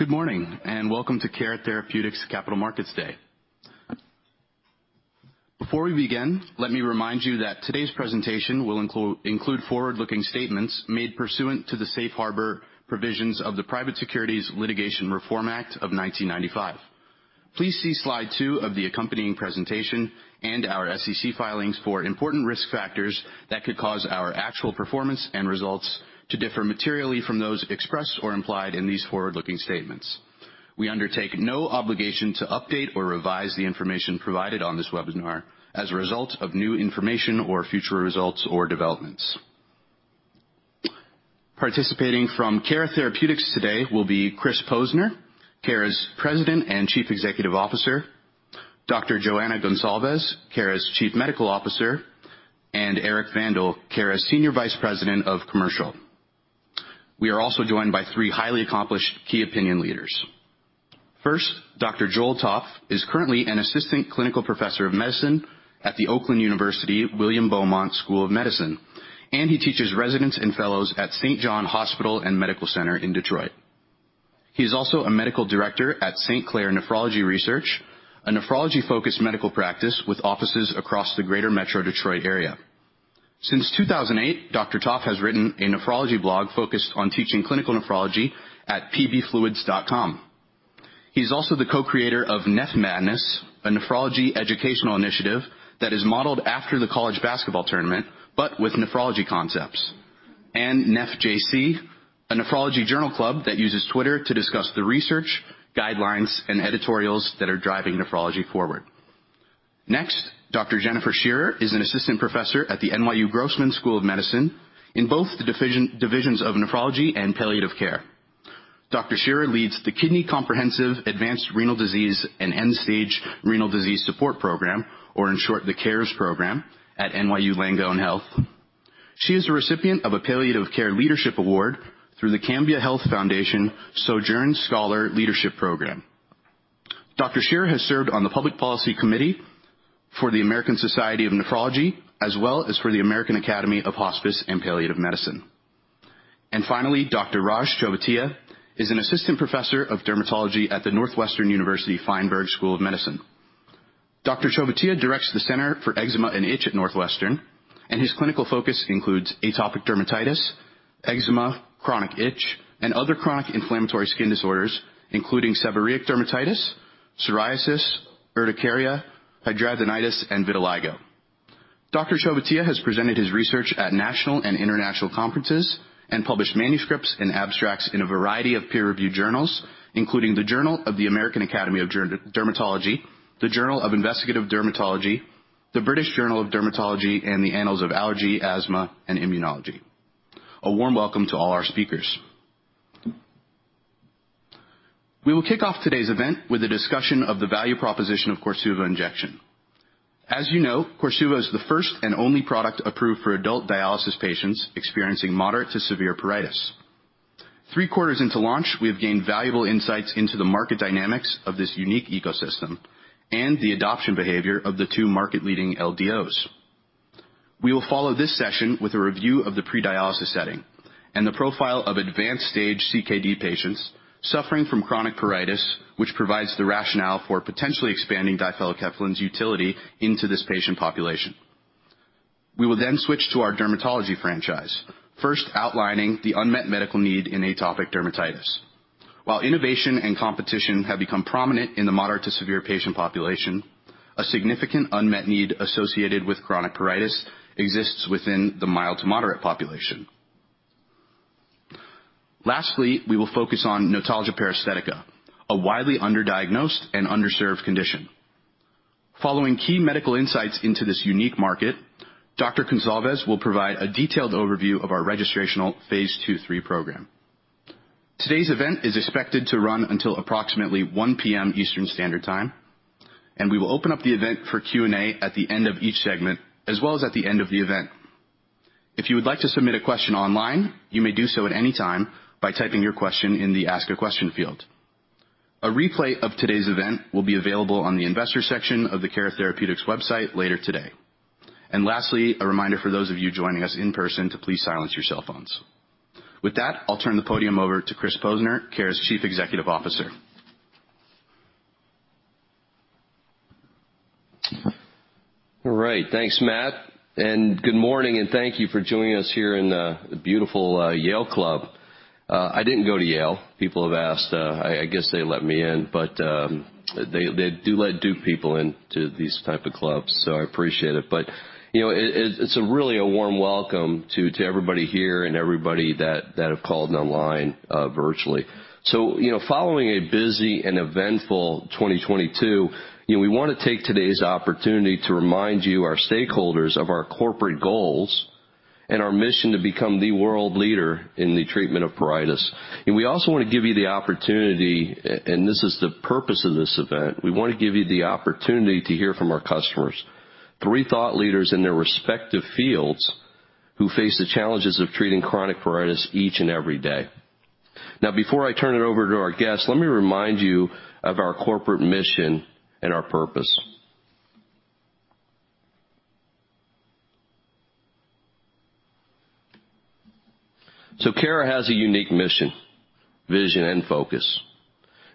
Good morning, and welcome to Cara Therapeutics Capital Markets Day. Before we begin, let me remind you that today's presentation will include forward-looking statements made pursuant to the safe harbor provisions of the Private Securities Litigation Reform Act of 1995. Please see slide two of the accompanying presentation and our SEC filings for important risk factors that could cause our actual performance and results to differ materially from those expressed or implied in these forward-looking statements. We undertake no obligation to update or revise the information provided on this webinar as a result of new information or future results or developments. Participating from Cara Therapeutics today will be Chris Posner, Cara's President and Chief Executive Officer, Dr. Joana Goncalves, Cara's Chief Medical Officer, and Cara's Senior Vice President of Commercial. We are also joined by three highly accomplished key opinion leaders. First, Dr. Joel Topf is currently an Assistant Clinical Professor of Medicine at the Oakland University William Beaumont School of Medicine, and he teaches residents and fellows at St. John Hospital and Medical Center in Detroit. He's also a medical director at St. Clair Nephrology Research, a nephrology-focused medical practice with offices across the greater metro Detroit area. Since 2008, Dr. Topf has written a nephrology blog focused on teaching clinical nephrology at pbfluids.com. He's also the co-creator of NephMadness, a nephrology educational initiative that is modeled after the college basketball tournament but with nephrology concepts. NephJC, a nephrology journal club that uses Twitter to discuss the research, guidelines, and editorials that are driving nephrology forward. Next, Dr. Jennifer Scherer is an assistant professor at the NYU Grossman School of Medicine in both the divisions of nephrology and palliative care. Schearer leads the Kidney Comprehensive Advanced Renal Disease and End-Stage Renal Disease Support program, or in short, the CARES program at NYU Langone Health. She is a recipient of a Palliative Care Leadership Award through the Cambia Health Foundation Sojourns Scholar Leadership Program. Dr. Schearer has served on the Public Policy Committee for the American Society of Nephrology, as well as for the American Academy of Hospice and Palliative Medicine. Finally, Dr. Raj Chovatiya is an Assistant Professor of Dermatology at the Northwestern University Feinberg School of Medicine. Dr. Chovatiya directs the Center for Eczema and Itch at Northwestern, and his clinical focus includes atopic dermatitis, eczema, chronic itch, and other chronic inflammatory skin disorders, including seborrheic dermatitis, psoriasis, urticaria, hidradenitis, and vitiligo. Dr. Chovatiya has presented his research at national and international conferences and published manuscripts and abstracts in a variety of peer-reviewed journals, including the Journal of the American Academy of Dermatology, the Journal of Investigative Dermatology, the British Journal of Dermatology, and the Annals of Allergy, Asthma, and Immunology. A warm welcome to all our speakers. We will kick off today's event with a discussion of the value proposition of Korsuva injection. As you know, Korsuva is the first and only product approved for adult dialysis patients experiencing moderate to severe pruritus. Three quarters into launch, we have gained valuable insights into the market dynamics of this unique ecosystem and the adoption behavior of the two market-leading LDOs. We will follow this session with a review of the pre-dialysis setting and the profile of advanced stage CKD patients suffering from chronic pruritus, which provides the rationale for potentially expanding difelikefalin's utility into this patient population. We will then switch to our dermatology franchise, first outlining the unmet medical need in atopic dermatitis. While innovation and competition have become prominent in the moderate to severe patient population, a significant unmet need associated with chronic pruritus exists within the mild to moderate population. Lastly, we will focus on notalgia paresthetica, a widely underdiagnosed and underserved condition. Following key medical insights into this unique market, Dr. Joana Goncalves will provide a detailed overview of our registrational phase 2/3 program. Today's event is expected to run until approximately 1:00 P.M. Eastern Standard Time. We will open up the event for Q&A at the end of each segment, as well as at the end of the event. If you would like to submit a question online, you may do so at any time by typing your question in the Ask a Question field. A replay of today's event will be available on the investor section of the Cara Therapeutics website later today. Lastly, a reminder for those of you joining us in person to please silence your cell phones. With that, I'll turn the podium over to Chris Posner, Cara's Chief Executive Officer. All right. Thanks, Matt, and good morning and thank you for joining us here in the beautiful Yale Club. I didn't go to Yale. People have asked. I guess they let me in, but they do let Duke people into these type of clubs, so I appreciate it. You know, it's a really a warm welcome to everybody here and everybody that have called in online virtually. You know, following a busy and eventful 2022, you know, we wanna take today's opportunity to remind you, our stakeholders, of our corporate goals and our mission to become the world leader in the treatment of pruritus. We also wanna give you the opportunity, and this is the purpose of this event, we wanna give you the opportunity to hear from our customers, three thought leaders in their respective fields who face the challenges of treating chronic pruritus each and every day. Now, before I turn it over to our guests, let me remind you of our corporate mission and our purpose. Cara has a unique mission, vision, and focus.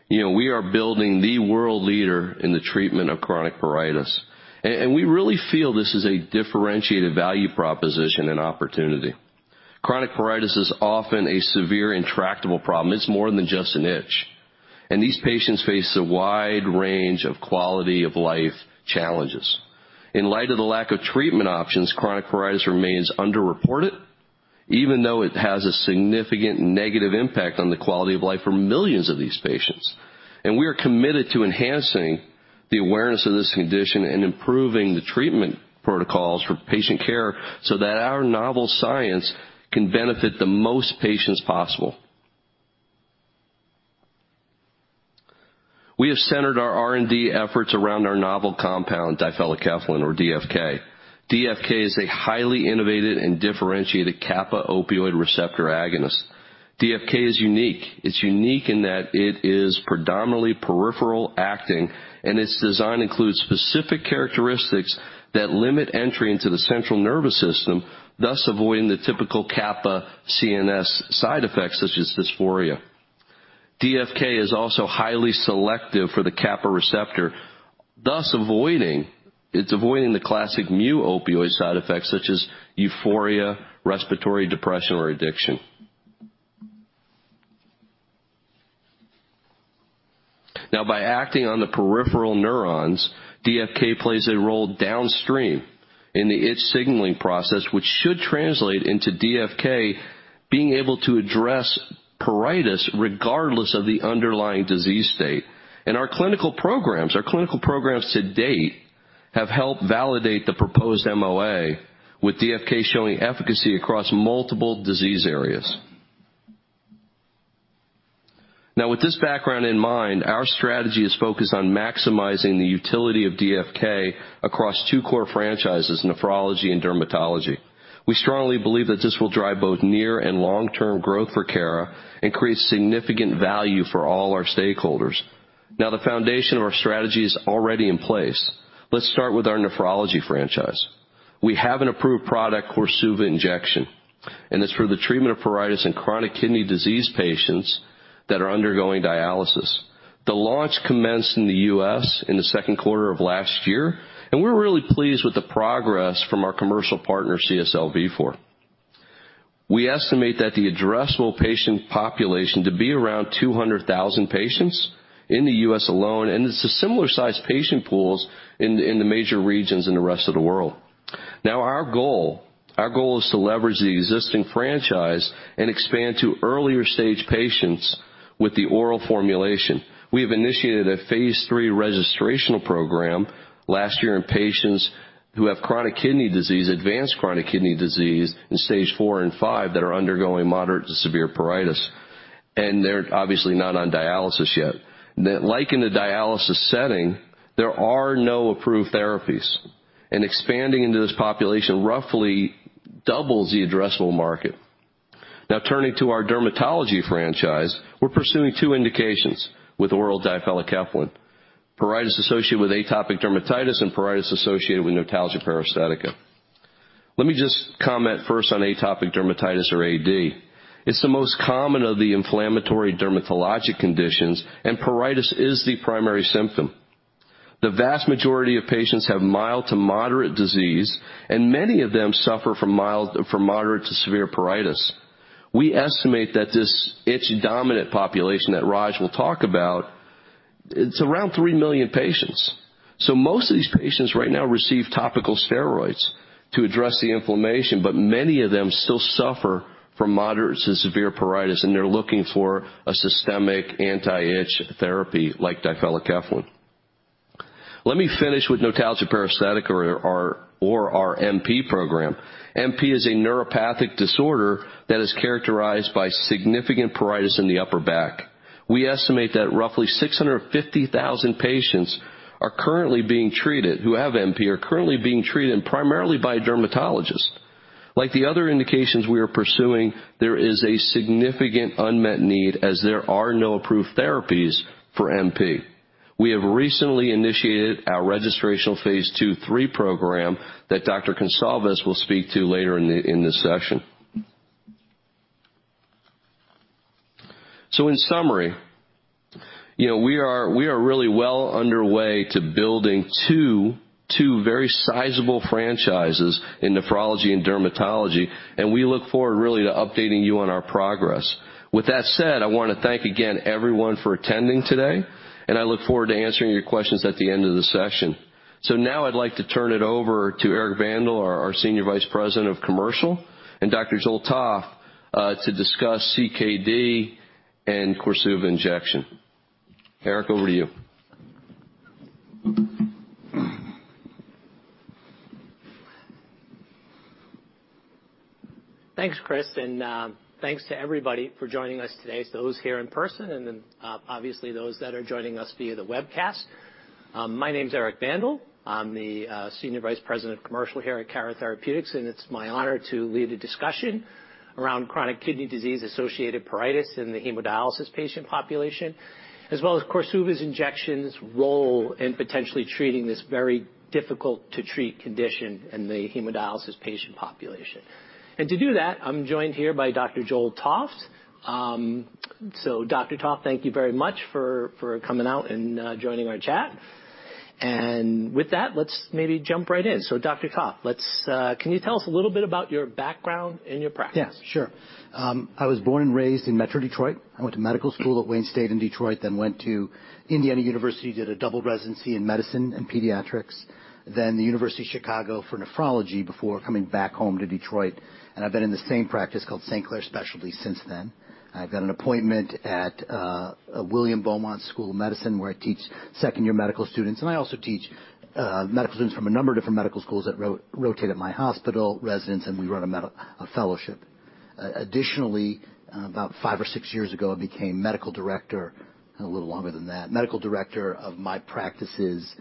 You know, we are building the world leader in the treatment of chronic pruritus. And we really feel this is a differentiated value proposition and opportunity. Chronic pruritus is often a severe intractable problem. It's more than just an itch, and these patients face a wide range of quality-of-life challenges. In light of the lack of treatment options, chronic pruritus remains underreported, even though it has a significant negative impact on the quality of life for millions of these patients. We are committed to enhancing the awareness of this condition and improving the treatment protocols for patient care so that our novel science can benefit the most patients possible. We have centered our R&D efforts around our novel compound difelikefalin or DFK. DFK is a highly innovative and differentiated kappa opioid receptor agonist. DFK is unique. It's unique in that it is predominantly peripheral acting, and its design includes specific characteristics that limit entry into the central nervous system, thus avoiding the typical kappa CNS side effects such as dysphoria. DFK is also highly selective for the kappa receptor, thus avoiding the classic new opioid side effects such as euphoria, respiratory depression, or addiction. By acting on the peripheral neurons, DFK plays a role downstream in the itch signaling process, which should translate into DFK being able to address pruritus regardless of the underlying disease state. Our clinical programs to date have helped validate the proposed MOA with DFK showing efficacy across multiple disease areas. With this background in mind, our strategy is focused on maximizing the utility of DFK across two core franchises, nephrology and dermatology. We strongly believe that this will drive both near and long-term growth for Cara and create significant value for all our stakeholders. The foundation of our strategy is already in place. Let's start with our nephrology franchise. We have an approved product, Korsuva Injection, and it's for the treatment of pruritus in chronic kidney disease patients that are undergoing dialysis. The launch commenced in the U.S. in the second quarter of last year. We're really pleased with the progress from our commercial partner, CSL Behring. We estimate that the addressable patient population to be around 200,000 patients in the U.S. alone. It's a similar size patient pools in the major regions in the rest of the world. Our goal is to leverage the existing franchise and expand to earlier-stage patients with the oral formulation. We have initiated a phase III registrational program last year in patients who have chronic kidney disease, advanced chronic kidney disease in Stage 4 and 5 that are undergoing moderate to severe pruritus. They're obviously not on dialysis yet. Like in the dialysis setting, there are no approved therapies. Expanding into this population roughly doubles the addressable market. Turning to our dermatology franchise, we're pursuing two indications with oral difelikefalin, pruritus associated with atopic dermatitis and pruritus associated with notalgia paresthetica. Let me just comment first on atopic dermatitis or AD. It's the most common of the inflammatory dermatologic conditions, pruritus is the primary symptom. The vast majority of patients have mild to moderate disease, many of them suffer from moderate to severe pruritus. We estimate that this itch-dominant population that Raj will talk about, it's around 3 million patients. Most of these patients right now receive topical steroids to address the inflammation, many of them still suffer from moderate to severe pruritus, they're looking for a systemic anti-itch therapy like difelikefalin. Let me finish with notalgia paresthetica or our NP program. NP is a neuropathic disorder that is characterized by significant pruritus in the upper back. We estimate that roughly 650,000 patients are currently being treated, who have NP, are currently being treated primarily by dermatologists. Like the other indications we are pursuing, there is a significant unmet need as there are no approved therapies for NP. We have recently initiated our registrational phase II, III program that Dr. Goncalves will speak to later in this session. In summary, you know, we are really well underway to building two very sizable franchises in nephrology and dermatology, and we look forward really to updating you on our progress. With that said, I wanna thank again everyone for attending today, and I look forward to answering your questions at the end of the session. Now I'd like to turn it over to Eric Vandal, our Senior Vice President of Commercial, and Dr. Jo Topf, to discuss CKD and Korsuva Injection. Eric, over to you. Thanks, Chris, thanks to everybody for joining us today, those here in person and then, obviously, those that are joining us via the webcast. My name's Eric Vandal. I'm the Senior Vice President of Commercial here at Cara Therapeutics, and it's my honor to lead a discussion around chronic kidney disease-associated pruritus in the hemodialysis patient population, as well as Korsuva injection's role in potentially treating this very difficult to treat condition in the hemodialysis patient population. To do that, I'm joined here by Dr. Joel Topf. Dr. Topf, thank you very much for coming out and joining our chat. With that, let's maybe jump right in. Dr. Topf, can you tell us a little bit about your background and your practice? Yeah, sure. I was born and raised in Metro Detroit. I went to medical school at Wayne State in Detroit, then went to Indiana University, did a double residency in medicine and pediatrics, then the University of Chicago for nephrology before coming back home to Detroit. I've been in the same practice called St. Clair Specialty since then. I've got an appointment at William Beaumont School of Medicine, where I teach second year medical students. I also teach medical students from a number of different medical schools that rotate at my hospital, residents. We run a fellowship. Additionally, about five or six years ago, I became medical director, a little longer than that, medical director of my practice's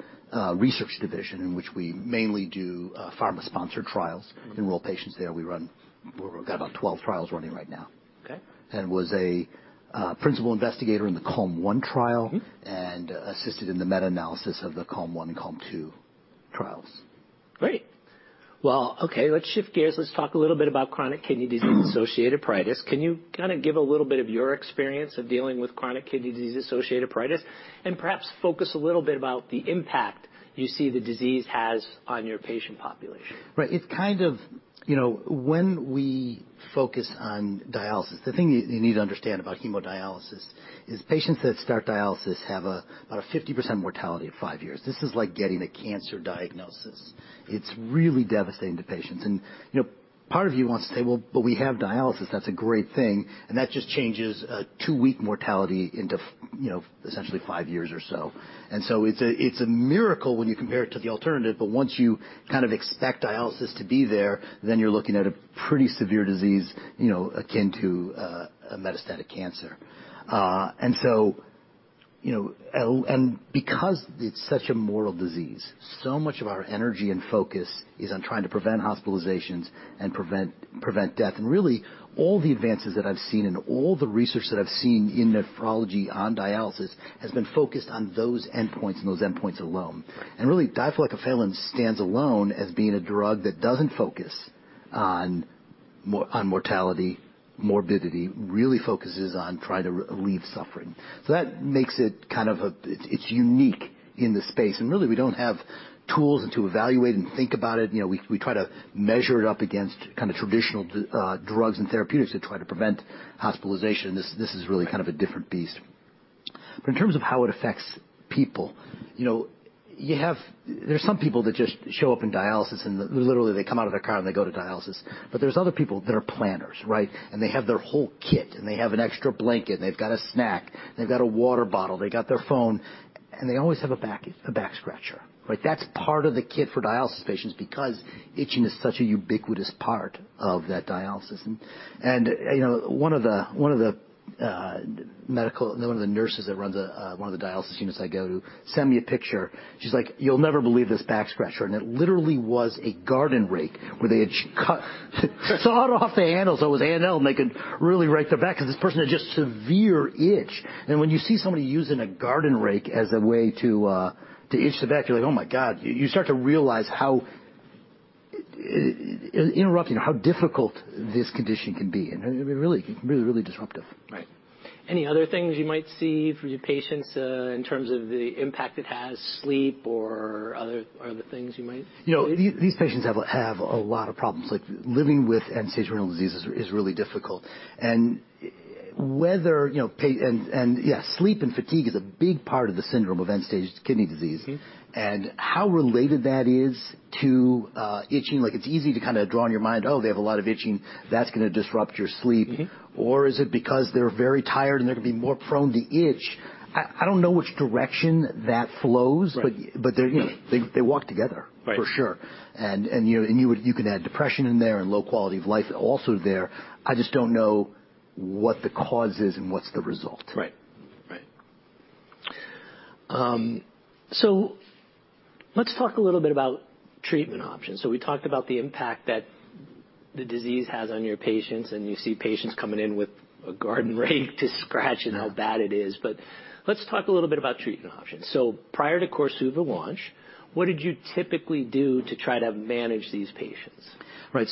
research division, in which we mainly do pharma-sponsored trials. Enroll patients there. We've got about 12 trials running right now. Okay. Was a principal investigator in the CALM-1 trial. Assisted in the meta-analysis of the CALM-1 and CALM-2 trials. Great. Well, okay, let's shift gears. Let's talk a little bit about chronic kidney disease-associated pruritus. Can you kind of give a little bit of your experience of dealing with chronic kidney disease-associated pruritus and perhaps focus a little bit about the impact you see the disease has on your patient population? Right. It's kind of, you know, when we focus on dialysis, the thing you need to understand about hemodialysis is patients that start dialysis have about a 50% mortality at five years. This is like getting a cancer diagnosis. It's really devastating to patients. You know, part of you wants to say, "Well, but we have dialysis. That's a great thing." That just changes a two-week mortality into you know, essentially five years or so. It's a miracle when you compare it to the alternative, but once you kind of expect dialysis to be there, you're looking at a pretty severe disease, you know, akin to a metastatic cancer. You know, because it's such a moral disease, so much of our energy and focus is on trying to prevent hospitalizations and prevent death. Really, all the advances that I've seen and all the research that I've seen in nephrology on dialysis has been focused on those endpoints and those endpoints alone. Really, difelikefalins stands alone as being a drug that doesn't focus on mortality, morbidity, really focuses on trying to relieve suffering. That makes it unique in the space. Really, we don't have tools and to evaluate and think about it. You know, we try to measure it up against kind of traditional drugs and therapeutics to try to prevent hospitalization. This is really kind of a different beast. In terms of how it affects people, you know, there's some people that just show up in dialysis and literally they come out of their car, and they go to dialysis. There's other people that are planners, right? They have their whole kit, and they have an extra blanket, and they've got a snack, they've got a water bottle, they got their phone, and they always have a back scratcher, right? That's part of the kit for dialysis patients because itching is such a ubiquitous part of that dialysis. You know, one of the nurses that runs one of the dialysis units I go to sent me a picture. She's like, "You'll never believe this back scratcher." It literally was a garden rake where they had cut, sawed off the handle, so it was handle, and they could really rake their back 'cause this person had just severe itch. When you see somebody using a garden rake as a way to itch their back, you're like, "Oh my God." You start to realize how difficult this condition can be, and it can be really, really, really disruptive. Right. Any other things you might see from your patients, in terms of the impact it has, sleep or other things you might see? You know, these patients have a lot of problems. Like, living with end-stage renal disease is really difficult. Whether, you know, and yeah, sleep and fatigue is a big part of the syndrome of end-stage kidney disease. How related that is to itching, like it's easy to kind of draw in your mind, oh, they have a lot of itching, that's gonna disrupt your sleep. Is it because they're very tired, and they're gonna be more prone to itch? I don't know which direction that flows. Right. They're, you know, they walk together. Right. For sure. You can add depression in there and low quality of life also there. I just don't know what the cause is and what's the result. Right. Let's talk a little bit about treatment options. We talked about the impact that the disease has on your patients. You see patients coming in with a garden rake. How bad it is. Let's talk a little bit about treatment options. Prior to Korsuva launch, what did you typically do to try to manage these patients? Right.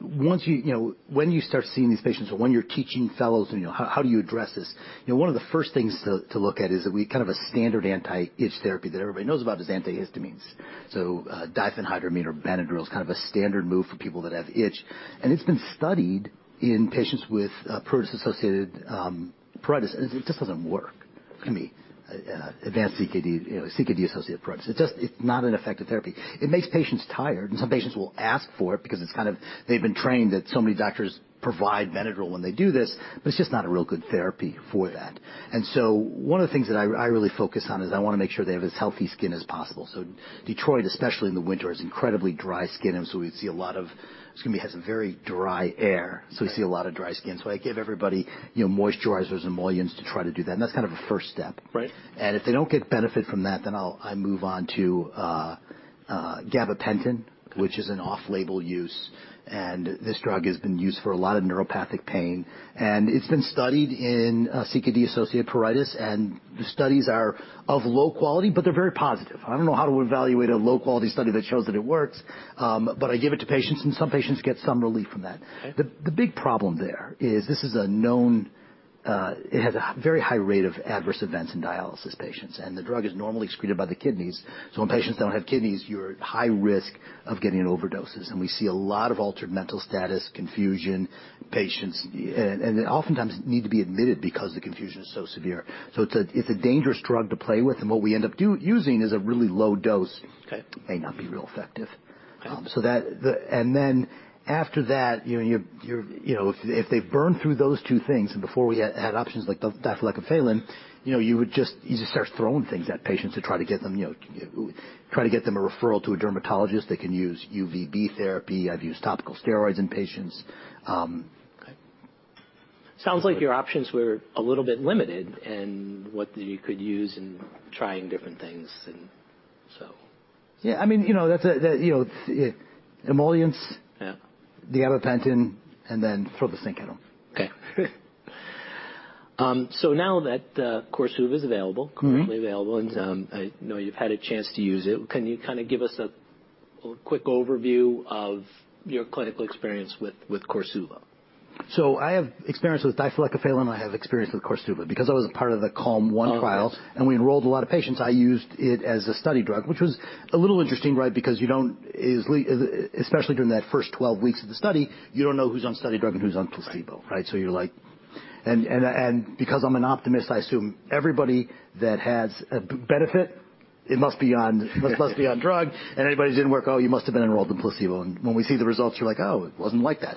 Once you know, when you start seeing these patients or when you're teaching fellows, you know, how do you address this? You know, one of the first things to look at is we kind of a standard anti-itch therapy that everybody knows about is antihistamines. Diphenhydramine or Benadryl is kind of a standard move for people that have itch, and it's been studied in patients with pruritus-associated pruritus, and it just doesn't work. Can be advanced CKD, you know, CKD-associated pruritus. It's just, it's not an effective therapy. It makes patients tired, and some patients will ask for it because it's kind of they've been trained that so many doctors provide Benadryl when they do this, but it's just not a real good therapy for that. One of the things that I really focus on is I wanna make sure they have as healthy skin as possible. Detroit, especially in the winter, is incredibly dry skin, has a very dry air. We see a lot of dry skin. I give everybody, you know, moisturizers, emollients to try to do that, and that's kind of a first step. If they don't get benefit from that, then I move on to gabapentin which is an off-label use, and this drug has been used for a lot of neuropathic pain, and it's been studied in CKD-associated pruritus. The studies are of low quality, but they're very positive. I don't know how to evaluate a low-quality study that shows that it works, but I give it to patients, and some patients get some relief from that. Okay. The big problem there is this is a known it has a very high rate of adverse events in dialysis patients, and the drug is normally excreted by the kidneys. When patients don't have kidneys, you're at high risk of getting overdoses, and we see a lot of altered mental status, confusion, patients, and they oftentimes need to be admitted because the confusion is so severe. It's a, it's a dangerous drug to play with, and what we end up using is a really low dose. May not be real effective. Okay. After that, you know, you're, you know, if they've burned through those two things before we had options like difelikefalin, you know, you would just start throwing things at patients to try to get them, you know, try to get them a referral to a dermatologist. They can use UVB therapy. I've used topical steroids in patients. Okay. Sounds like your options were a little bit limited in what you could use in trying different things and so. Yeah, I mean, you know, that's a, the, you know, emollients. The gabapentin, and then throw the sink at them. Okay. Now that Korsuva is available-- commercially available, and, I know you've had a chance to use it, can you kinda give us a quick overview of your clinical experience with Korsuva? I have experience with difelikefalin. I have experience with Korsuva because I was a part of the CALM-1 trial. Oh, okay. We enrolled a lot of patients. I used it as a study drug, which was a little interesting, right? You don't easily-- especially during that first 12 weeks of the study, you don't know who's on study drug and who's on placebo. Right? You're like-- Because I'm an optimist, I assume everybody that has a benefit, it must be on drug. Anybody who didn't work, "Oh, you must have been enrolled in placebo." When we see the results, you're like, "Oh, it wasn't like that."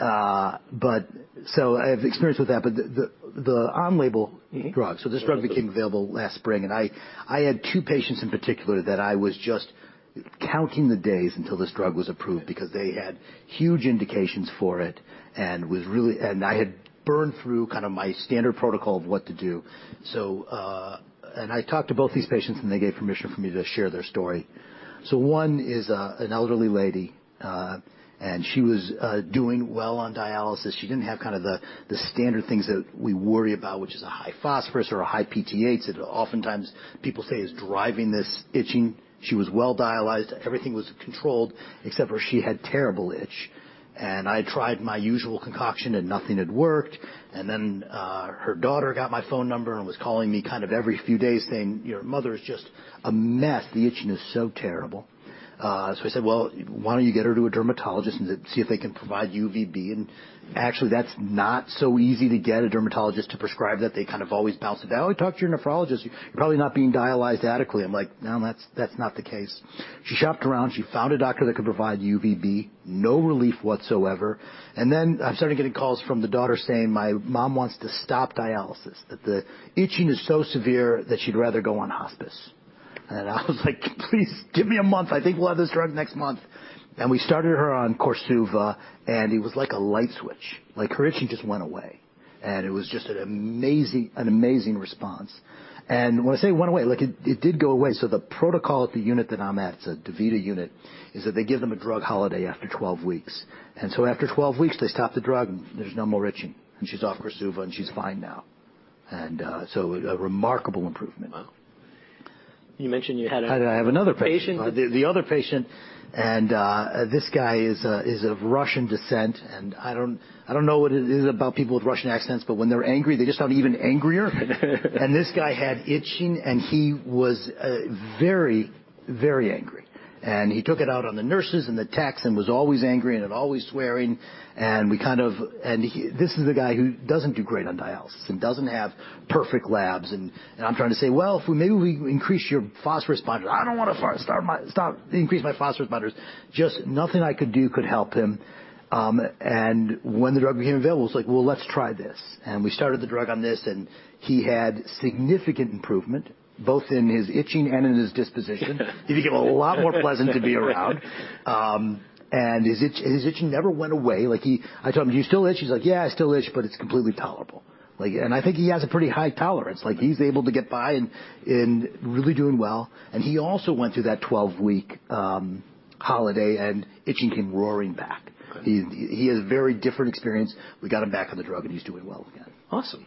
I have experience with that, but the on-label drug. This drug became available last spring, and I had two patients in particular that I was just counting the days until this drug was approved because they had huge indications for it and I had burned through kinda my standard protocol of what to do. I talked to both these patients, and they gave permission for me to share their story. One is, an elderly lady, and she was doing well on dialysis. She didn't have kinda the standard things that we worry about, which is a high phosphorus or a high PTA that oftentimes people say is driving this itching. She was well dialyzed. Everything was controlled except for she had terrible itch. I tried my usual concoction, and nothing had worked. Her daughter got my phone number and was calling me kind of every few days saying, "Your mother is just a mess. The itching is so terrible." I said, "Well, why don't you get her to a dermatologist and see if they can provide UVB?" That's not so easy to get a dermatologist to prescribe that. They kind of always bounce it down, "Oh, talk to your nephrologist. You're probably not being dialyzed adequately." I'm like, "No, that's not the case." She shopped around. She found a doctor that could provide UVB. No relief whatsoever. I started getting calls from the daughter saying, "My mom wants to stop dialysis, that the itching is so severe that she'd rather go on hospice." I was like, "Please give me a month. I think we'll have this drug next month. We started her on Korsuva, and it was like a light switch. Like, her itching just went away, and it was just an amazing response. When I say went away, like, it did go away. The protocol at the unit that I'm at, it's a DaVita unit, is that they give them a drug holiday after 12 weeks. After 12 weeks, they stop the drug, and there's no more itching. She's off Korsuva, and she's fine now. A remarkable improvement. Wow. You mentioned you had patient-- I'd have another patient. The other patient, this guy is of Russian descent, I don't know what it is about people with Russian accents, but when they're angry, they just sound even angrier. This guy had itching, he was very, very angry. He took it out on the nurses and the techs and was always angry and always swearing. We kind of-- This is a guy who doesn't do great on dialysis and doesn't have perfect labs, I'm trying to say, "Well, if we maybe we increase your phosphorus binders." "I don't wanna start my stop increase my phosphorus binders." Just nothing I could do could help him. When the drug became available, it's like, well, let's try this. We started the drug on this, and he had significant improvement, both in his itching and in his disposition. He became a lot more pleasant to be around. His itching never went away. Like I told him, "Do you still itch?" He's like, "Yeah, I still itch, but it's completely tolerable." Like, I think he has a pretty high tolerance. Like, he's able to get by and really doing well. He also went through that 12-week holiday, and itching came roaring back. Okay. He had a very different experience. We got him back on the drug, and he's doing well again. Awesome.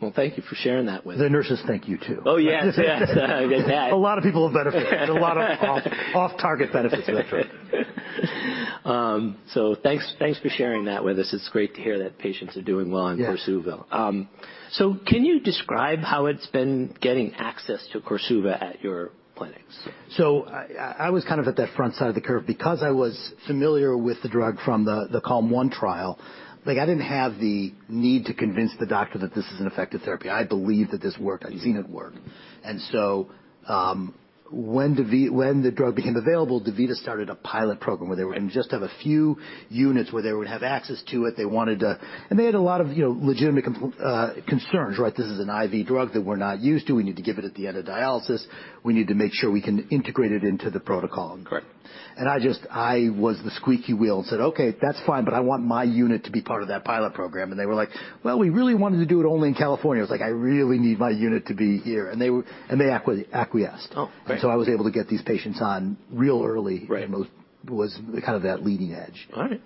Well, thank you for sharing that with us. The nurses thank you, too. Oh, yes. Yes. A lot of people have benefited. A lot of off-target benefits from that drug. Thanks, thanks for sharing that with us. It's great to hear that patients are doing well on Korsuva. Can you describe how it's been getting access to Korsuva at your clinics? I was kind of at that front side of the curve because I was familiar with the drug from the CALM-1 trial. Like, I didn't have the need to convince the doctor that this is an effective therapy. I believe that this worked. I've seen it work. When the drug became available, DaVita started a pilot program where they would just have a few units where they would have access to it, they wanted to-- They had a lot of, you know, legitimate concerns, right? This is an IV drug that we're not used to. We need to give it at the end of dialysis. We need to make sure we can integrate it into the protocol. Correct. I just, I was the squeaky wheel and said, "Okay, that's fine, but I want my unit to be part of that pilot program." They were like, "Well, we really wanted to do it only in California." I was like, "I really need my unit to be here." They acquiesced. Oh, great! I was able to get these patients on real early was kind of that leading edge. All right.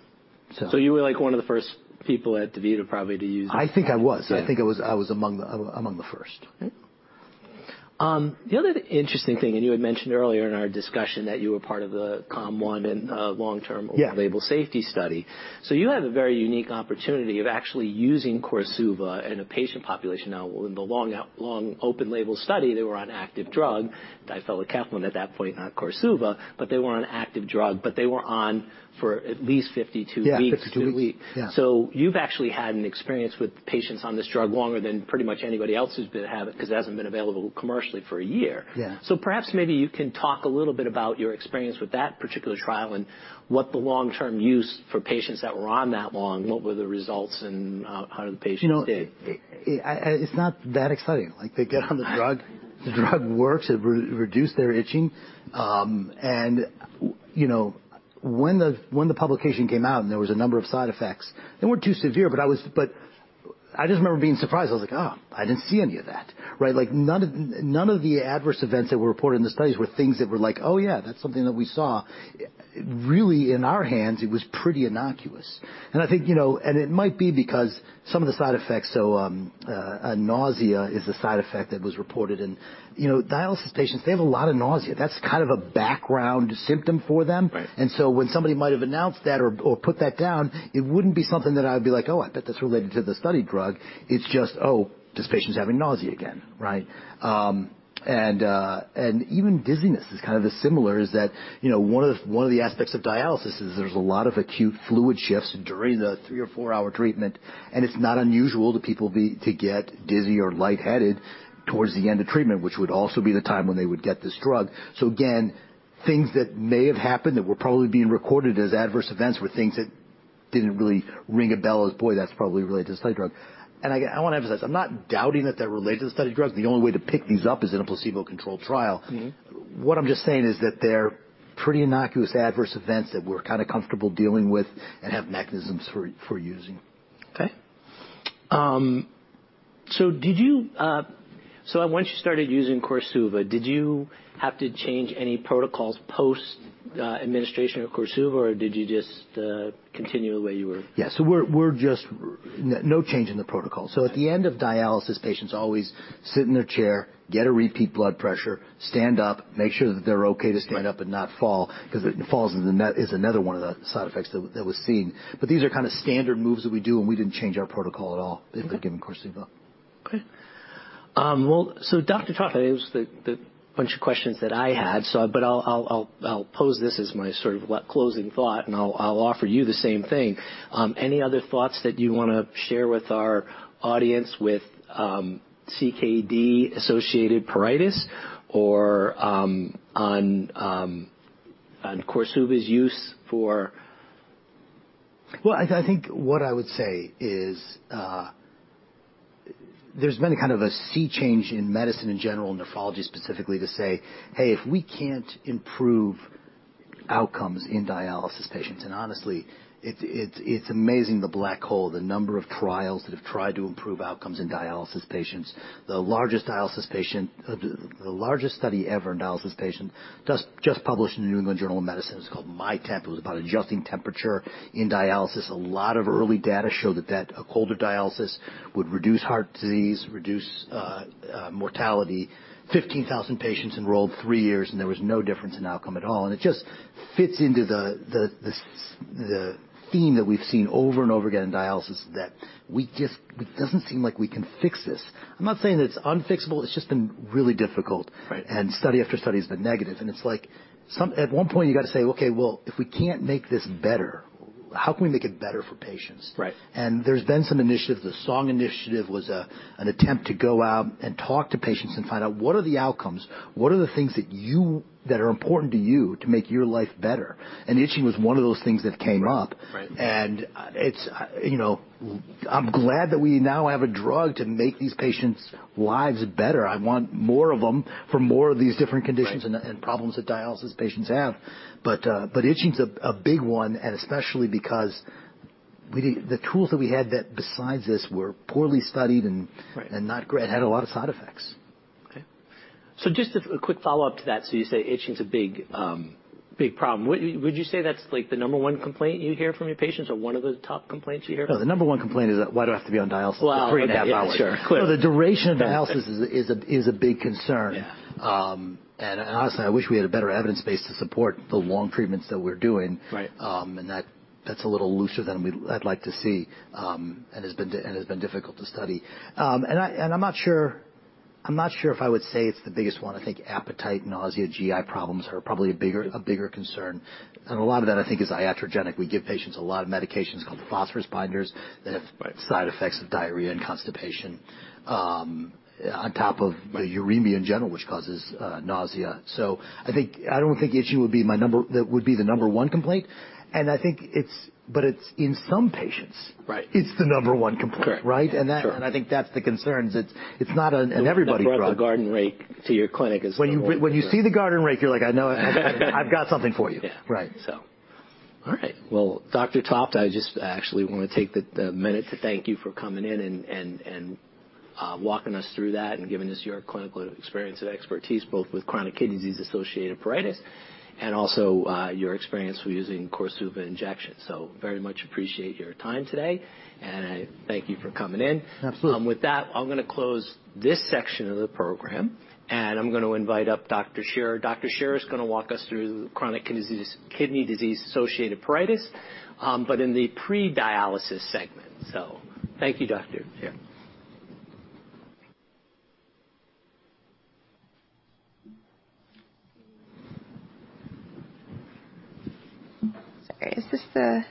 You were, like, one of the first people at DaVita probably to use it. I think I was among the first. The other interesting thing, and you had mentioned earlier in our discussion that you were part of the CALM-1. Label safety study. You have a very unique opportunity of actually using Korsuva in a patient population. Now, in the long open label study, they were on active drug, difelikefalin at that point, not Korsuva, but they were on active drug, but they were on for at least 52 weeks. Yeah, 52 weeks. Yeah. You've actually had an experience with patients on this drug longer than pretty much anybody else who's been have it, 'cause it hasn't been available commercially for a year. Perhaps maybe you can talk a little bit about your experience with that particular trial and what the long-term use for patients that were on that long. What were the results and, how did the patients do? You know, it's not that exciting. Like, they get on the drug, the drug works, it reduce their itching. You know, when the publication came out and there was a number of side effects, they weren't too severe, but I just remember being surprised. I was like, "Oh, I didn't see any of that." Right? Like, none of the adverse events that were reported in the studies were things that were like, "Oh, yeah, that's something that we saw." Really, in our hands, it was pretty innocuous. I think, you know, and it might be because some of the side effects, so, nausea is a side effect that was reported and, you know, dialysis patients, they have a lot of nausea. That's kind of a background symptom for them. Right. When somebody might have announced that or put that down, it wouldn't be something that I'd be like, "Oh, I bet that's related to the study drug." It's just, "Oh, this patient's having nausea again." Right? Even dizziness is kind of a similar is that, you know, one of the, one of the aspects of dialysis is there's a lot of acute fluid shifts during the three or four-hour treatment. It's not unusual to people to get dizzy or lightheaded towards the end of treatment, which would also be the time when they would get this drug. Again, things that may have happened that were probably being recorded as adverse events were things that didn't really ring a bell as, "Boy, that's probably related to the study drug." Again, I wanna emphasize, I'm not doubting that they're related to the study drug. The only way to pick these up is in a placebo-controlled trial. What I'm just saying is that they're pretty innocuous adverse events that we're kinda comfortable dealing with and have mechanisms for using. Okay. Once you started using Korsuva, did you have to change any protocols post administration of Korsuva, or did you just continue the way you were? Yeah. We're just no change in the protocol. At the end of dialysis, patients always sit in their chair, get a repeat blood pressure, stand up, make sure that they're okay to stand up and not fall, 'cause falls is another one of the side effects that was seen. These are kinda standard moves that we do, and we didn't change our protocol at all with the given Korsuva. Well, Dr. Topf, that was the bunch of questions that I had. But I'll pose this as my sort of closing thought, and I'll offer you the same thing. Any other thoughts that you wanna share with our audience with CKD-associated pruritus or on Korsuva's use for-- Well, I think what I would say is, there's been a kind of a sea change in medicine in general, nephrology specifically, to say, "Hey, if we can't improve outcomes in dialysis patients." Honestly, it's, it's amazing the black hole, the number of trials that have tried to improve outcomes in dialysis patients. The largest study ever in dialysis patients just published in The New England Journal of Medicine. It's called MyTEMP. It was about adjusting temperature in dialysis. A lot of early data show that a colder dialysis would reduce heart disease, reduce mortality. 15,000 patients enrolled three years, and there was no difference in outcome at all. It just fits into the theme that we've seen over and over again in dialysis that it doesn't seem like we can fix this. I'm not saying it's unfixable. It's just been really difficult study after study has been negative, and it's like at one point you gotta say, "Okay, well, if we can't make this better, how can we make it better for patients? Right. There's been some initiatives. The SONG Initiative was an attempt to go out and talk to patients and find out what are the outcomes, what are the things that are important to you to make your life better. Itching was one of those things that came up. Right. Right. It's, you know, I'm glad that we now have a drug to make these patients' lives better. I want more of them for more of these different conditions. Problems that dialysis patients have. Itching's a big one, and especially because we the tools that we had that besides this were poorly studied and not great, had a lot of side effects. Okay. Just a quick follow-up to that. You say itching is a big problem. Would you say that's like the number one complaint you hear from your patients or one of the top complaints you hear from? No, the number one complaint is that why do I have to be on dialysis for 3.5 hours? Well, yeah, sure. The duration of dialysis is a big concern. Honestly, I wish we had a better evidence base to support the long treatments that we're doing. Right. That, that's a little looser than I'd like to see, and has been difficult to study. I'm not sure if I would say it's the biggest one. I think appetite, nausea, GI problems are probably a bigger concern. A lot of that, I think, is iatrogenic. We give patients a lot of medications called phosphorus binders that have side effects of diarrhea and constipation, on top of the uremia in general, which causes, nausea. I think, I don't think itching would be the number one complaint. I think it's. It's in some patients. It's the number one complaint. Correct. Right? Sure. That, and I think that's the concerns. It's, it's not an everybody problem. Who brought the garden rake to your clinic is-- When you see the garden rake, you're like, "I know. I've got something for you. All right. Well, Dr. Topf, I just actually want to take the minute to thank you for coming in and, and walking us through that and giving us your clinical experience and expertise, both with Chronic Kidney Disease-associated Pruritus and also, your experience with using Korsuva injections. Very much appreciate your time today, and I thank you for coming in. Absolutely. With that, I'm gonna close this section of the program, and I'm gonna invite up Dr. Scherer. Dr. Scherer is gonna walk us through chronic kidney disease, kidney disease-associated pruritus, but in the pre-dialysis segment. Thank you, doctor. Hi, everybody. Thank you for the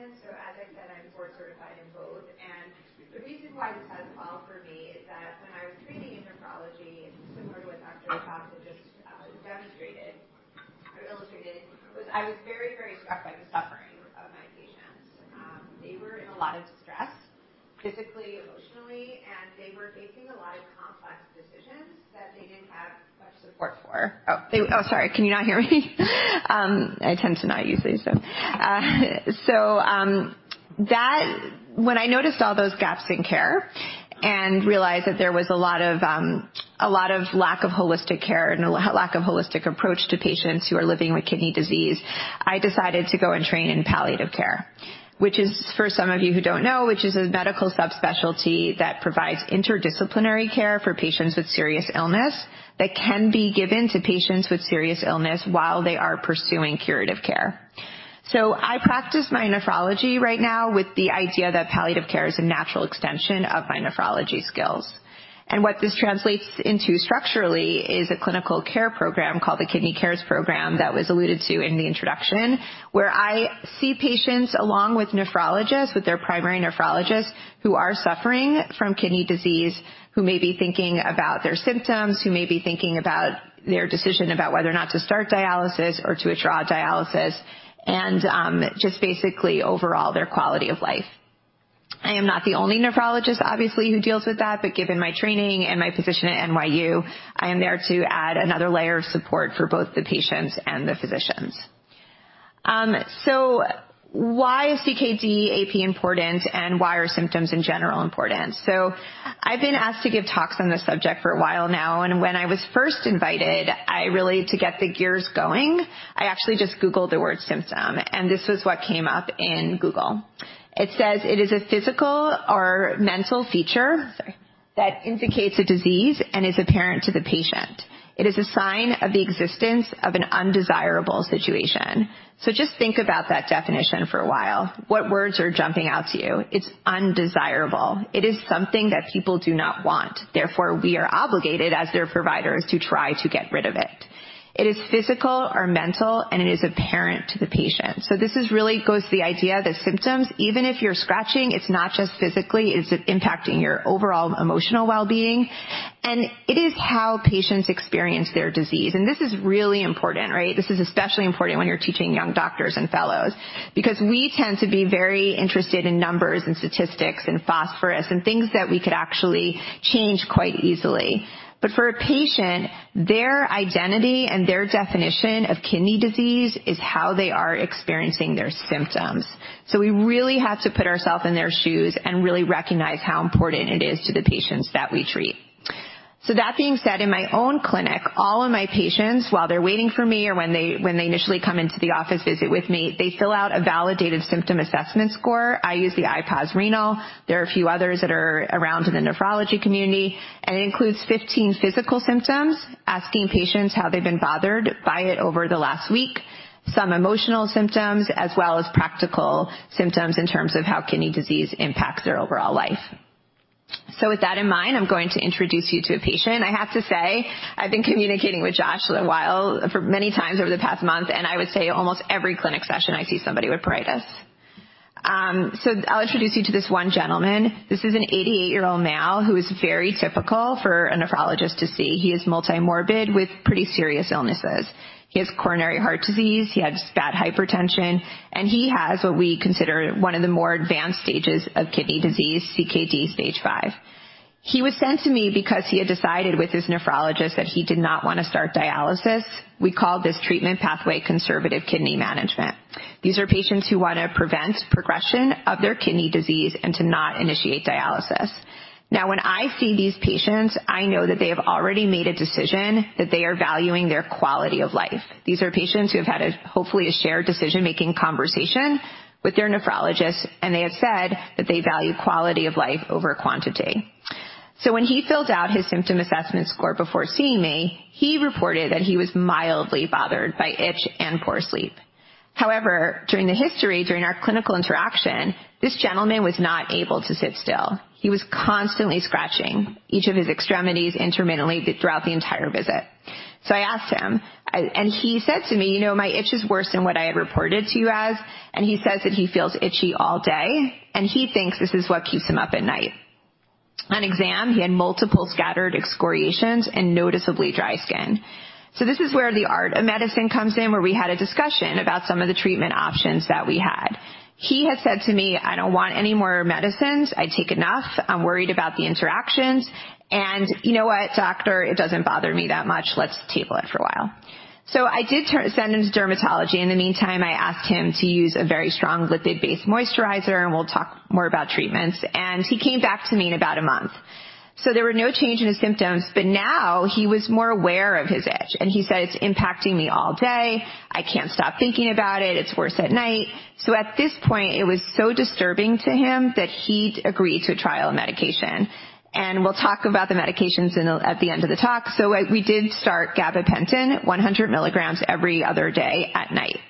introduction. I am both a nephrologist and a palliative care doctor, and I work at NYU. I'm a born and bred New Yorker. I'm gonna talk a little bit today about what it's like to actually care for somebody who is not on dialysis, who's experiencing pruritus. Before we begin, I'm going to illustrate a little bit about my practice environment. As I said, I'm board-certified in both. The reason why this has evolved for me is that when I was training in nephrology, similar to what Dr. Topf just demonstrated or illustrated, was I was very, very struck by the suffering of my patients. They were in a lot of distress, physically, emotionally, and they were making a lot of complex decisions that they didn't have much support for. Oh, sorry. Can you not hear me? I tend to not use these. That when I noticed all those gaps in care and realized that there was a lot of lack of holistic care and a lack of holistic approach to patients who are living with kidney disease, I decided to go and train in palliative care. Which is, for some of you who don't know, which is a medical subspecialty that provides interdisciplinary care for patients with serious illness that can be given to patients with serious illness while they are pursuing curative care. I practice my nephrology right now with the idea that palliative care is a natural extension of my nephrology skills. What this translates into structurally is a clinical care program called the Kidney CARES Program that was alluded to in the introduction, where I see patients along with nephrologists, with their primary nephrologists who are suffering from kidney disease, who may be thinking about their symptoms, who may be thinking about their decision about whether or not to start dialysis or to withdraw dialysis. Just basically overall, their quality of life. I am not the only nephrologist, obviously, who deals with that, but given my training and my position at NYU, I am there to add another layer of support for both the patients and the physicians. Why is CKD-aP important, and why are symptoms in general important? I've been asked to give talks on this subject for a while now, when I was first invited, I really, to get the gears going, I actually just googled the word symptom, this was what came up in Google. It says, "It is a physical or mental feature," sorry, "that indicates a disease and is apparent to the patient. It is a sign of the existence of an undesirable situation." Just think about that definition for a while. What words are jumping out to you? It's undesirable. It is something that people do not want. Therefore, we are obligated as their providers to try to get rid of it. It is physical or mental, and it is apparent to the patient. This is really goes to the idea that symptoms, even if you're scratching, it's not just physically, it's impacting your overall emotional well-being, and it is how patients experience their disease. This is really important, right? This is especially important when you're teaching young doctors and fellows because we tend to be very interested in numbers and statistics and phosphorus and things that we could actually change quite easily. For a patient, their identity and their definition of kidney disease is how they are experiencing their symptoms. We really have to put ourselves in their shoes and really recognize how important it is to the patients that we treat. That being said, in my own clinic, all of my patients, while they're waiting for me or when they initially come into the office visit with me, they fill out a validated symptom assessment score. I use the IPOS-Renal. There are a few others that are around in the nephrology community. It includes 15 physical symptoms, asking patients how they've been bothered by it over the last week, some emotional symptoms, as well as practical symptoms in terms of how kidney disease impacts their overall life. With that in mind, I'm going to introduce you to a patient. I have to say I've been communicating with Josh for a while, for many times over the past month. I would say almost every clinic session, I see somebody with pruritus. I'll introduce you to this one gentleman. This is an 88-year-old male who is very typical for a nephrologist to see. He is multimorbid with pretty serious illnesses. He has coronary heart disease, he has bad hypertension, and he has what we consider one of the more advanced stages of kidney disease, CKD Stage 2. He was sent to me because he had decided with his nephrologist that he did not want to start dialysis. We call this treatment pathway conservative kidney management. These are patients who want to prevent progression of their kidney disease and to not initiate dialysis. When I see these patients, I know that they have already made a decision, that they are valuing their quality of life. These are patients who have had a, hopefully, a shared decision-making conversation with their nephrologist, and they have said that they value quality of life over quantity. When he filled out his symptom assessment score before seeing me, he reported that he was mildly bothered by itch and poor sleep. However, during the history, during our clinical interaction, this gentleman was not able to sit still. He was constantly scratching each of his extremities intermittently throughout the entire visit. I asked him, and he said to me, "You know, my itch is worse than what I had reported to you as." He says that he feels itchy all day, and he thinks this is what keeps him up at night. On exam, he had multiple scattered excoriations and noticeably dry skin. This is where the art of medicine comes in, where we had a discussion about some of the treatment options that we had. He had said to me, "I don't want any more medicines. I take enough. I'm worried about the interactions. You know what, doctor? It doesn't bother me that much. Let's table it for a while." I did send him to dermatology. In the meantime, I asked him to use a very strong lipid-based moisturizer, and we'll talk more about treatments. He came back to me in about a month. There were no change in his symptoms, but now he was more aware of his itch, and he said, "It's impacting me all day. I can't stop thinking about it. It's worse at night." At this point, it was so disturbing to him that he agreed to a trial medication. We'll talk about the medications at the end of the talk. We did start gabapentin, 100 milligrams every other day at night.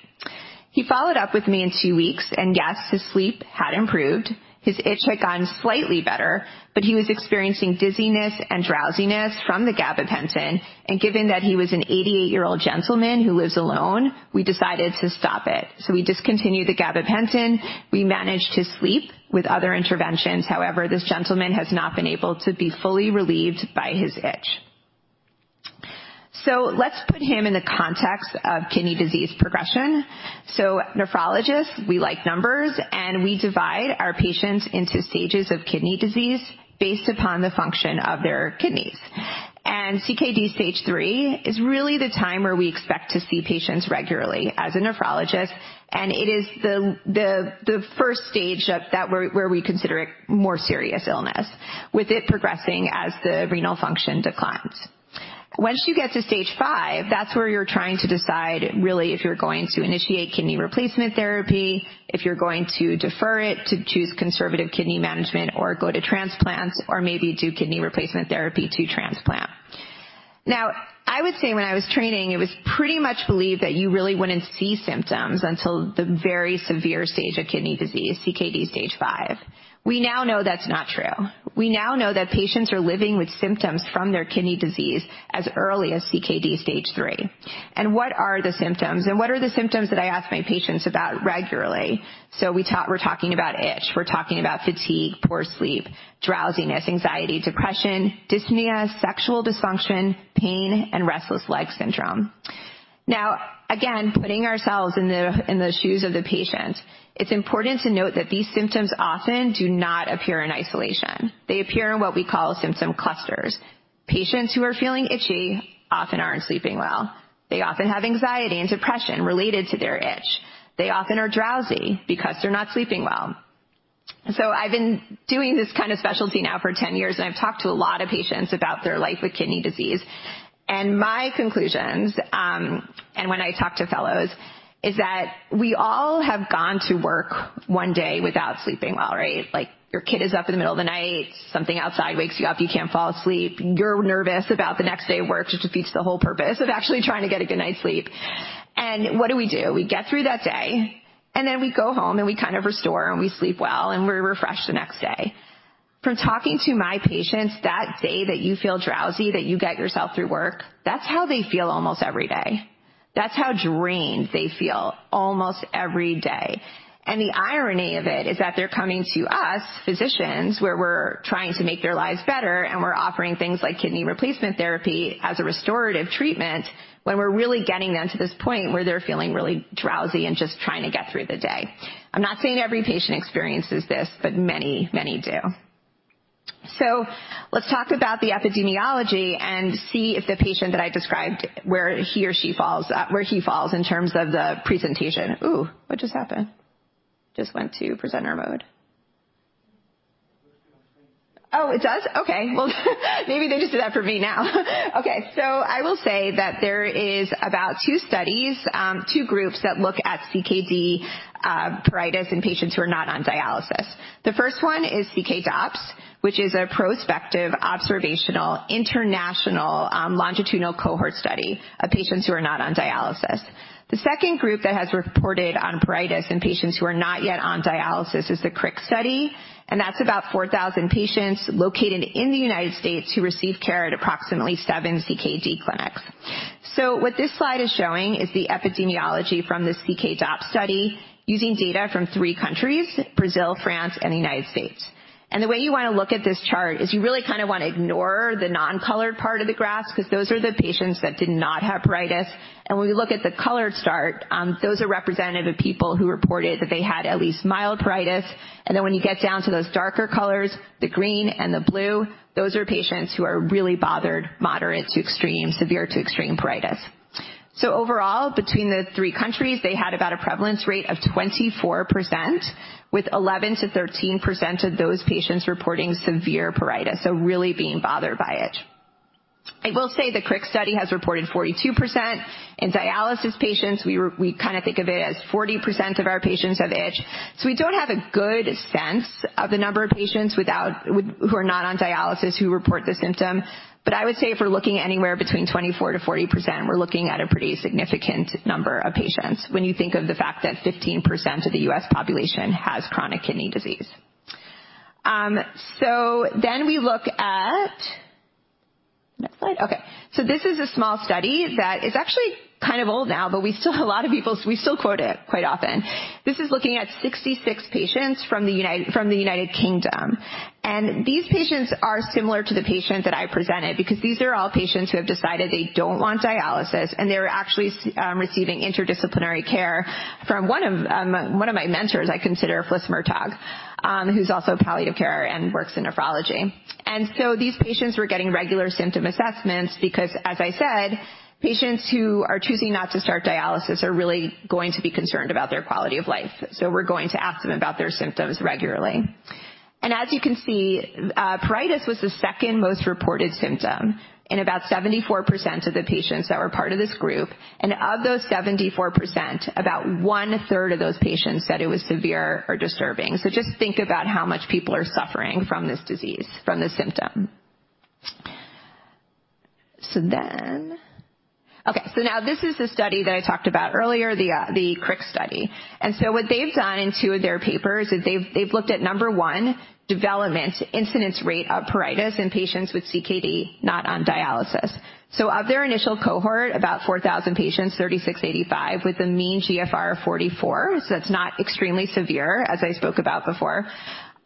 He followed up with me in two weeks, and yes, his sleep had improved. His itch had gotten slightly better, he was experiencing dizziness and drowsiness from the gabapentin. Given that he was an 88-year-old gentleman who lives alone, we decided to stop it. We discontinued the gabapentin. We managed his sleep with other interventions. However, this gentleman has not been able to be fully relieved by his itch. Let's put him in the context of kidney disease progression. Nephrologists, we like numbers, and we divide our patients into stages of kidney disease based upon the function of their kidneys. CKD Stage 3 is really the time where we expect to see patients regularly as a nephrologist, and it is the first stage of that where we consider it more serious illness, with it progressing as the renal function declines. Once you get to Stage 5, that's where you're trying to decide really if you're going to initiate kidney replacement therapy, if you're going to defer it to choose conservative kidney management or go to transplant or maybe do kidney replacement therapy to transplant. I would say when I was training, it was pretty much believed that you really wouldn't see symptoms until the very severe stage of kidney disease, CKD Stage 5. We now know that's not true. We now know that patients are living with symptoms from their kidney disease as early as CKD Stage 3. What are the symptoms? What are the symptoms that I ask my patients about regularly? We're talking about itch. We're talking about fatigue, poor sleep, drowsiness, anxiety, depression, dyspnea, sexual dysfunction, pain, and restless leg syndrome. Now, again, putting ourselves in the, in the shoes of the patient, it's important to note that these symptoms often do not appear in isolation. They appear in what we call symptom clusters. Patients who are feeling itchy often aren't sleeping well. They often have anxiety and depression related to their itch. They often are drowsy because they're not sleeping well. I've been doing this kind of specialty now for 10 years, and I've talked to a lot of patients about their life with kidney disease. My conclusions, and when I talk to fellows, is that we all have gone to work one day without sleeping well, right? Like, your kid is up in the middle of the night, something outside wakes you up, you can't fall asleep, you're nervous about the next day of work, which defeats the whole purpose of actually trying to get a good night's sleep. What do we do? We get through that day, and then we go home, and we kind of restore, and we sleep well, and we're refreshed the next day. From talking to my patients that day that you feel drowsy, that you get yourself through work, that's how they feel almost every day. That's how drained they feel almost every day. The irony of it is that they're coming to us, physicians, where we're trying to make their lives better, and we're offering things like kidney replacement therapy as a restorative treatment when we're really getting them to this point where they're feeling really drowsy and just trying to get through the day. I'm not saying every patient experiences this, but many, many do. Let's talk about the epidemiology and see if the patient that I described where he or she falls, where he falls in terms of the presentation. What just happened? Just went to presenter mode. It does? Okay. Maybe they just did that for me now. Okay. I will say that there is about two studies, two groups that look at CKD pruritus in patients who are not on dialysis. The first one is CKDOPS, which is a prospective, observational, international, longitudinal cohort study of patients who are not on dialysis. The second group that has reported on pruritus in patients who are not yet on dialysis is the CRIC study. That's about 4,000 patients located in the United States who receive care at approximately seven CKD clinics. What this slide is showing is the epidemiology from the CKDOPS study using data from three countries, Brazil, France, and the United States. The way you want to look at this chart is you really kind of want to ignore the non-colored part of the graph, because those are the patients that did not have pruritus. When we look at the colored chart, those are representative of people who reported that they had at least mild pruritus. When you get down to those darker colors, the green and the blue, those are patients who are really bothered, moderate to extreme, severe to extreme pruritus. Overall, between the three countries, they had about a prevalence rate of 24%, with 11%-13% of those patients reporting severe pruritus. Really being bothered by it. I will say the CRIC study has reported 42%. In dialysis patients, we kind of think of it as 40% of our patients have itch. We don't have a good sense of the number of patients without who are not on dialysis who report the symptom. I would say if we're looking anywhere between 24%-40%, we're looking at a pretty significant number of patients when you think of the fact that 15% of the U.S. population has chronic kidney disease. We look at-- Next slide. Okay. This is a small study that is actually kind of old now, but we still quote it quite often. This is looking at 66 patients from the United Kingdom. These patients are similar to the patients that I presented because these are all patients who have decided they don't want dialysis, and they're actually receiving interdisciplinary care from one of, one of my mentors, I consider, Fliss Murtagh, who's also a palliative carer and works in nephrology. These patients were getting regular symptom assessments because, as I said, patients who are choosing not to start dialysis are really going to be concerned about their quality of life. We're going to ask them about their symptoms regularly. As you can see, pruritus was the second most reported symptom in about 74% of the patients that were part of this group. Of those 74%, about one third of those patients said it was severe or disturbing. Just think about how much people are suffering from this disease, from this symptom. Okay. Now this is the study that I talked about earlier, the CRIC study. What they've done in two of their papers is they've looked at, number one, development incidence rate of pruritus in patients with CKD not on dialysis. Of their initial cohort, about 4,000 patients, 36 AD five with a mean GFR of 44. It's not extremely severe as I spoke about before.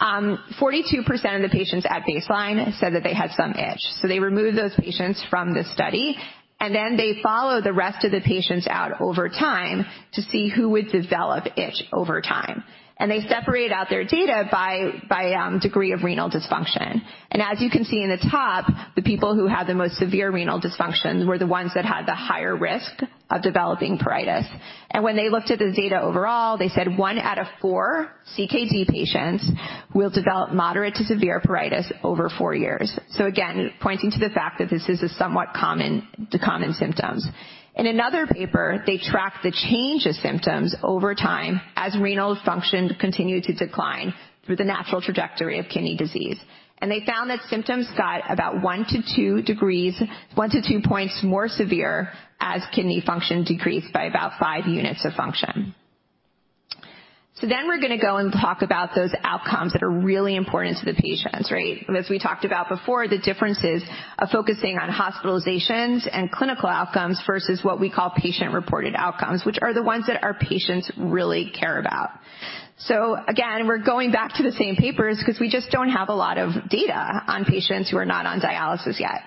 42% of the patients at baseline said that they had some itch. They removed those patients from the study, then they followed the rest of the patients out over time to see who would develop itch over time. They separated out their data by degree of renal dysfunction. As you can see in the top, the people who had the most severe renal dysfunction were the ones that had the higher risk of developing pruritus. When they looked at the data overall, they said one out of four CKD patients will develop moderate to severe pruritus over four years. Again, pointing to the fact that this is a somewhat common, the common symptoms. In another paper, they tracked the change of symptoms over time as renal function continued to decline through the natural trajectory of kidney disease. They found that symptoms got about one to two degrees, one to two points more severe as kidney function decreased by about five units of function. We're gonna go and talk about those outcomes that are really important to the patients, right? As we talked about before, the differences of focusing on hospitalizations and clinical outcomes versus what we call patient-reported outcomes, which are the ones that our patients really care about. Again, we're going back to the same papers because we just don't have a lot of data on patients who are not on dialysis yet.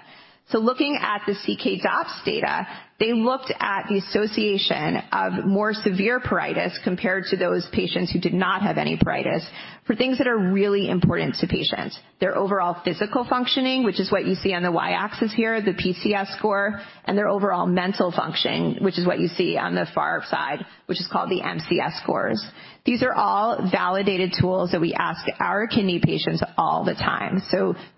Looking at the CKDOPS data, they looked at the association of more severe pruritus compared to those patients who did not have any pruritus for things that are really important to patients. Their overall physical functioning, which is what you see on the y-axis here, the PCS score, and their overall mental functioning, which is what you see on the far side, which is called the MCS scores. These are all validated tools that we ask our kidney patients all the time.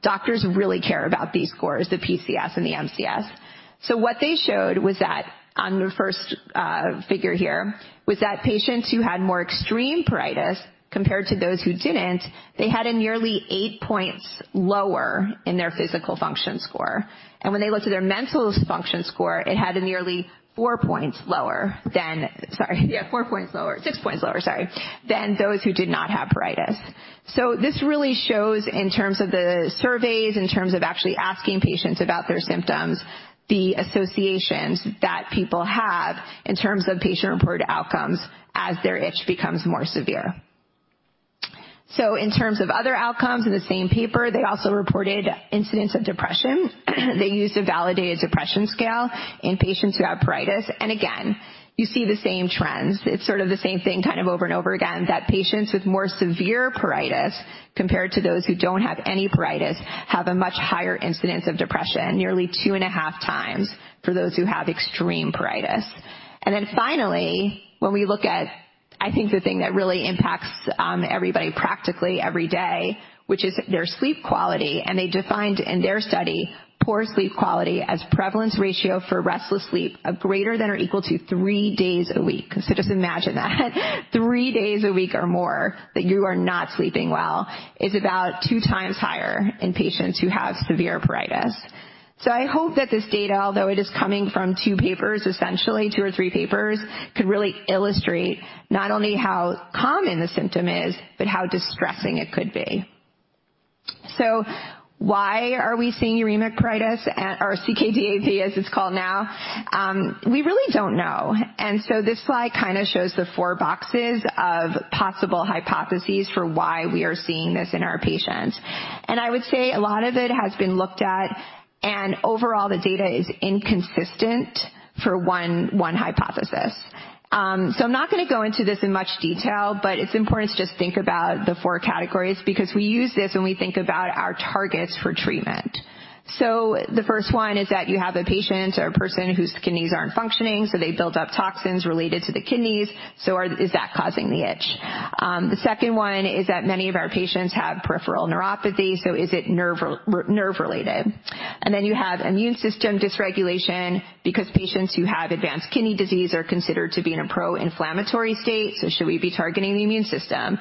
Doctors really care about these scores, the PCS and the MCS. What they showed was that on the first figure here, was that patients who had more extreme pruritus compared to those who didn't, they had a nearly 8 points lower in their physical function score. When they looked at their mental function score, it had a nearly 4 points lower than-- Sorry. Yeah, 4 points lower. 6 points lower, sorry. Than those who did not have pruritus. This really shows in terms of the surveys, in terms of actually asking patients about their symptoms, the associations that people have in terms of patient-reported outcomes as their itch becomes more severe. In terms of other outcomes in the same paper, they also reported incidents of depression. They used a validated depression scale in patients who have pruritus. Again, you see the same trends. It's sort of the same thing kind of over and over again, that patients with more severe pruritus compared to those who don't have any pruritus have a much higher incidence of depression, nearly 2.5x for those who have extreme pruritus. Then finally, when we look at, I think the thing that really impacts everybody practically every day, which is their sleep quality. They defined in their study poor sleep quality as prevalence ratio for restless sleep of greater than or equal to three days a week. Just imagine that. Three days a week or more that you are not sleeping well is about 2x higher in patients who have severe pruritus. I hope that this data, although it is coming from two papers, essentially two or three papers, could really illustrate not only how common the symptom is but how distressing it could be. Why are we seeing uremic pruritus or CKD-aP as it's called now? We really don't know. This slide kinda shows the four boxes of possible hypotheses for why we are seeing this in our patients. I would say a lot of it has been looked at, and overall, the data is inconsistent for one hypothesis. I'm not gonna go into this in much detail, but it's important to just think about the four categories because we use this when we think about our targets for treatment. The first one is that you have a patient or a person whose kidneys aren't functioning, so they build up toxins related to the kidneys. Is that causing the itch? The second one is that many of our patients have peripheral neuropathy, so is it nerve-related? You have immune system dysregulation because patients who have advanced kidney disease are considered to be in a pro-inflammatory state, so should we be targeting the immune system?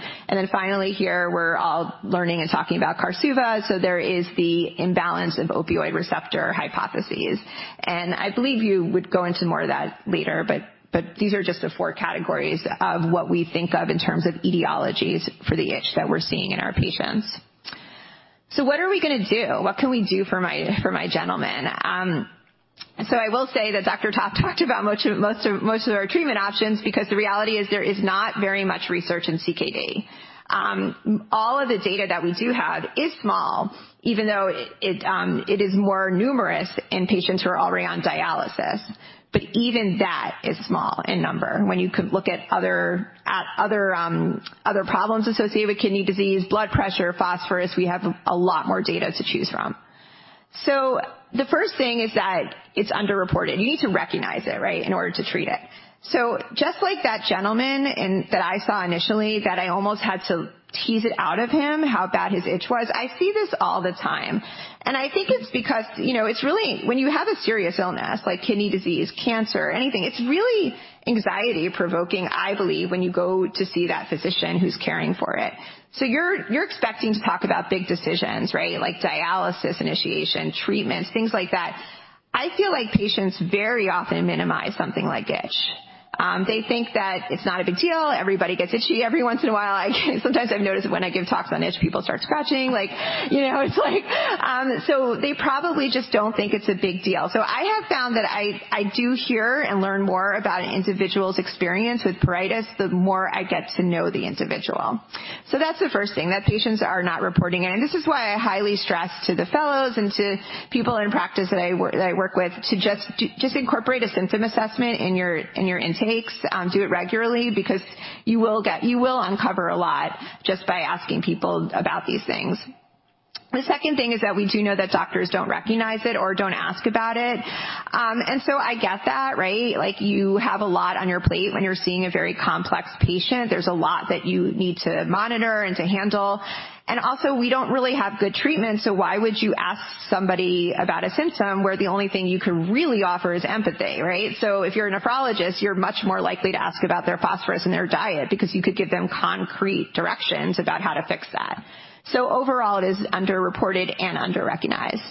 Finally here, we're all learning and talking about Korsuva. There is the imbalance of opioid receptor hypotheses. I believe you would go into more of that later, but these are just the four categories of what we think of in terms of etiologies for the itch that we're seeing in our patients. What are we gonna do? What can we do for my, for my gentleman? I will say that Dr. Topf talked about most of our treatment options because the reality is there is not very much research in CKD. All of the data that we do have is small, even though it is more numerous in patients who are already on dialysis. But even that is small in number. When you look at other problems associated with kidney disease, blood pressure, phosphorus, we have a lot more data to choose from. The first thing is that it's underreported. You need to recognize it, right, in order to treat it. Just like that gentleman that I saw initially that I almost had to tease it out of him how bad his itch was, I see this all the time. I think it's because, you know, it's really when you have a serious illness like kidney disease, cancer, anything, it's really anxiety-provoking, I believe, when you go to see that physician who's caring for it. You're expecting to talk about big decisions, right? Like dialysis, initiation, treatments, things like that. I feel like patients very often minimize something like itch. They think that it's not a big deal. Everybody gets itchy every once in a while. Like, sometimes I've noticed when I give talks on itch, people start scratching like, you know, it's like-- They probably just don't think it's a big deal. I have found that I do hear and learn more about an individual's experience with pruritus, the more I get to know the individual. That's the first thing, that patients are not reporting it. This is why I highly stress to the fellows and to people in practice that I work with to just incorporate a symptom assessment in your, in your intakes. Do it regularly because you will uncover a lot just by asking people about these things. The second thing is that we do know that doctors don't recognize it or don't ask about it. I get that, right? Like, you have a lot on your plate when you're seeing a very complex patient. There's a lot that you need to monitor and to handle. Also, we don't really have good treatment, so why would you ask somebody about a symptom where the only thing you can really offer is empathy, right? If you're a nephrologist, you're much more likely to ask about their phosphorus and their diet because you could give them concrete directions about how to fix that. Overall, it is underreported and underrecognized.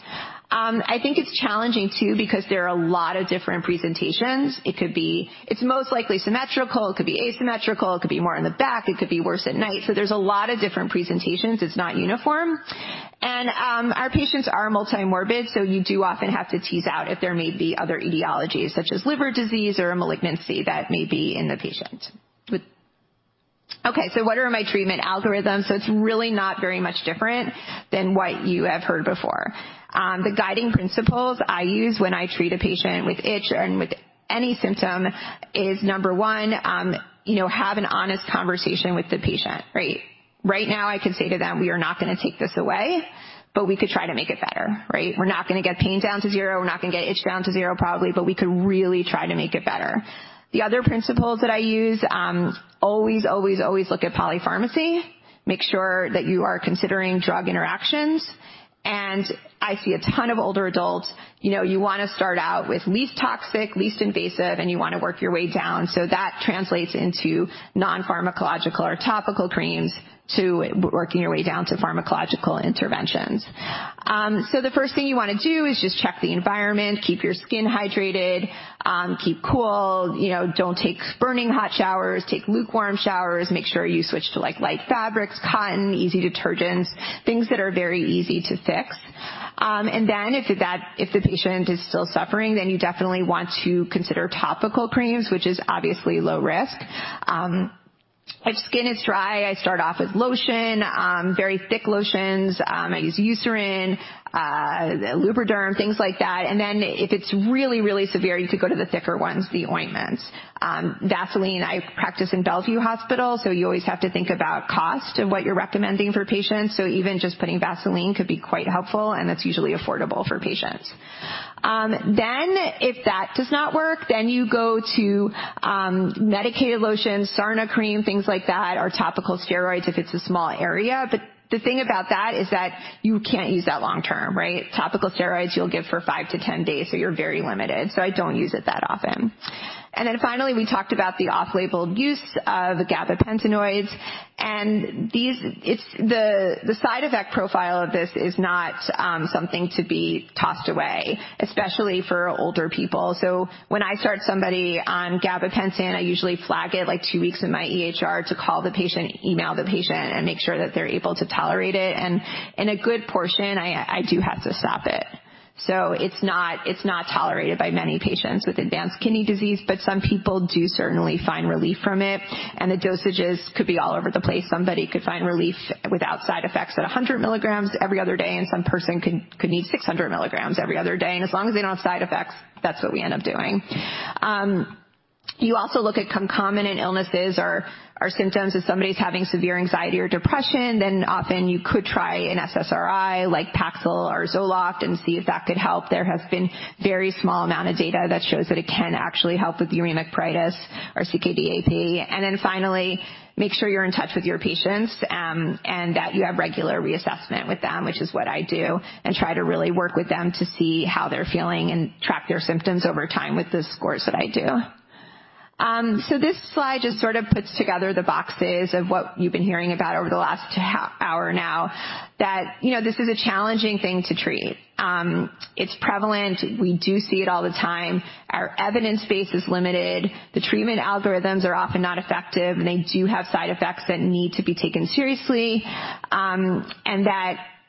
I think it's challenging too because there are a lot of different presentations. It's most likely symmetrical. It could be asymmetrical. It could be more in the back. It could be worse at night. There's a lot of different presentations. It's not uniform. Our patients are multimorbid, you do often have to tease out if there may be other etiologies, such as liver disease or a malignancy that may be in the patient. Okay, what are my treatment algorithms? It's really not very much different than what you have heard before. The guiding principles I use when I treat a patient with itch and with any symptom is number one, you know, have an honest conversation with the patient, right? Right now, I can say to them, "We are not gonna take this away, but we could try to make it better," right? We're not gonna get pain down to zero. We're not gonna get itch down to zero, probably, but we could really try to make it better. The other principles that I use, always, always look at polypharmacy. Make sure that you are considering drug interactions. I see a ton of older adults. You know, you wanna start out with least toxic, least invasive, and you wanna work your way down. That translates into non-pharmacological or topical creams to working your way down to pharmacological interventions. The first thing you wanna do is just check the environment, keep your skin hydrated, keep cool. You know, don't take burning hot showers. Take lukewarm showers. Make sure you switch to, like, light fabrics, cotton, easy detergents, things that are very easy to fix. If the patient is still suffering, you definitely want to consider topical creams, which is obviously low risk. If skin is dry, I start off with lotion, very thick lotions. I use Eucerin, Lubriderm, things like that. If it's really, really severe, you could go to the thicker ones, the ointments. Vaseline. I practice in Bellevue Hospital, so you always have to think about cost and what you're recommending for patients. Even just putting Vaseline could be quite helpful, and that's usually affordable for patients. If that does not work, you go to medicated lotions, Sarna cream, things like that, or topical steroids if it's a small area. The thing about that is that you can't use that long term, right? Topical steroids you'll give for 5 to 10 days, so you're very limited. I don't use it that often. Finally, we talked about the off-label use of gabapentinoids. These the side effect profile of this is not something to be tossed away, especially for older people. When I start somebody on gabapentin, I usually flag it like two weeks in my EHR to call the patient, email the patient, and make sure that they're able to tolerate it. In a good portion, I do have to stop it. So it's not tolerated by many patients with advanced kidney disease, but some people do certainly find relief from it. The dosages could be all over the place. Somebody could find relief without side effects at 100 milligrams every other day, and some person could need 600 milligrams every other day. As long as they don't have side effects, that's what we end up doing. You also look at concomitant illnesses or symptoms. If somebody's having severe anxiety or depression, then often you could try an SSRI like Paxil or Zoloft and see if that could help. There has been very small amount of data that shows that it can actually help with uremic pruritus or CKD-aP. Finally, make sure you're in touch with your patients, and that you have regular reassessment with them, which is what I do, and try to really work with them to see how they're feeling and track their symptoms over time with the scores that I do. This slide just sort of puts together the boxes of what you've been hearing about over the last hour now that, you know, this is a challenging thing to treat. It's prevalent. We do see it all the time. Our evidence base is limited. The treatment algorithms are often not effective. They do have side effects that need to be taken seriously.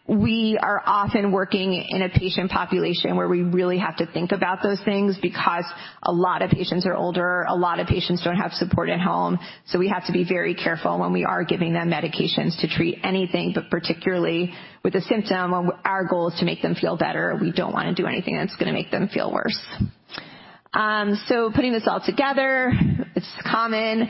We are often working in a patient population where we really have to think about those things because a lot of patients are older. A lot of patients don't have support at home. We have to be very careful when we are giving them medications to treat anything, but particularly with the symptom, our goal is to make them feel better. We don't wanna do anything that's gonna make them feel worse. Putting this all together, it's common.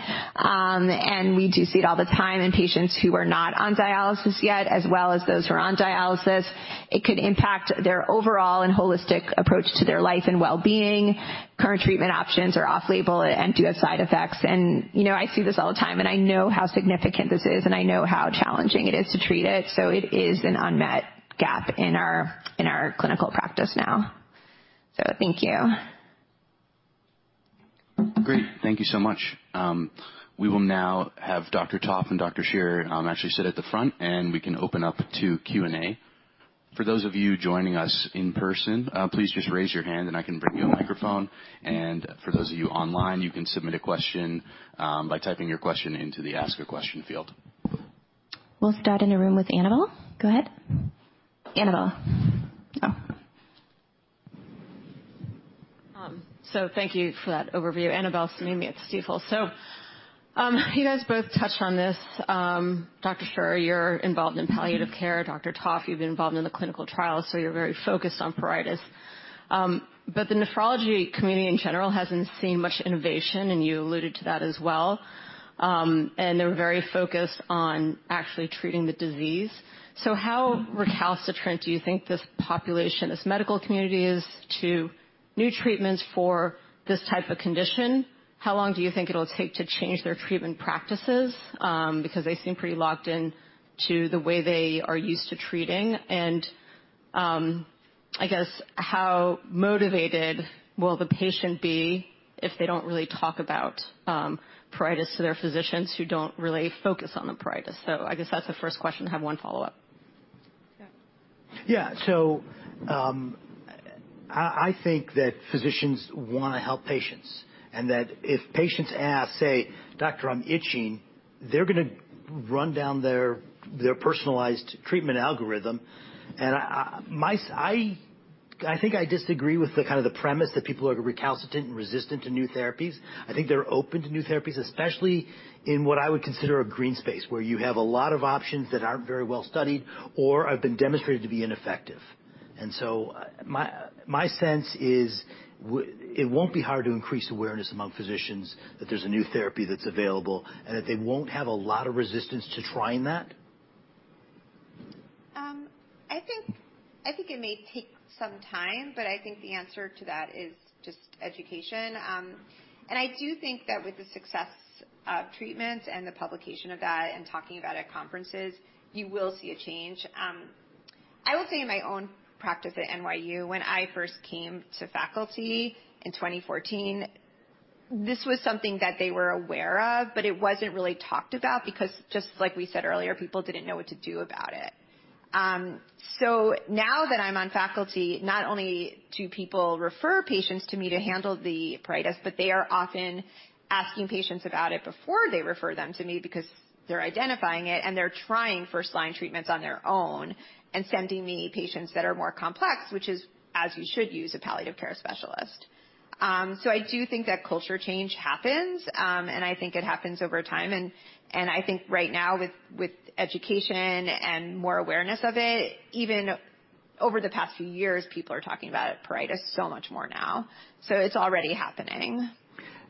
We do see it all the time in patients who are not on dialysis yet, as well as those who are on dialysis. It could impact their overall and holistic approach to their life and well-being. Current treatment options are off-label and do have side effects. You know, I see this all the time, and I know how significant this is, and I know how challenging it is to treat it, so it is an unmet gap in our, in our clinical practice now. Thank you. Great. Thank you so much. We will now have Dr. Topf and Dr. Jennifer Scherer, actually sit at the front, and we can open up to Q&A. For those of you joining us in person, please just raise your hand, and I can bring you a microphone. For those of you online, you can submit a question, by typing your question into the Ask a Question field. We'll start in the room with Annabel. Go ahead. Annabel. Thank you for that overview. Annabel Samimy at Stifel. You guys both touched on this. Dr. Scherer, you're involved in palliative care. Dr. Topf, you've been involved in the clinical trial, so you're very focused on pruritus. The nephrology community, in general, hasn't seen much innovation, and you alluded to that as well. They're very focused on actually treating the disease. How recalcitrant do you think this population, this medical community is to new treatments for this type of condition? How long do you think it'll take to change their treatment practices? They seem pretty locked in to the way they are used to treating. I guess, how motivated will the patient be if they don't really talk about pruritus to their physicians who don't really focus on the pruritus? I guess that's the first question. I have one follow-up. Yeah. I think that physicians wanna help patients, and that if patients ask, say, "Doctor, I'm itching," they're gonna run down their personalized treatment algorithm. I think I disagree with the kinda the premise that people are recalcitrant and resistant to new therapies. I think they're open to new therapies, especially in what I would consider a green space, where you have a lot of options that aren't very well studied or have been demonstrated to be ineffective. My sense is it won't be hard to increase awareness among physicians that there's a new therapy that's available and that they won't have a lot of resistance to trying that. I think it may take some time, I think the answer to that is just education. I do think that with the success of treatment and the publication of that and talking about it at conferences, you will see a change. I will say in my own practice at NYU, when I first came to faculty in 2014, this was something that they were aware of, it wasn't really talked about because just like we said earlier, people didn't know what to do about it. Now that I'm on faculty, not only do people refer patients to me to handle the pruritus, but they are often asking patients about it before they refer them to me because they're identifying it, and they're trying first-line treatments on their own and sending me patients that are more complex, which is, as you should, use a palliative care specialist. I do think that culture change happens. I think it happens over time. I think right now with education and more awareness of it, even over the past few years, people are talking about pruritus so much more now. It's already happening.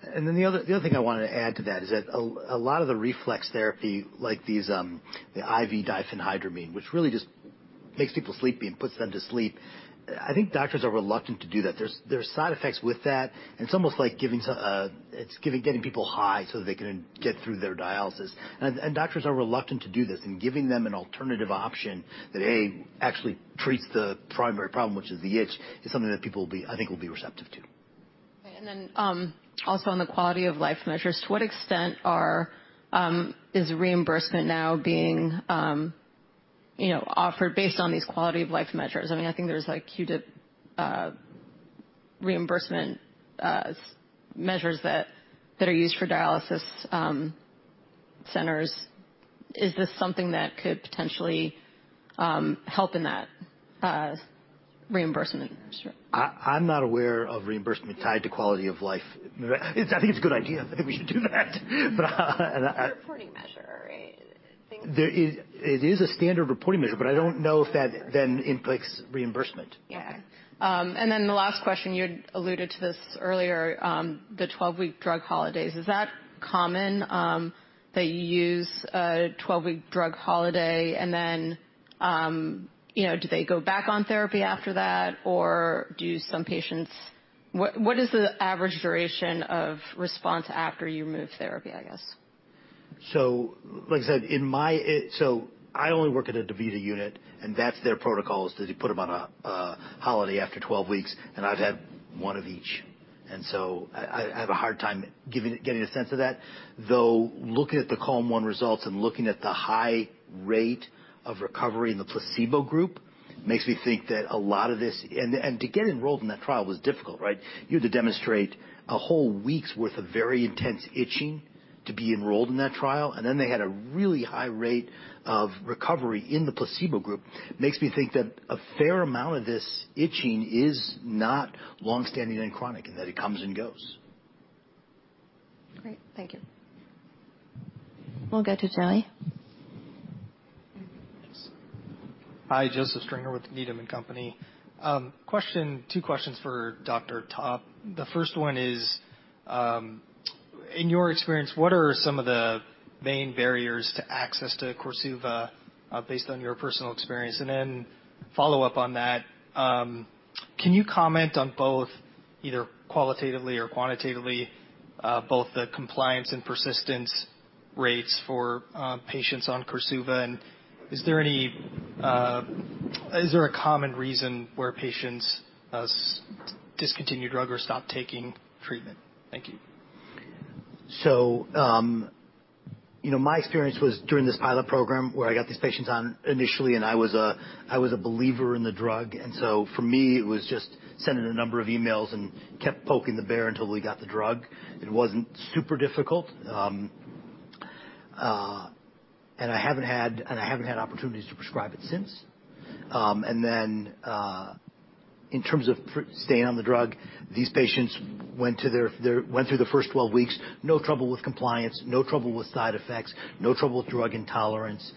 The other thing I wanna add to that is that a lot of the reflex therapy, like these, the IV diphenhydramine, which really just makes people sleepy and puts them to sleep, I think doctors are reluctant to do that. There's side effects with that, and it's almost like getting people high so that they can get through their dialysis. Doctors are reluctant to do this, and giving them an alternative option that, A, actually treats the primary problem, which is the itch, is something that people will be, I think, will be receptive to. Okay. Also on the quality of life measures, to what extent is reimbursement now being, you know, offered based on these quality of life measures? I mean, I think there's like QIDP. Reimbursement, measures that are used for dialysis centers. Is this something that could potentially help in that reimbursement? I'm not aware of reimbursement tied to quality of life. I think it's a good idea. Maybe we should do that. Reporting measure, right? It is a standard reporting measure. I don't know if that then impacts reimbursement. Yeah. The last question, you'd alluded to this earlier, the 12-week drug holidays. Is that common that you use a 12-week drug holiday and then, you know, do they go back on therapy after that, or do some patients-- What is the average duration of response after you move therapy, I guess? Like I said, I only work at a DaVita unit, and that's their protocol is to put them on a holiday after 12 weeks, and I've had one of each. I have a hard time getting a sense of that, though, looking at the CALM-1 results and looking at the high rate of recovery in the placebo group makes me think that a lot of this. To get enrolled in that trial was difficult, right? You had to demonstrate a whole week's worth of very intense itching to be enrolled in that trial. Then they had a really high rate of recovery in the placebo group. Makes me think that a fair amount of this itching is not long-standing and chronic and that it comes and goes. Great. Thank you. We'll go to Charlie. Thanks. Hi, Joseph Stringer with Needham & Company. Two questions for Dr. Topf. The first one is, in your experience, what are some of the main barriers to access to Korsuva, based on your personal experience? Follow up on that, can you comment on both, either qualitatively or quantitatively, both the compliance and persistence rates for patients on Korsuva? Is there any common reason where patients discontinue drug or stop taking treatment? Thank you. You know, my experience was during this pilot program where I got these patients on initially, and I was a believer in the drug. For me, it was just sending a number of emails and kept poking the bear until we got the drug. It wasn't super difficult. And I haven't had opportunities to prescribe it since. In terms of staying on the drug, these patients went through the first 12 weeks, no trouble with compliance, no trouble with side effects, no trouble with drug intolerance.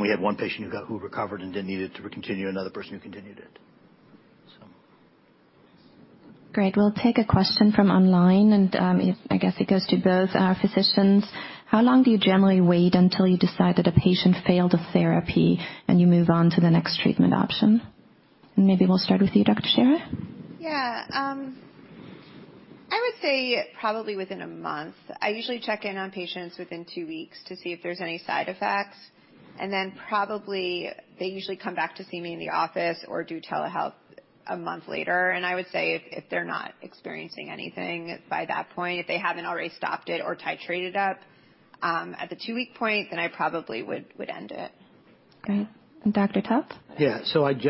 We had one patient who recovered and didn't need it to continue, another person who continued it. Great. We'll take a question from online, I guess, it goes to both our physicians. How long do you generally wait until you decide that a patient failed a therapy and you move on to the next treatment option? Maybe we'll start with you, Dr. Scherer. Yeah. I would say probably within a month. I usually check in on patients within two weeks to see if there's any side effects. Probably they usually come back to see me in the office or do telehealth a month later. I would say if they're not experiencing anything by that point, if they haven't already stopped it or titrated up, at the two-week point, then I probably would end it. Okay. Dr. Topf? Yeah.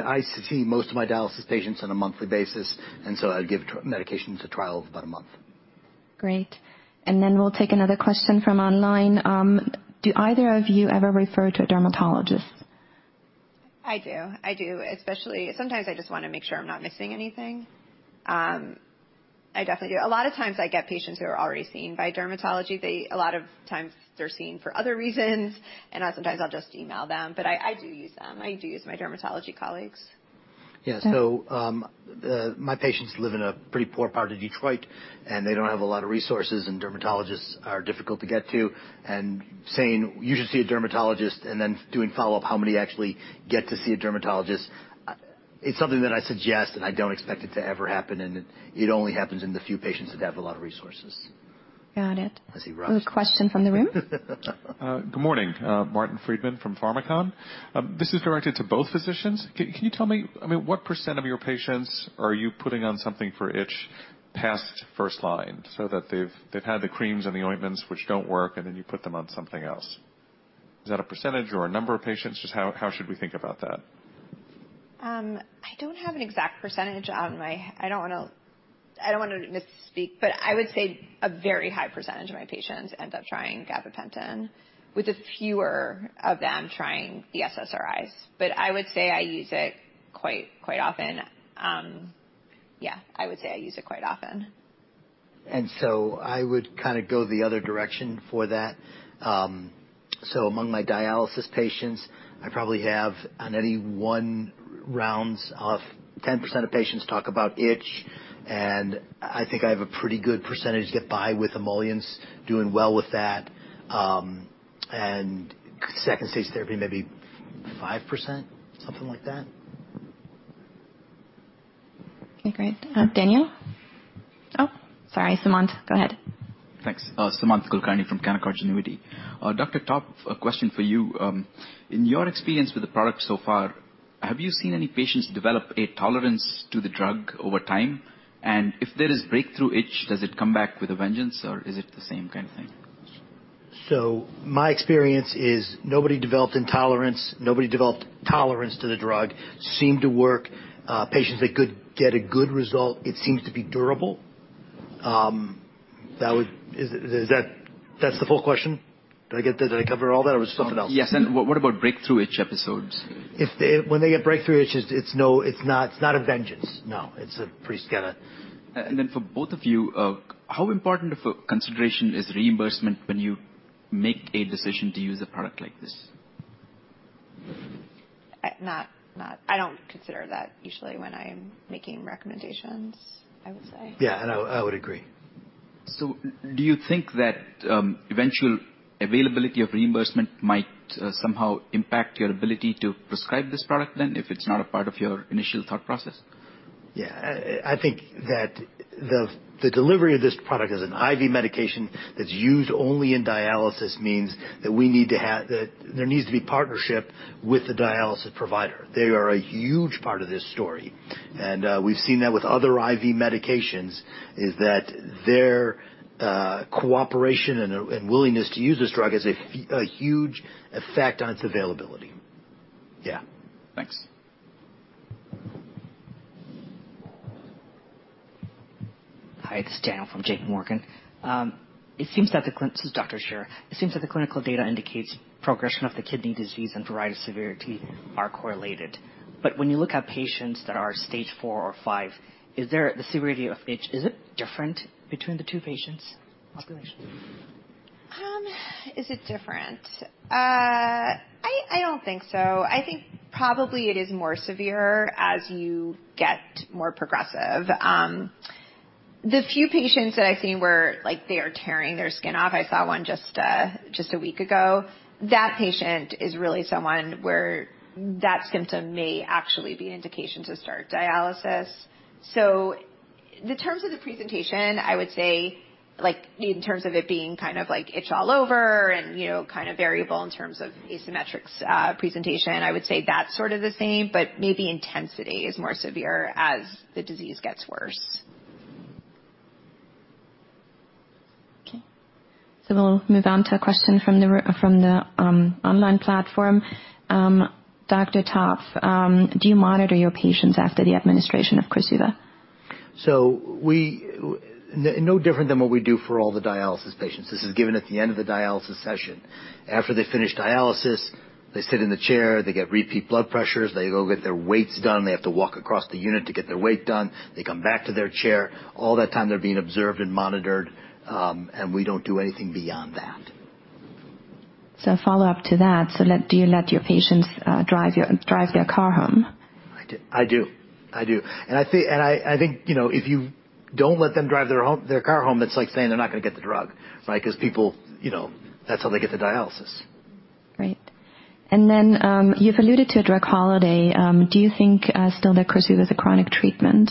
I see most of my dialysis patients on a monthly basis, and so I give medications a trial of about a month. Great. Then we'll take another question from online. Do either of you ever refer to a dermatologist? I do. I do. Especially. Sometimes I just wanna make sure I'm not missing anything. I definitely do. A lot of times I get patients who are already seen by dermatology. They. A lot of times they're seen for other reasons, and I sometimes I'll just email them. I do use them. I do use my dermatology colleagues. Yeah. My patients live in a pretty poor part of Detroit, and they don't have a lot of resources, and dermatologists are difficult to get to. Saying, "You should see a dermatologist," and then doing follow-up, how many actually get to see a dermatologist, it's something that I suggest, and I don't expect it to ever happen. It, it only happens in the few patients that have a lot of resources. Got it. As a rush. We have a question from the room. Good morning. Martin Friedman from Pharmakon. This is directed to both physicians. Can you tell me, I mean, what percent of your patients are you putting on something for itch past first line so that they've had the creams and the ointments which don't work, and then you put them on something else? Is that a percentage or a number of patients? Just how should we think about that? I don't have an exact percentage on my-- I don't wanna misspeak, but I would say a very high percentage of my patients end up trying gabapentin, with the fewer of them trying the SSRIs. I would say I use it quite often. Yeah, I would say I use it quite often. I would kinda go the other direction for that. So among my dialysis patients, I probably have on any one rounds of 10% of patients talk about itch, and I think I have a pretty good percentage get by with emollients doing well with that. And second stage therapy, maybe 5%, something like that. Okay, great. Daniel? Oh, sorry, Sumant, go ahead. Thanks. Sumant Kulkarni from Canaccord Genuity. Dr. Topf, a question for you. In your experience with the product so far, have you seen any patients develop a tolerance to the drug over time? If there is breakthrough itch, does it come back with a vengeance, or is it the same kind of thing? My experience is nobody developed intolerance, nobody developed tolerance to the drug, seemed to work, patients that could get a good result. It seems to be durable. Is that the full question? Did I cover all that or was there something else? Yes. What about breakthrough itch episodes? When they get breakthrough itches, It's not a vengeance. No. It's a pretty scattered. For both of you, how important of a consideration is reimbursement when you make a decision to use a product like this? I don't consider that usually when I'm making recommendations, I would say. Yeah. I would agree. Do you think that eventual availability of reimbursement might somehow impact your ability to prescribe this product then, if it's not a part of your initial thought process? I think that the delivery of this product as an IV medication that's used only in dialysis means that we need to have. There needs to be partnership with the dialysis provider. They are a huge part of this story, and we've seen that with other IV medications, is that their cooperation and willingness to use this drug has a huge effect on its availability. Yeah. Thanks. Hi, this is Daniel from JPMorgan. This is Dr. Scherer. It seems that the clinical data indicates progression of the kidney disease and variety of severity are correlated. When you look at patients that are Stage 4 or 5, is there the severity of itch, is it different between the two patients populations? Is it different? I don't think so. I think probably it is more severe as you get more progressive. The few patients that I've seen where, like, they are tearing their skin off, I saw one just a week ago. That patient is really someone where that symptom may actually be an indication to start dialysis. In terms of the presentation, I would say, like, in terms of it being kind of like itch all over and, you know, kind of variable in terms of asymmetric presentation, I would say that's sort of the same, but maybe intensity is more severe as the disease gets worse. Okay. We'll move on to a question from the online platform. Dr. Topf, do you monitor your patients after the administration of Korsuva? No different than what we do for all the dialysis patients. This is given at the end of the dialysis session. After they finish dialysis, they sit in the chair, they get repeat blood pressures, they go get their weights done. They have to walk across the unit to get their weight done. They come back to their chair. All that time they're being observed and monitored, and we don't do anything beyond that. Follow-up to that. Do you let your patients drive their car home? I do. I do. I think, you know, if you don't let them drive their car home, it's like saying they're not gonna get the drug, right? 'Cause people, you know, that's how they get to dialysis. Right. You've alluded to a drug holiday. Do you think, still that Korsuva is a chronic treatment?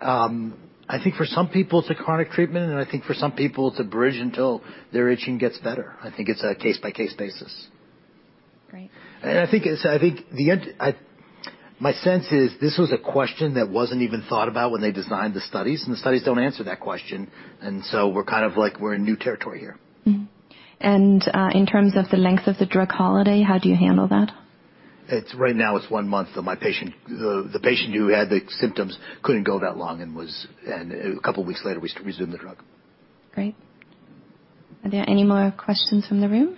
I think for some people it's a chronic treatment, and I think for some people it's a bridge until their itching gets better. I think it's a case-by-case basis. Great. My sense is this was a question that wasn't even thought about when they designed the studies, and the studies don't answer that question. We're kind of like, we're in new territory here. In terms of the length of the drug holiday, how do you handle that? It's, right now it's one month. The patient who had the symptoms couldn't go that long. A couple of weeks later, we resume the drug. Great. Are there any more questions from the room?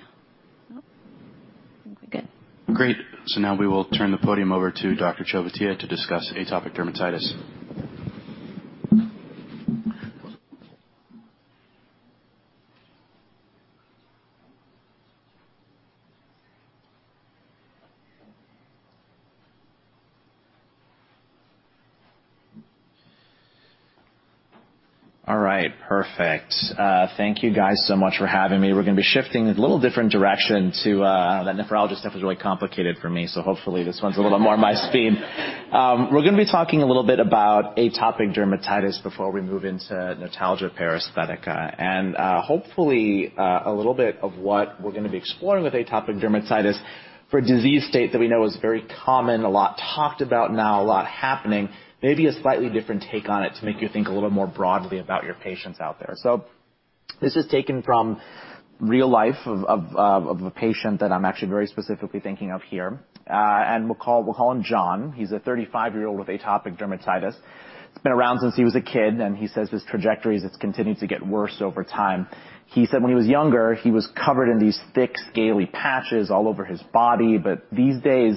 Nope. I think we're good. Great. Now we will turn the podium over to Dr. Chovatiya to discuss Atopic Dermatitis. All right. Perfect. Thank you guys so much for having me. We're gonna be shifting a little different direction to. That nephrologist stuff was really complicated for me, so hopefully this one's a little more my speed. We're gonna be talking a little bit about Atopic Dermatitis before we move into notalgia paresthetica. Hopefully a little bit of what we're gonna be exploring with Atopic Dermatitis for a disease state that we know is very common, a lot talked about now, a lot happening, maybe a slightly different take on it to make you think a little bit more broadly about your patients out there. This is taken from real life of a patient that I'm actually very specifically thinking of here. We'll call him John. He's a 35-year-old with Atopic Dermatitis. It's been around since he was a kid, and he says his trajectory is it's continued to get worse over time. He said when he was younger, he was covered in these thick, scaly patches all over his body, but these days,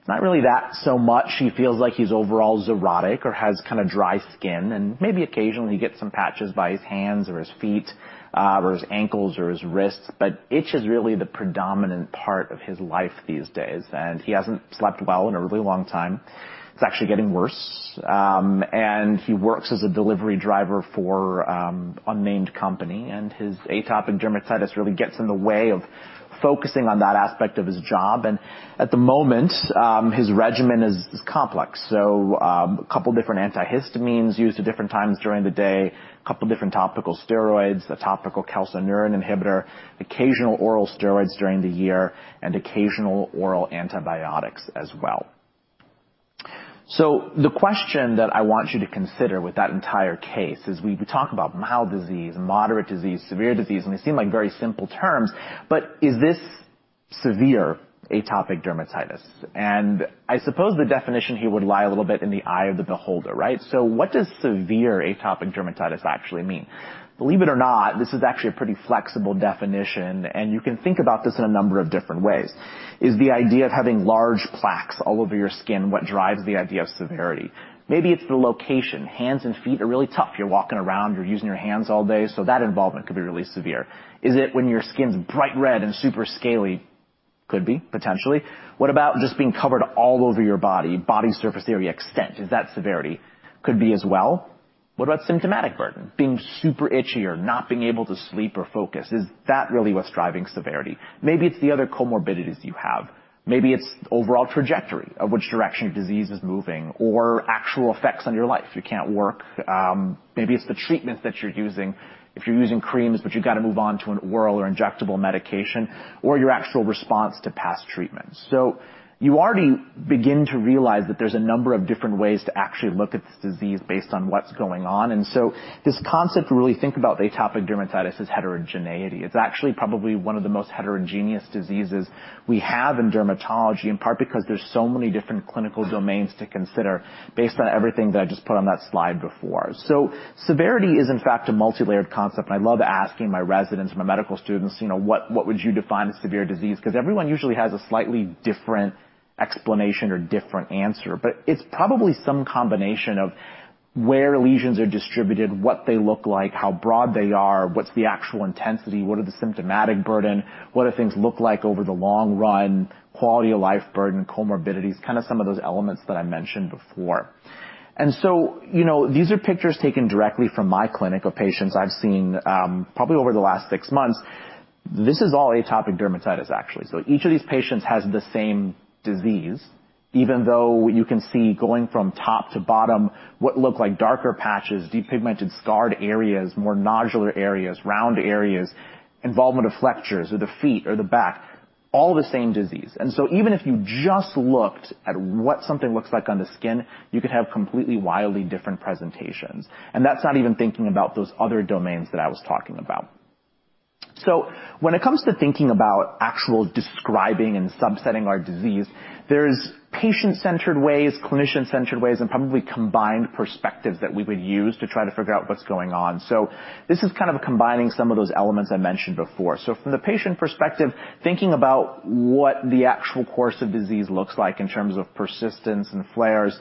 it's not really that so much. He feels like he's overall xerotic or has kinda dry skin and maybe occasionally gets some patches by his hands or his feet, or his ankles or his wrists. Itch is really the predominant part of his life these days, and he hasn't slept well in a really long time. It's actually getting worse. He works as a delivery driver for, unnamed company, and his Atopic Dermatitis really gets in the way of focusing on that aspect of his job. At the moment, his regimen is complex. A couple different antihistamines used at different times during the day, a couple different topical steroids, a topical calcineurin inhibitor, occasional oral steroids during the year, and occasional oral antibiotics as well. The question that I want you to consider with that entire case is we talk about mild disease, moderate disease, severe disease, and they seem like very simple terms, but is this severe atopic dermatitis? I suppose the definition here would lie a little bit in the eye of the beholder, right? What does severe atopic dermatitis actually mean? Believe it or not, this is actually a pretty flexible definition. You can think about this in a number of different ways. Is the idea of having large plaques all over your skin what drives the idea of severity? Maybe it's the location. Hands and feet are really tough. You're walking around, you're using your hands all day, so that involvement could be really severe. Is it when your skin's bright red and super scaly? Could be, potentially. What about just being covered all over your body surface area extent, is that severity? Could be as well. What about symptomatic burden, being super itchy or not being able to sleep or focus? Is that really what's driving severity? Maybe it's the other comorbidities you have. Maybe it's overall trajectory of which direction your disease is moving or actual effects on your life. You can't work. Maybe it's the treatments that you're using. If you're using creams, but you've got to move on to an oral or injectable medication or your actual response to past treatments. You already begin to realize that there's a number of different ways to actually look at this disease based on what's going on. This concept to really think about with Atopic Dermatitis is heterogeneity. It's actually probably one of the most heterogeneous diseases we have in dermatology, in part because there's so many different clinical domains to consider based on everything that I just put on that slide before. Severity is in fact a multilayered concept. I love asking my residents, my medical students, you know, what would you define as severe disease? 'Cause everyone usually has a slightly different explanation or different answer. It's probably some combination of where lesions are distributed, what they look like, how broad they are, what's the actual intensity, what are the symptomatic burden, what do things look like over the long run, quality of life burden, comorbidities, kind of some of those elements that I mentioned before. You know, these are pictures taken directly from my clinic of patients I've seen, probably over the last six months. This is all Atopic Dermatitis, actually. Each of these patients has the same disease, even though you can see going from top to bottom what look like darker patches, depigmented scarred areas, more nodular areas, round areas, involvement of flexures or the feet or the back, all the same disease. Even if you just looked at what something looks like on the skin, you could have completely, wildly different presentations. That's not even thinking about those other domains that I was talking about. When it comes to thinking about actual describing and subsetting our disease, there's patient-centered ways, clinician-centered ways, and probably combined perspectives that we would use to try to figure out what's going on. This is kind of combining some of those elements I mentioned before. From the patient perspective, thinking about what the actual course of disease looks like in terms of persistence and flares,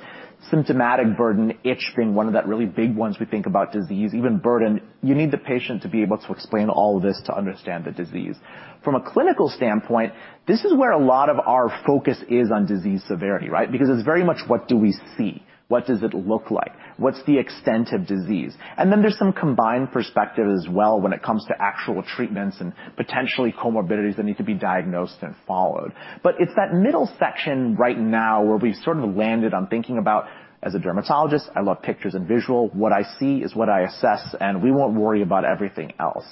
symptomatic burden, itch being one of the really big ones we think about disease, even burden. You need the patient to be able to explain all this to understand the disease. From a clinical standpoint, this is where a lot of our focus is on disease severity, right? Because it's very much what do we see, what does it look like, what's the extent of disease? There's some combined perspective as well when it comes to actual treatments and potentially comorbidities that need to be diagnosed and followed. It's that middle section right now where we've sort of landed on thinking about as a dermatologist, I love pictures and visual. What I see is what I assess, and we won't worry about everything else.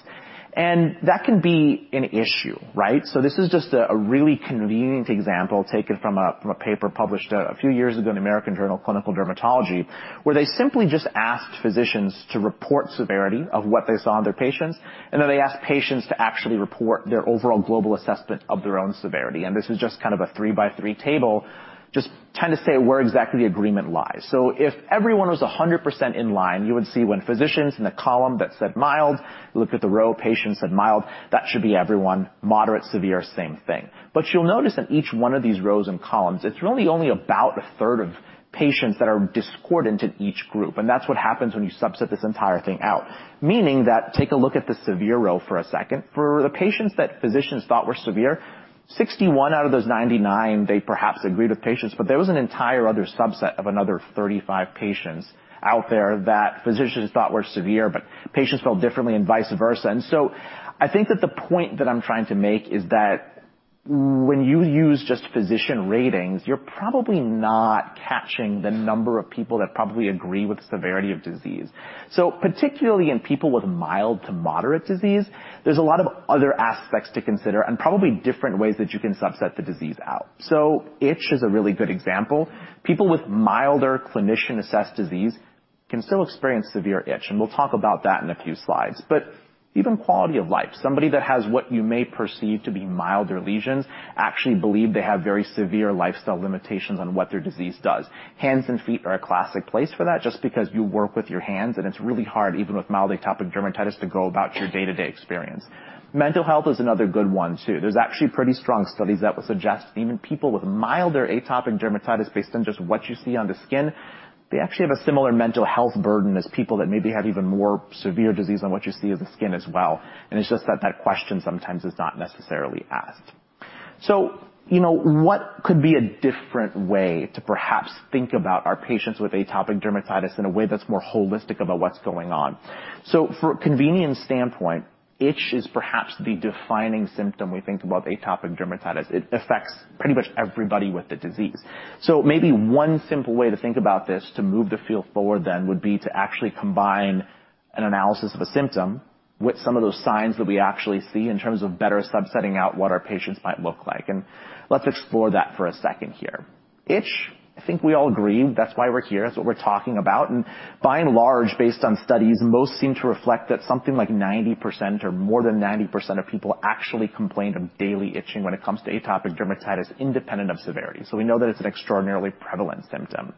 That can be an issue, right? This is just a really convenient example taken from a, from a paper published a few years ago in the American Journal of Clinical Dermatology, where they simply just asked physicians to report severity of what they saw in their patients. Then they asked patients to actually report their overall global assessment of their own severity. This is just kind of a 3x3 table, just trying to say where exactly agreement lies. If everyone was 100% in line, you would see when physicians in the column that said mild, looked at the row of patients said mild, that should be everyone. Moderate, severe, same thing. You'll notice in each one of these rows and columns, it's really only about a third of patients that are discordant in each group, and that's what happens when you subset this entire thing out, meaning that take a look at the severe row for a second. For the patients that physicians thought were severe, 61 out of those 99, they perhaps agreed with patients, but there was an entire other subset of another 35 patients out there that physicians thought were severe, but patients felt differently and vice versa. I think that the point that I'm trying to make is that when you use just physician ratings, you're probably not catching the number of people that probably agree with severity of disease. Particularly in people with mild to moderate disease, there's a lot of other aspects to consider and probably different ways that you can subset the disease out. Itch is a really good example. People with milder clinician-assessed disease can still experience severe itch, and we'll talk about that in a few slides. Even quality of life, somebody that has what you may perceive to be milder lesions actually believe they have very severe lifestyle limitations on what their disease does. Hands and feet are a classic place for that just because you work with your hands and it's really hard, even with mild Atopic Dermatitis, to go about your day-to-day experience. Mental health is another good one too. There's actually pretty strong studies that would suggest even people with milder atopic dermatitis based on just what you see on the skin, they actually have a similar mental health burden as people that maybe have even more severe disease on what you see on the skin as well. It's just that that question sometimes is not necessarily asked. You know, what could be a different way to perhaps think about our patients with atopic dermatitis in a way that's more holistic about what's going on? For a convenience standpoint, itch is perhaps the defining symptom we think about with atopic dermatitis. It affects pretty much everybody with the disease. Maybe one simple way to think about this to move the field forward then would be to actually combine an analysis of a symptom with some of those signs that we actually see in terms of better subsetting out what our patients might look like. Let's explore that for a second here. Itch, I think we all agree that's why we're here, that's what we're talking about. By and large, based on studies, most seem to reflect that something like 90% or more than 90% of people actually complain of daily itching when it comes to Atopic Dermatitis, independent of severity. We know that it's an extraordinarily prevalent symptom.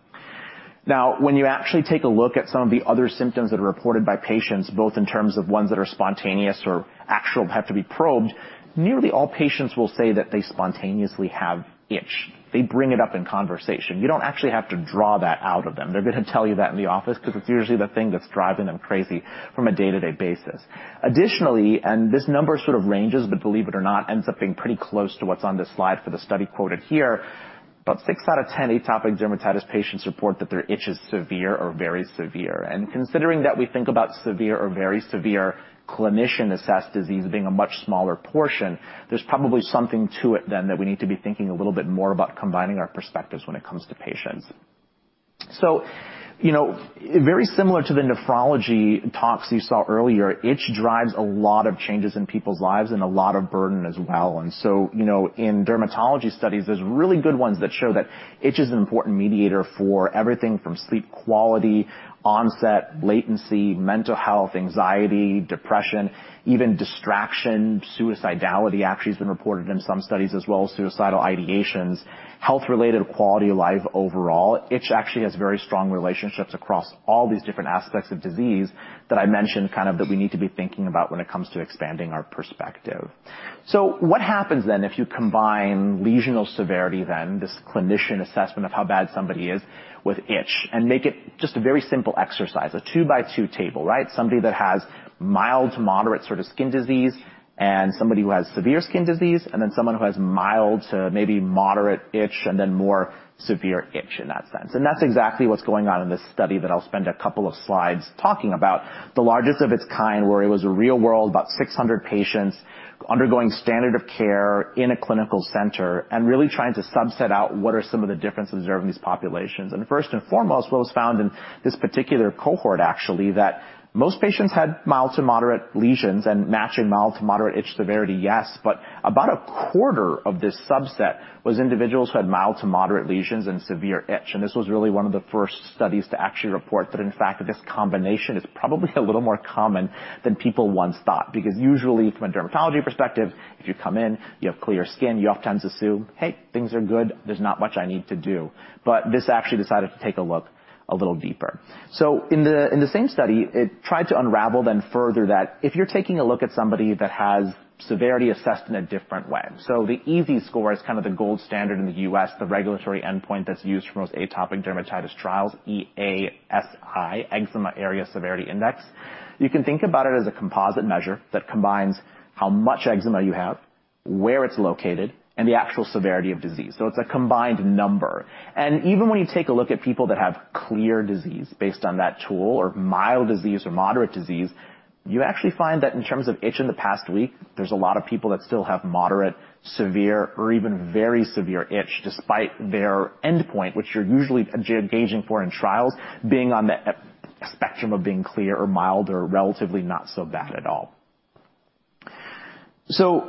When you actually take a look at some of the other symptoms that are reported by patients, both in terms of ones that are spontaneous or actually have to be probed, nearly all patients will say that they spontaneously have itch. They bring it up in conversation. You don't actually have to draw that out of them. They're gonna tell you that in the office 'cause it's usually the thing that's driving them crazy from a day-to-day basis. Additionally, and this number sort of ranges, but believe it or not, ends up being pretty close to what's on this slide for the study quoted here, about 6/10 Atopic Dermatitis patients report that their itch is severe or very severe. Considering that we think about severe or very severe clinician-assessed disease being a much smaller portion, there's probably something to it then that we need to be thinking a little bit more about combining our perspectives when it comes to patients. You know, very similar to the nephrology talks you saw earlier, itch drives a lot of changes in people's lives and a lot of burden as well. You know, in dermatology studies, there's really good ones that show that itch is an important mediator for everything from sleep quality, onset, latency, mental health, anxiety, depression, even distraction. Suicidality actually has been reported in some studies as well as suicidal ideations. Health-related quality of life overall, itch actually has very strong relationships across all these different aspects of disease that I mentioned kind of that we need to be thinking about when it comes to expanding our perspective. What happens then if you combine lesional severity, then this clinician assessment of how bad somebody is with itch and make it just a very simple exercise, a 2x2 table, right? Somebody that has mild to moderate sort of skin disease and somebody who has severe skin disease, and then someone who has mild to maybe moderate itch and then more severe itch in that sense. That's exactly what's going on in this study that I'll spend a couple of slides talking about the largest of its kind, where it was a real-world, about 600 patients undergoing standard of care in a clinical center and really trying to subset out what are some of the differences observed in these populations. First and foremost, what was found in this particular cohort actually, that most patients had mild to moderate lesions and matching mild to moderate itch severity. Yes. About a quarter of this subset was individuals who had mild to moderate lesions and severe itch. This was really one of the first studies to actually report that, in fact, this combination is probably a little more common than people once thought. Usually, from a dermatology perspective, if you come in, you have clear skin, you oftentimes assume, "Hey, things are good. There's not much I need to do." This actually decided to take a look a little deeper. In the same study, it tried to unravel further that if you're taking a look at somebody that has severity assessed in a different way. The EASI score is kind of the gold standard in the U.S., the regulatory endpoint that's used for most atopic dermatitis trials, E-A-S-I, eczema Area and Severity Index. You can think about it as a composite measure that combines how much eczema you have, where it's located, and the actual severity of disease. It's a combined number. Even when you take a look at people that have clear disease based on that tool or mild disease or moderate disease, you actually find that in terms of itch in the past week, there's a lot of people that still have moderate, severe, or even very severe itch, despite their endpoint, which you're usually engaging for in trials, being on the spectrum of being clear or mild or relatively not so bad at all.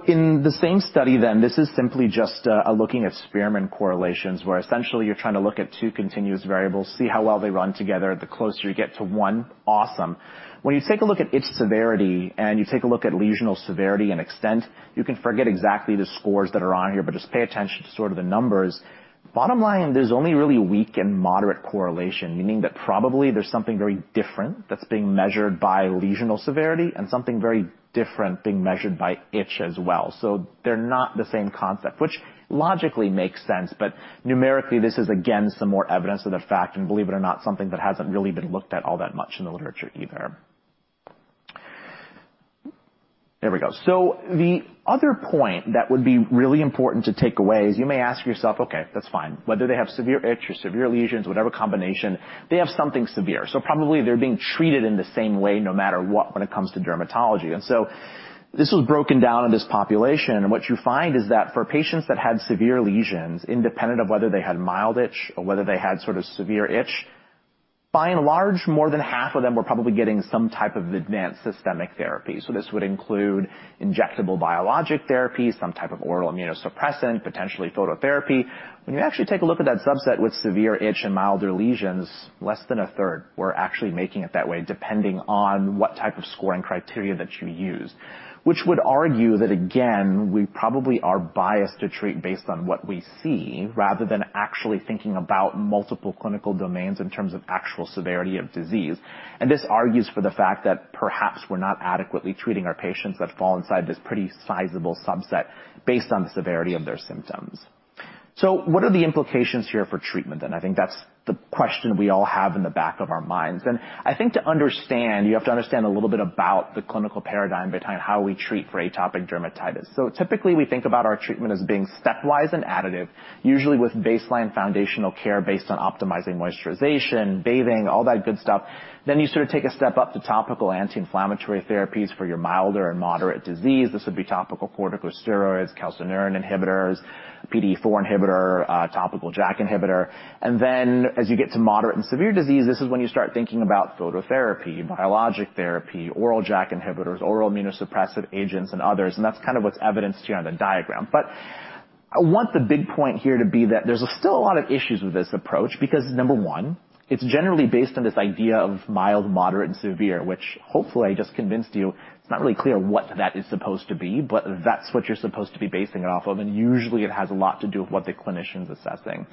In the same study then, this is simply just looking at Spearman correlations, where essentially you're trying to look at two continuous variables, see how well they run together, the closer you get to one, awesome. When you take a look at itch severity and you take a look at lesional severity and extent, you can forget exactly the scores that are on here, but just pay attention to sort of the numbers. Bottom line, there's only really weak and moderate correlation, meaning that probably there's something very different that's being measured by lesional severity and something very different being measured by itch as well. They're not the same concept, which logically makes sense, but numerically, this is again, some more evidence of the fact, and believe it or not, something that hasn't really been looked at all that much in the literature either. There we go. The other point that would be really important to take away is you may ask yourself, okay, that's fine. Whether they have severe itch or severe lesions, whatever combination, they have something severe. Probably they're being treated in the same way no matter what when it comes to dermatology. This was broken down in this population, and what you find is that for patients that had severe lesions, independent of whether they had mild itch or whether they had sort of severe itch, by and large, more than half of them were probably getting some type of advanced systemic therapy. This would include injectable biologic therapy, some type of oral immunosuppressant, potentially phototherapy. When you actually take a look at that subset with severe itch and milder lesions, less than a third were actually making it that way, depending on what type of scoring criteria that you used. Which would argue that again, we probably are biased to treat based on what we see, rather than actually thinking about multiple clinical domains in terms of actual severity of disease. This argues for the fact that perhaps we're not adequately treating our patients that fall inside this pretty sizable subset based on the severity of their symptoms. What are the implications here for treatment then? I think to understand, you have to understand a little bit about the clinical paradigm behind how we treat for Atopic Dermatitis. Typically, we think about our treatment as being stepwise and additive, usually with baseline foundational care based on optimizing moisturization, bathing, all that good stuff. You sort of take a step up to topical anti-inflammatory therapies for your milder and moderate disease. This would be topical corticosteroids, calcineurin inhibitors, PDE4 inhibitor, topical JAK-inhibitor. As you get to moderate and severe disease, this is when you start thinking about phototherapy, biologic therapy, oral JAK-inhibitors, oral immunosuppressive agents, and others. That's kind of what's evidenced here on the diagram. I want the big point here to be that there's still a lot of issues with this approach because number one, it's generally based on this idea of mild, moderate, and severe, which hopefully I just convinced you it's not really clear what that is supposed to be, but that's what you're supposed to be basing it off of, and usually it has a lot to do with what the clinician's assessing.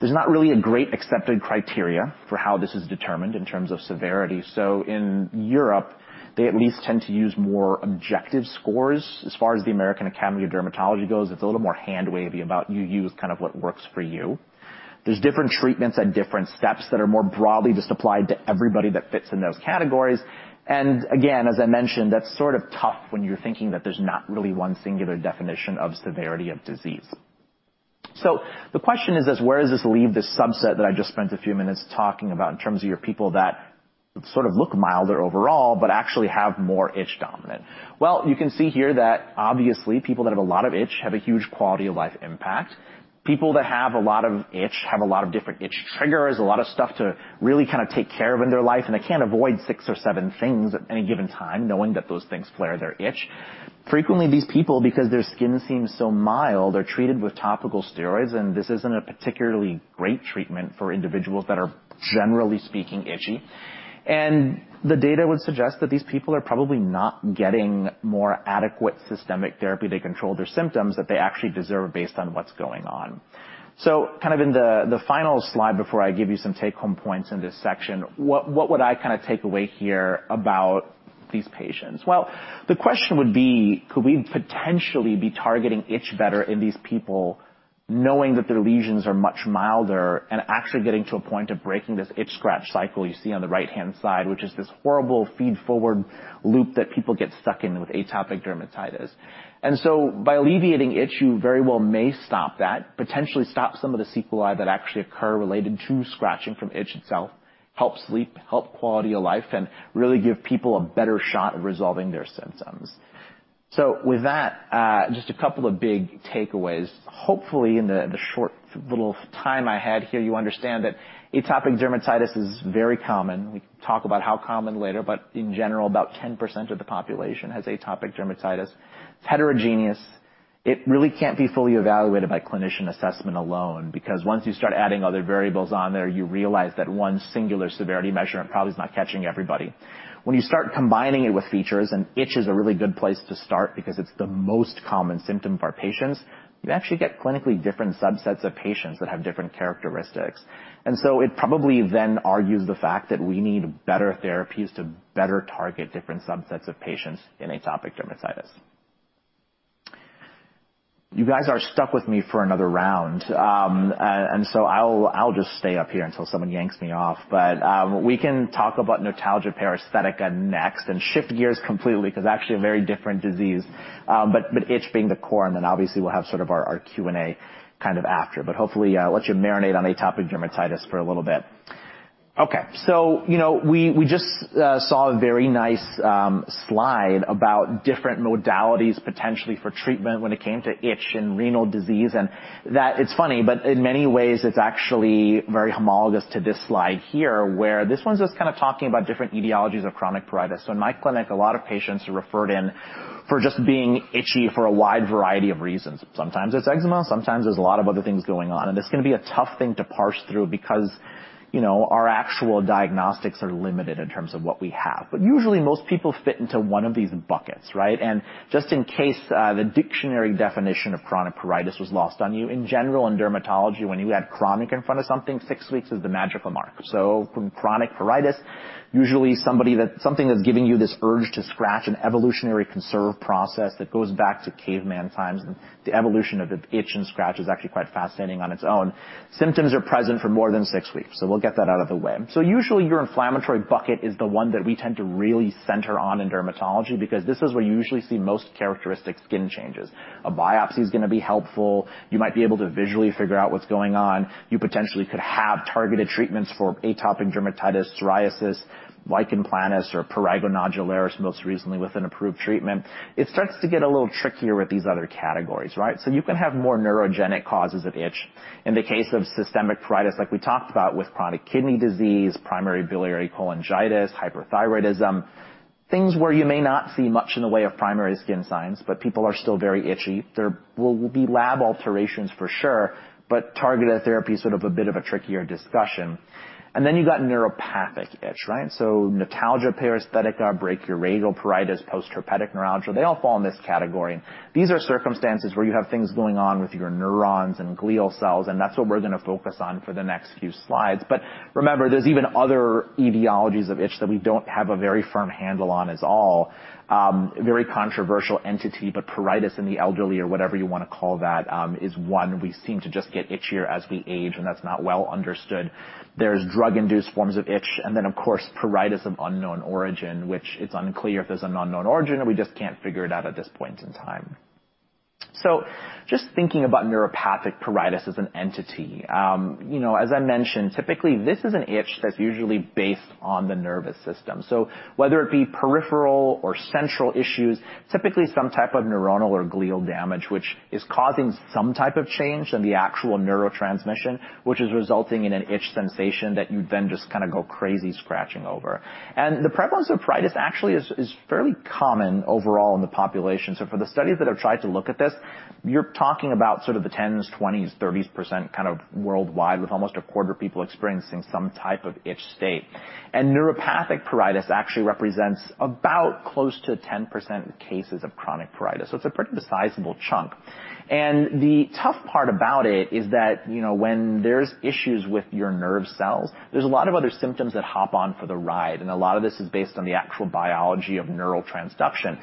There's not really a great accepted criteria for how this is determined in terms of severity. In Europe, they at least tend to use more objective scores. As far as the American Academy of Dermatology goes, it's a little more hand-wavy about you use kind of what works for you. There's different treatments at different steps that are more broadly just applied to everybody that fits in those categories. Again, as I mentioned, that's sort of tough when you're thinking that there's not really one singular definition of severity of disease. The question is, where does this leave this subset that I just spent a few minutes talking about in terms of your people that sort of look milder overall but actually have more itch dominant? You can see here that obviously people that have a lot of itch have a huge quality of life impact. People that have a lot of itch have a lot of different itch triggers, a lot of stuff to really kind of take care of in their life, they can't avoid six or seven things at any given time, knowing that those things flare their itch. Frequently, these people, because their skin seems so mild, are treated with topical steroids, this isn't a particularly great treatment for individuals that are, generally speaking, itchy. The data would suggest that these people are probably not getting more adequate systemic therapy to control their symptoms that they actually deserve based on what's going on. Kind of in the final slide before I give you some take-home points in this section, what would I kind of take away here about these patients? Well, the question would be, could we potentially be targeting itch better in these people knowing that their lesions are much milder and actually getting to a point of breaking this itch scratch cycle you see on the right-hand side, which is this horrible feed-forward loop that people get stuck in with Atopic Dermatitis. By alleviating itch, you very well may stop that, potentially stop some of the sequelae that actually occur related to scratching from itch itself, help sleep, help quality of life, and really give people a better shot at resolving their symptoms. With that, just a couple of big takeaways. Hopefully, in the short little time I had here, you understand that Atopic Dermatitis is very common. We can talk about how common later, but in general, about 10% of the population has Atopic Dermatitis. It's heterogeneous. It really can't be fully evaluated by clinician assessment alone because once you start adding other variables on there, you realize that one singular severity measure probably is not catching everybody. When you start combining it with features, and itch is a really good place to start because it's the most common symptom for our patients, you actually get clinically different subsets of patients that have different characteristics. It probably then argues the fact that we need better therapies to better target different subsets of patients in Atopic Dermatitis. You guys are stuck with me for another round, so I'll just stay up here until someone yanks me off. We can talk about notalgia paresthetica next and shift gears completely because actually a very different disease, but itch being the core. Obviously we'll have sort of our Q&A kind of after. Hopefully, I'll let you marinate on Atopic Dermatitis for a little bit. Okay. You know, we just saw a very nice slide about different modalities potentially for treatment when it came to itch and renal disease, and that it's funny, but in many ways it's actually very homologous to this slide here, where this one's just kind of talking about different etiologies of chronic pruritus. In my clinic, a lot of patients are referred in for just being itchy for a wide variety of reasons. Sometimes it's eczema, sometimes there's a lot of other things going on, and it's gonna be a tough thing to parse through because, you know, our actual diagnostics are limited in terms of what we have. Usually, most people fit into one of these buckets, right? Just in case the dictionary definition of chronic pruritus was lost on you, in general, in dermatology, when you add chronic in front of something, six weeks is the magical mark. From chronic pruritus, usually something is giving you this urge to scratch an evolutionary conserved process that goes back to caveman times, and the evolution of itch and scratch is actually quite fascinating on its own. Symptoms are present for more than six weeks, we'll get that out of the way. Usually, your inflammatory bucket is the one that we tend to really center on in dermatology because this is where you usually see most characteristic skin changes. A biopsy is gonna be helpful. You might be able to visually figure out what's going on. You potentially could have targeted treatments for atopic dermatitis, psoriasis, lichen planus, or prurigo nodularis, most recently with an approved treatment. It starts to get a little trickier with these other categories, right? You can have more neurogenic causes of itch. In the case of systemic pruritus, like we talked about with chronic kidney disease, primary biliary cholangitis, hyperthyroidism, things where you may not see much in the way of primary skin signs, but people are still very itchy. There will be lab alterations for sure, but targeted therapy is sort of a bit of a trickier discussion. You got neuropathic itch, right? Notalgia paresthetica, brachioradial pruritus, post-herpetic neuralgia, they all fall in this category. These are circumstances where you have things going on with your neurons and glial cells, and that's what we're gonna focus on for the next few slides. Remember, there's even other etiologies of itch that we don't have a very firm handle on as all. Very controversial entity. Pruritus in the elderly or whatever you wanna call that, is one we seem to just get itchier as we age. That's not well understood. There's drug-induced forms of itch and then of course, pruritus of unknown origin, which it's unclear if there's an unknown origin or we just can't figure it out at this point in time. Just thinking about neuropathic pruritus as an entity. You know, as I mentioned, typically this is an itch that's usually based on the nervous system. Whether it be peripheral or central issues, typically some type of neuronal or glial damage, which is causing some type of change in the actual neurotransmission, which is resulting in an itch sensation that you then just kind of go crazy scratching over. The prevalence of pruritus actually is fairly common overall in the population. For the studies that have tried to look at this, you're talking about sort of the 10s, 20s, 30% kind of worldwide with almost a quarter of people experiencing some type of itch state. Neuropathic pruritus actually represents about close to 10% of cases of chronic pruritus. It's a pretty sizable chunk. The tough part about it is that, you know, when there's issues with your nerve cells, there's a lot of other symptoms that hop on for the ride. A lot of this is based on the actual biology of neural transduction.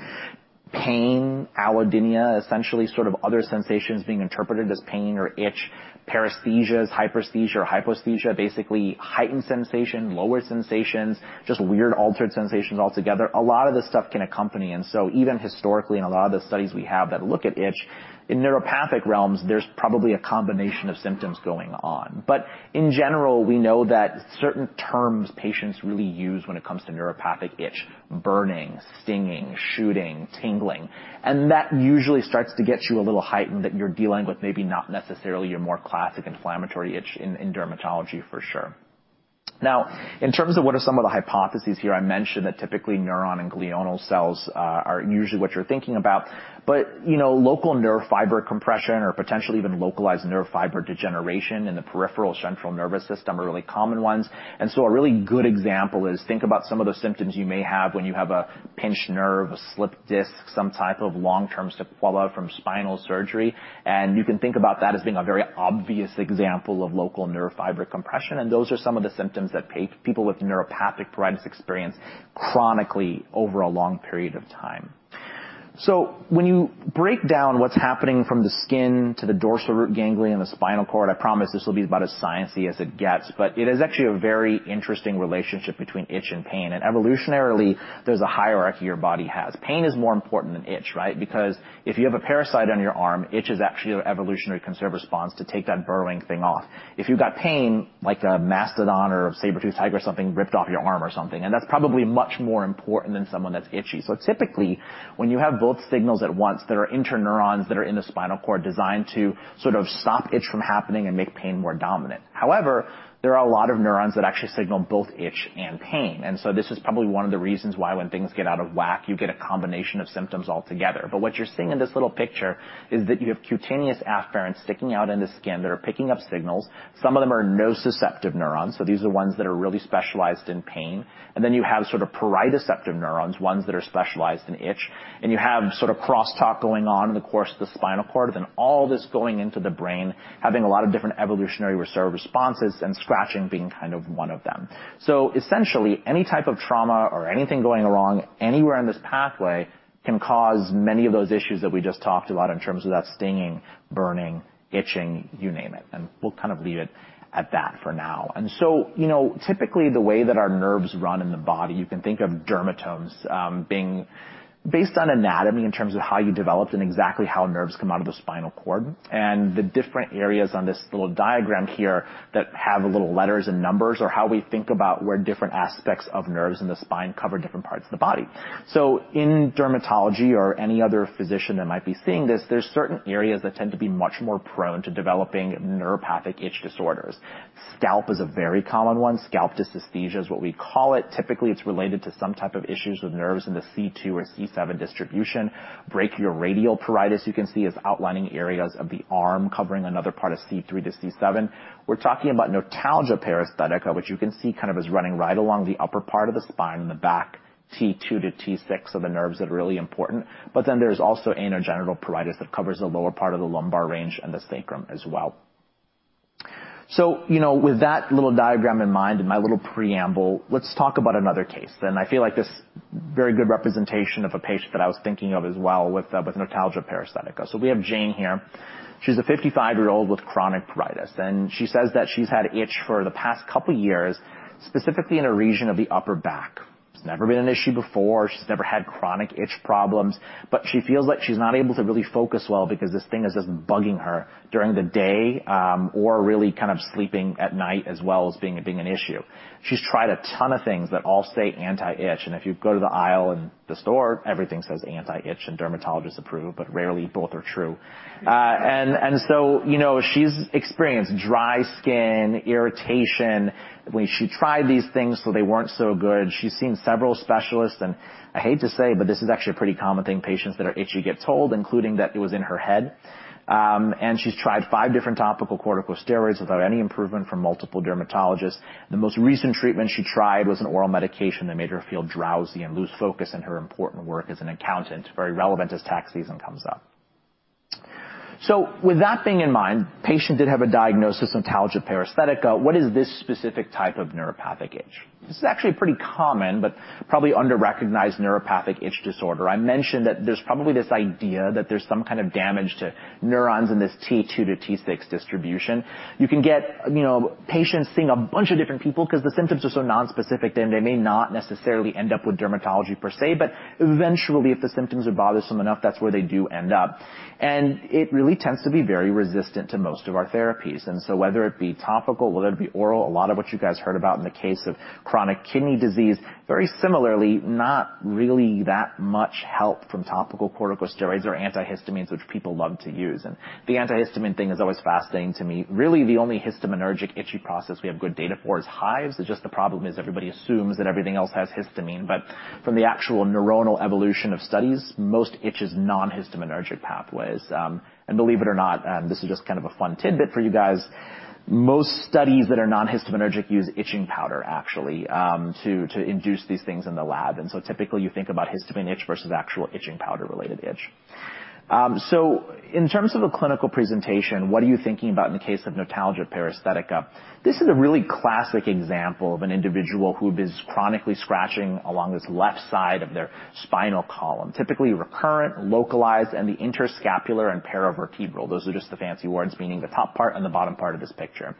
Pain, allodynia, essentially sort of other sensations being interpreted as pain or itch, paresthesias, hyperesthesia or hypoesthesia. Basically heightened sensation, lower sensations, just weird altered sensations altogether. A lot of this stuff can accompany. Even historically in a lot of the studies we have that look at itch in neuropathic realms, there's probably a combination of symptoms going on. In general, we know that certain terms patients really use when it comes to neuropathic itch, burning, stinging, shooting, tingling, and that usually starts to get you a little heightened that you're dealing with maybe not necessarily your more classic inflammatory itch in dermatology for sure. In terms of what are some of the hypotheses here, I mentioned that typically neuron and glial cells are usually what you're thinking about. You know, local nerve fiber compression or potentially even localized nerve fiber degeneration in the peripheral central nervous system are really common ones. A really good example is think about some of the symptoms you may have when you have a pinched nerve, a slipped disc, some type of long-term sequela from spinal surgery, and you can think about that as being a very obvious example of local nerve fiber compression. Those are some of the symptoms that people with neuropathic pruritus experience chronically over a long period of time. When you break down what's happening from the skin to the dorsal root ganglion and the spinal cord, I promise this will be about as sciency as it gets, but it is actually a very interesting relationship between itch and pain. Evolutionarily, there's a hierarchy your body has. Pain is more important than itch, right? Because if you have a parasite on your arm, itch is actually an evolutionary conserved response to take that burrowing thing off. If you've got pain like a mastodon or a saber-toothed tiger or something ripped off your arm or something, that's probably much more important than someone that's itchy. Typically when you have both signals at once, there are interneurons that are in the spinal cord designed to sort of stop itch from happening and make pain more dominant. However, there are a lot of neurons that actually signal both itch and pain. This is probably one of the reasons why when things get out of whack, you get a combination of symptoms altogether. What you're seeing in this little picture is that you have cutaneous afferents sticking out in the skin that are picking up signals. Some of them are nociceptive neurons. These are ones that are really specialized in pain. You have sort of pruritoceptive neurons, ones that are specialized in itch, and you have sort of crosstalk going on in the course of the spinal cord, and all this going into the brain, having a lot of different evolutionary reserved responses and scratching being kind of one of them. Essentially, any type of trauma or anything going wrong anywhere in this pathway can cause many of those issues that we just talked about in terms of that stinging, burning, itching, you name it, and we'll kind of leave it at that for now. You know, typically the way that our nerves run in the body, you can think of dermatomes, being based on anatomy in terms of how you developed and exactly how nerves come out of the spinal cord. The different areas on this little diagram here that have little letters and numbers are how we think about where different aspects of nerves in the spine cover different parts of the body. In dermatology or any other physician that might be seeing this, there's certain areas that tend to be much more prone to developing neuropathic itch disorders. Scalp is a very common one. Scalp dysesthesia is what we call it. Typically, it's related to some type of issues with nerves in the C2 or C7 distribution. Brachioradial pruritus you can see is outlining areas of the arm covering another part of C3 to C7. We're talking about notalgia paresthetica, which you can see kind of is running right along the upper part of the spine in the back, T2 to T6 are the nerves that are really important. There's also anogenital pruritus that covers the lower part of the lumbar range and the sacrum as well. You know, with that little diagram in mind and my little preamble, let's talk about another case then. I feel like this very good representation of a patient that I was thinking of as well with notalgia paresthetica. We have Jane here. She's a 55-year-old with chronic pruritus, and she says that she's had itch for the past couple years, specifically in a region of the upper back. It's never been an issue before. She's never had chronic itch problems, but she feels like she's not able to really focus well because this thing is just bugging her during the day, or really kind of sleeping at night as well as being an issue. She's tried a ton of things that all say anti-itch, and if you go to the aisle in the store, everything says anti-itch and dermatologist-approved, but rarely both are true. You know, she's experienced dry skin, irritation when she tried these things, so they weren't so good. She's seen several specialists I hate to say, but this is actually a pretty common thing patients that are itchy get told, including that it was in her head. She's tried five different topical corticosteroids without any improvement from multiple dermatologists. The most recent treatment she tried was an oral medication that made her feel drowsy and lose focus in her important work as an accountant. Very relevant as tax season comes up. With that being in mind, patient did have a diagnosis, notalgia paresthetica. What is this specific type of neuropathic itch? This is actually pretty common, but probably under-recognized neuropathic itch disorder. I mentioned that there's probably this idea that there's some kind of damage to neurons in this T2 to T6 distribution. You can get, you know, patients seeing a bunch of different people 'cause the symptoms are so nonspecific then they may not necessarily end up with dermatology per se, but eventually, if the symptoms are bothersome enough, that's where they do end up. It really tends to be very resistant to most of our therapies. Whether it be topical, whether it be oral, a lot of what you guys heard about in the case of chronic kidney disease, very similarly, not really that much help from topical corticosteroids or antihistamines, which people love to use. The antihistamine thing is always fascinating to me. Really, the only histaminergic itchy process we have good data for is hives. It's just the problem is everybody assumes that everything else has histamine. From the actual neuronal evolution of studies, most itch is non-histaminergic pathways. Believe it or not, and this is just kind of a fun tidbit for you guys, most studies that are non-histaminergic use itching powder actually, to induce these things in the lab. Typically, you think about histamine itch versus actual itching powder related itch. In terms of a clinical presentation, what are you thinking about in the case of notalgia paresthetica? This is a really classic example of an individual who is chronically scratching along this left side of their spinal column, typically recurrent, localized, and the interscapular and paravertebral. Those are just the fancy words, meaning the top part and the bottom part of this picture.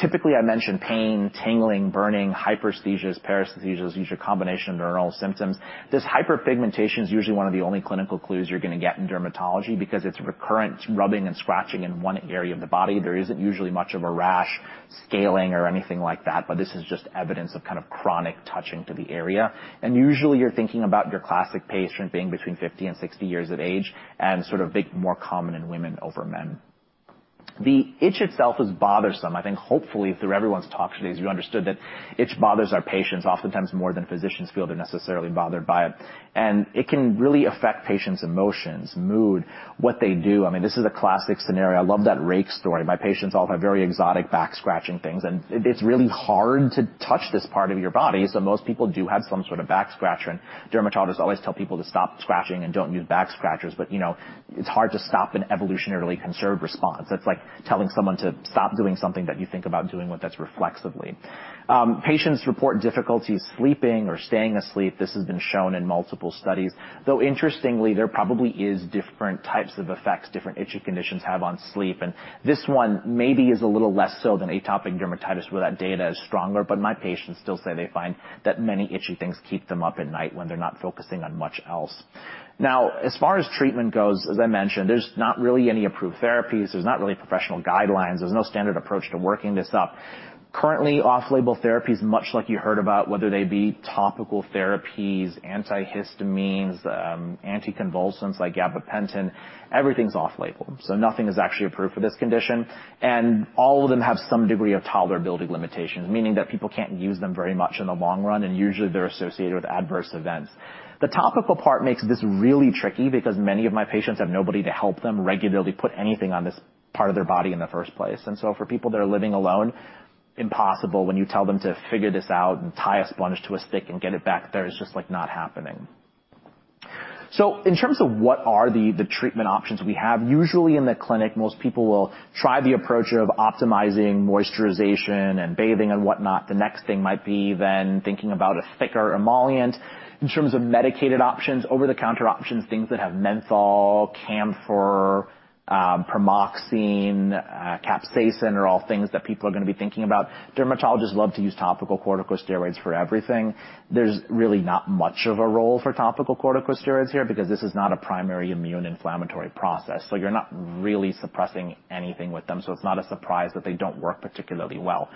Typically, I mention pain, tingling, burning, hyperesthesia, paresthesias, usually a combination of neuronal symptoms. This hyperpigmentation is usually one of the only clinical clues you're gonna get in dermatology because it's recurrent. It's rubbing and scratching in one area of the body. There isn't usually much of a rash, scaling or anything like that, this is just evidence of kind of chronic touching to the area. Usually you're thinking about your classic patient being between 50 and 60 years of age and sort of big, more common in women over men. The itch itself is bothersome. I think hopefully through everyone's talk today is you understood that itch bothers our patients oftentimes more than physicians feel they're necessarily bothered by it. It can really affect patients' emotions, mood, what they do. I mean, this is a classic scenario. I love that rake story. My patients all have very exotic back scratching things, and it's really hard to touch this part of your body. Most people do have some sort of back scratcher, and dermatologists always tell people to stop scratching and don't use back scratchers, but, you know, it's hard to stop an evolutionarily conserved response. That's like telling someone to stop doing something that you think about doing with that's reflexively. Patients report difficulties sleeping or staying asleep. This has been shown in multiple studies, though interestingly, there probably is different types of effects different itchy conditions have on sleep, and this one maybe is a little less so than Atopic Dermatitis where that data is stronger. My patients still say they find that many itchy things keep them up at night when they're not focusing on much else. Now, as far as treatment goes, as I mentioned, there's not really any approved therapies. There's not really professional guidelines. There's no standard approach to working this up. Currently, off-label therapies, much like you heard about, whether they be topical therapies, antihistamines, anticonvulsants like gabapentin, everything's off-label, so nothing is actually approved for this condition. All of them have some degree of tolerability limitations, meaning that people can't use them very much in the long run, and usually they're associated with adverse events. The topical part makes this really tricky because many of my patients have nobody to help them regularly put anything on this part of their body in the first place. For people that are living alone, impossible when you tell them to figure this out and tie a sponge to a stick and get it back there, it's just like not happening. In terms of what are the treatment options we have, usually in the clinic, most people will try the approach of optimizing moisturization and bathing and whatnot. The next thing might be then thinking about a thicker emollient. In terms of medicated options, over-the-counter options, things that have menthol, camphor, pramoxine, capsaicin are all things that people are gonna be thinking about. Dermatologists love to use topical corticosteroids for everything. There's really not much of a role for topical corticosteroids here because this is not a primary immune inflammatory process, so you're not really suppressing anything with them, so it's not a surprise that they don't work particularly well.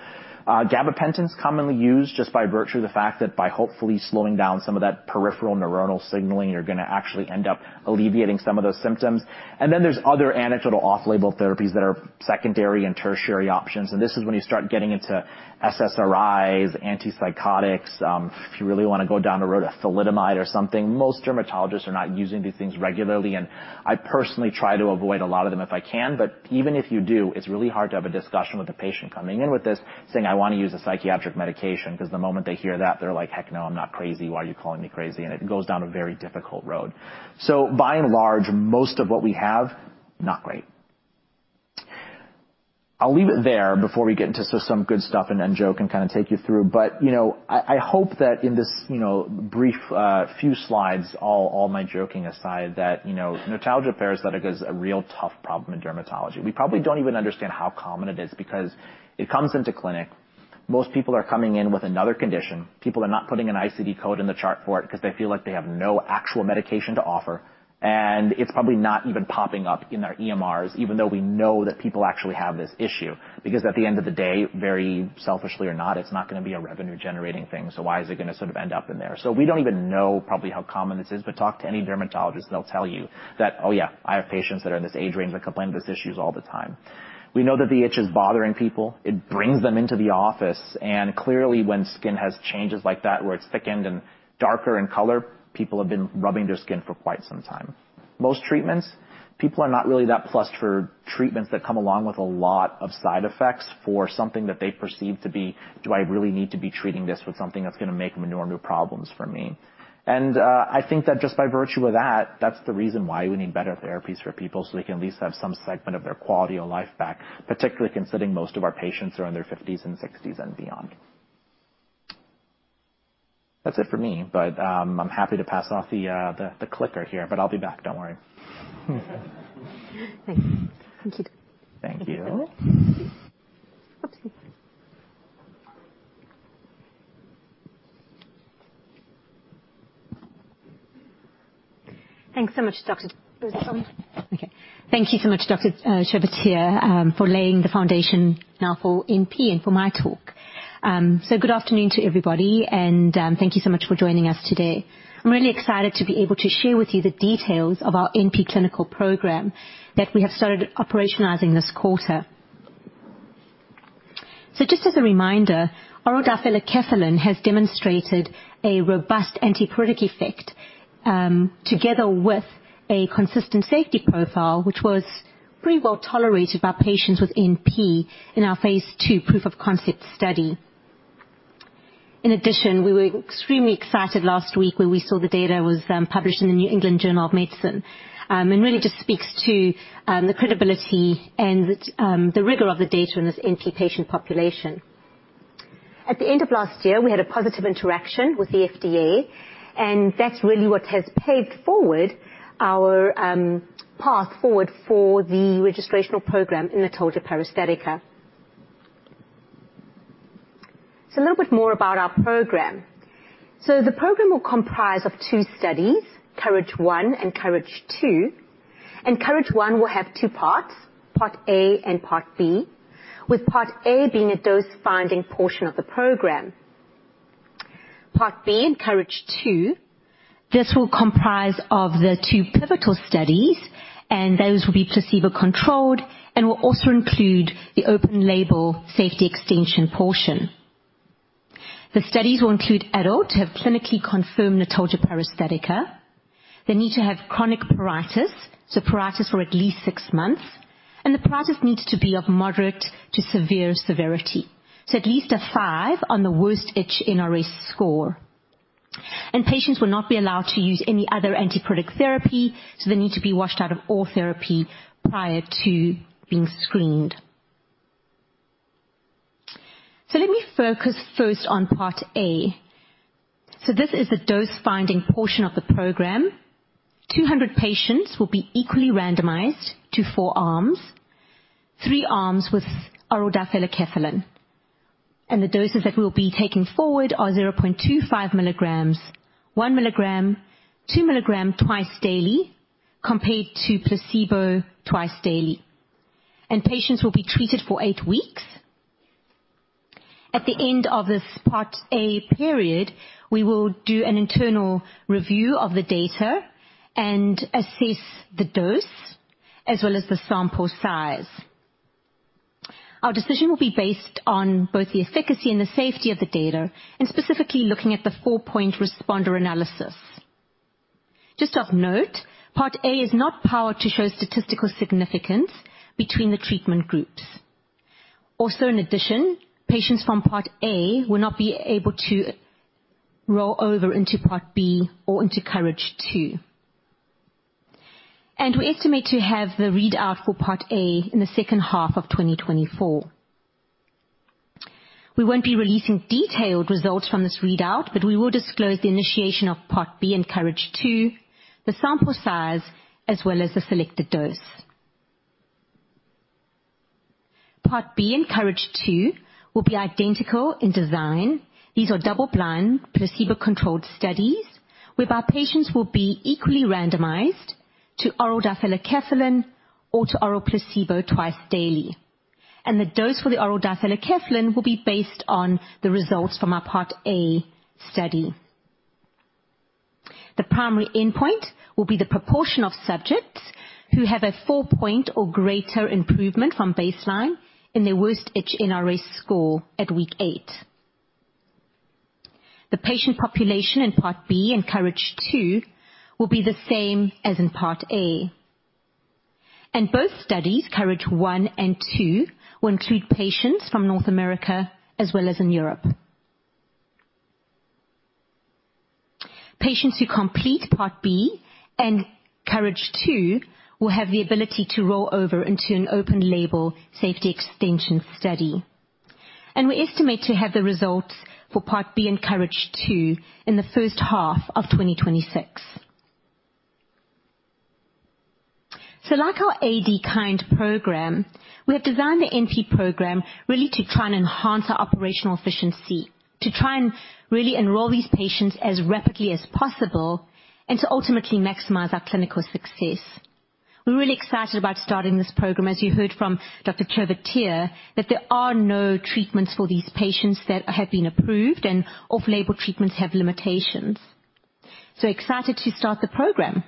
Gabapentin is commonly used just by virtue of the fact that by hopefully slowing down some of that peripheral neuronal signaling, you're gonna actually end up alleviating some of those symptoms. There's other anecdotal off-label therapies that are secondary and tertiary options. This is when you start getting into SSRIs, antipsychotics, if you really wanna go down the road of thalidomide or something. Most dermatologists are not using these things regularly, and I personally try to avoid a lot of them if I can. Even if you do, it's really hard to have a discussion with a patient coming in with this saying, "I wanna use a psychiatric medication," 'cause the moment they hear that, they're like, "Heck no, I'm not crazy. Why are you calling me crazy?" It goes down a very difficult road. By and large, most of what we have, not great. I'll leave it there before we get into some good stuff and then Joe can kind of take you through. You know, I hope that in this, you know, brief, few slides, all my joking aside, that, you know, notalgia paresthetica is a real tough problem in dermatology. We probably don't even understand how common it is because it comes into clinic, most people are coming in with another condition. People are not putting an ICD code in the chart for it because they feel like they have no actual medication to offer, and it's probably not even popping up in their EMRs, even though we know that people actually have this issue. At the end of the day, very selfishly or not, it's not gonna be a revenue generating thing, so why is it gonna sort of end up in there? We don't even know probably how common this is, but talk to any dermatologist and they'll tell you that, "Oh, yeah, I have patients that are in this age range that complain of these issues all the time." We know that the itch is bothering people. It brings them into the office. Clearly, when skin has changes like that, where it's thickened and darker in color, people have been rubbing their skin for quite some time. Most treatments, people are not really that fussed for treatments that come along with a lot of side effects for something that they perceive to be, "Do I really need to be treating this with something that's gonna make more new problems for me?" I think that just by virtue of that's the reason why we need better therapies for people, so they can at least have some segment of their quality of life back. Particularly considering most of our patients are in their fifties and sixties and beyond. That's it for me. I'm happy to pass off the clicker here, but I'll be back. Don't worry. Thank you so much Dr. Raj. Dr. Goncalves? Thank you so much, Dr. Chovatiya, for laying the foundation now for NP and for my talk. Good afternoon to everybody, and thank you so much for joining us today. I'm really excited to be able to share with you the details of our NP clinical program that we have started operationalizing this quarter. Just as a reminder, oral difelikefalin has demonstrated a robust antipruritic effect, together with a consistent safety profile, which was pretty well tolerated by patients with NP in our phase II proof of concept study. In addition, we were extremely excited last week when we saw the data was published in The New England Journal of Medicine. Really just speaks to the credibility and the rigor of the data in this NP patient population. At the end of last year, we had a positive interaction with the FDA, that's really what has paved forward our path forward for the registrational program in notalgia paresthetica. A little bit more about our program. The program will comprise of two studies, KOURAGE-1 and KOURAGE-2. KOURAGE-1 will have two parts, part A and part B, with part A being a dose-finding portion of the program. Part B in KOURAGE-2, this will comprise of the two pivotal studies, those will be placebo-controlled and will also include the open label safety extension portion. The studies will include adults who have clinically confirmed notalgia paresthetica. They need to have chronic pruritus, so pruritus for at least six months. The pruritus needs to be of moderate to severe severity, so at least a five on the Worst Itch NRS score. Patients will not be allowed to use any other antipruritic therapy, so they need to be washed out of all therapy prior to being screened. Let me focus first on part A. This is the dose-finding portion of the program. 200 patients will be equally randomized to four arms, three arms with oral difelikefalin. The doses that we'll be taking forward are 0.25 milligrams, 1 milligram, 2 milligram twice daily, compared to placebo twice daily. Patients will be treated for 8 weeks. At the end of this part A period, we will do an internal review of the data and assess the dose as well as the sample size. Our decision will be based on both the efficacy and the safety of the data, and specifically looking at the 4-point responder analysis. Just of note, part A is not powered to show statistical significance between the treatment groups. In addition, patients from part A will not be able to roll over into part B or into KOURAGE-2. We estimate to have the readout for part A in the second half of 2024. We won't be releasing detailed results from this readout, but we will disclose the initiation of part B in KOURAGE-2, the sample size, as well as the selected dose. Part B in KOURAGE-2 will be identical in design. These are double blind placebo-controlled studies whereby patients will be equally randomized to oral difelikefalin or to oral placebo twice daily. The dose for the oral difelikefalin will be based on the results from our part A study. The primary endpoint will be the proportion of subjects who have a 4-point or greater improvement from baseline in their Worst Itch NRS score at week 8. The patient population in part B in KOURAGE-2 will be the same as in part A. Both studies, KOURAGE-1 and 2, will include patients from North America as well as in Europe. Patients who complete part B and KOURAGE-2 will have the ability to roll over into an open label safety extension study. We estimate to have the results for part B in KOURAGE-2 in the first half of 2026. Like our ADKind program, we have designed the NP program really to try and enhance our operational efficiency, to try and really enroll these patients as rapidly as possible and to ultimately maximize our clinical success. We're really excited about starting this program. As you heard from Dr. Chovatiya, that there are no treatments for these patients that have been approved and off-label treatments have limitations. Excited to start the program.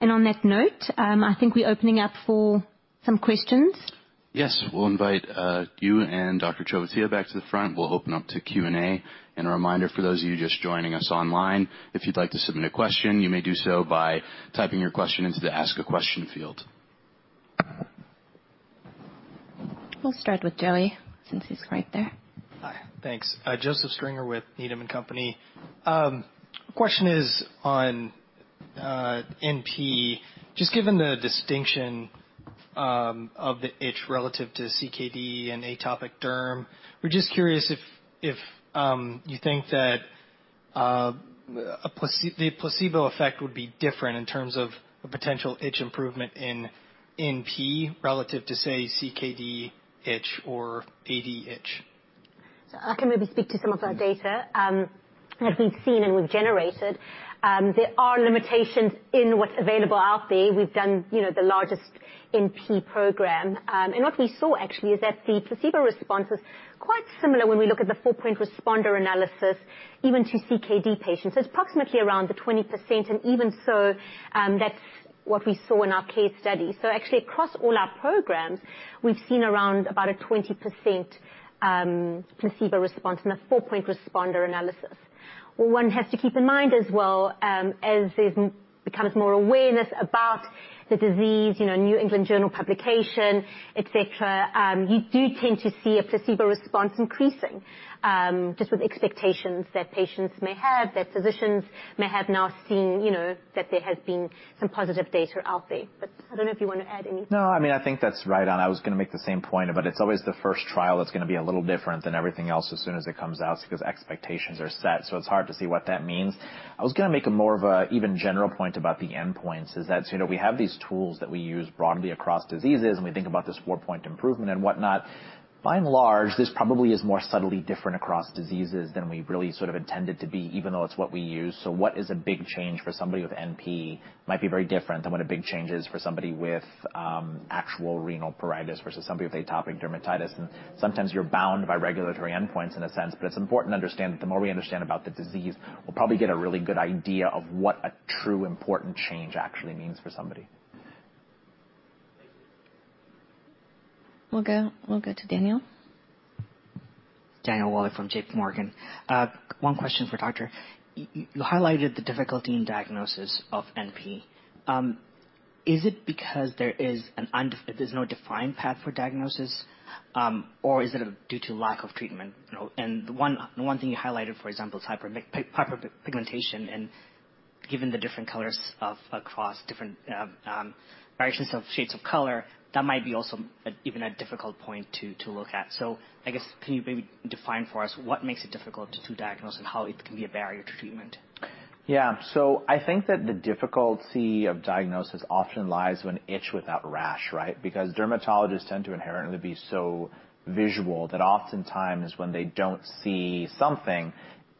On that note, I think we're opening up for some questions. Yes. We'll invite you and Dr. Chovatiya back to the front. We'll open up to Q&A. A reminder for those of you just joining us online, if you'd like to submit a question, you may do so by typing your question into the Ask a Question field. We'll start with Joey since he's right there. Hi. Thanks. Joseph Stringer with Needham & Company. Question is on-NP, just given the distinction of the itch relative to CKD and atopic derm, we're just curious if you think that the placebo effect would be different in terms of a potential itch improvement in NP relative to, say, CKD itch or AD itch? I can maybe speak to some of that data that we've seen and we've generated. There are limitations in what's available out there. We've done, you know, the largest NP program. What we saw actually is that the placebo response is quite similar when we look at the 4-point responder analysis, even to CKD patients. It's approximately around the 20%, and even so, that's what we saw in our case study. Actually, across all our programs, we've seen around about a 20% placebo response in a 4-point responder analysis. What one has to keep in mind as well, as there's becomes more awareness about the disease, you know, New England Journal publication, et cetera, you do tend to see a placebo response increasing, just with expectations that patients may have, that physicians may have now seen, you know, that there has been some positive data out there. I don't know if you want to add anything. No. I mean, I think that's right. I was gonna make the same point. It's always the first trial that's gonna be a little different than everything else as soon as it comes out just because expectations are set, so it's hard to see what that means. I was gonna make a more of a even general point about the endpoints is that, you know, we have these tools that we use broadly across diseases and we think about this 4-point improvement and whatnot. By and large, this probably is more subtly different across diseases than we really sort of intended to be, even though it's what we use. What is a big change for somebody with NP might be very different than what a big change is for somebody with actual renal pruritus versus somebody with Atopic Dermatitis. Sometimes you're bound by regulatory endpoints in a sense, but it's important to understand that the more we understand about the disease, we'll probably get a really good idea of what a true important change actually means for somebody. Thank you. We'll go to Daniel. Daniel [Wallace] from JPMorgan. One question for doctor. You highlighted the difficulty in diagnosis of NP. Is it because there is no defined path for diagnosis, or is it due to lack of treatment? You know, the one thing you highlighted, for example, is hyperpigmentation. Given the different colors of across different variations of shades of color, that might be also a difficult point to look at. I guess can you maybe define for us what makes it difficult to diagnose and how it can be a barrier to treatment? Yeah. I think that the difficulty of diagnosis often lies with an itch without rash, right? Because dermatologists tend to inherently be so visual that oftentimes when they don't see something,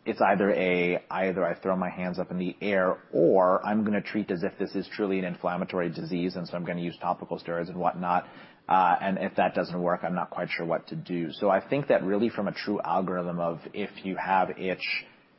it's either I throw my hands up in the air, or I'm gonna treat as if this is truly an inflammatory disease, I'm gonna use topical steroids and whatnot. If that doesn't work, I'm not quite sure what to do. I think that really from a true algorithm of if you have itch,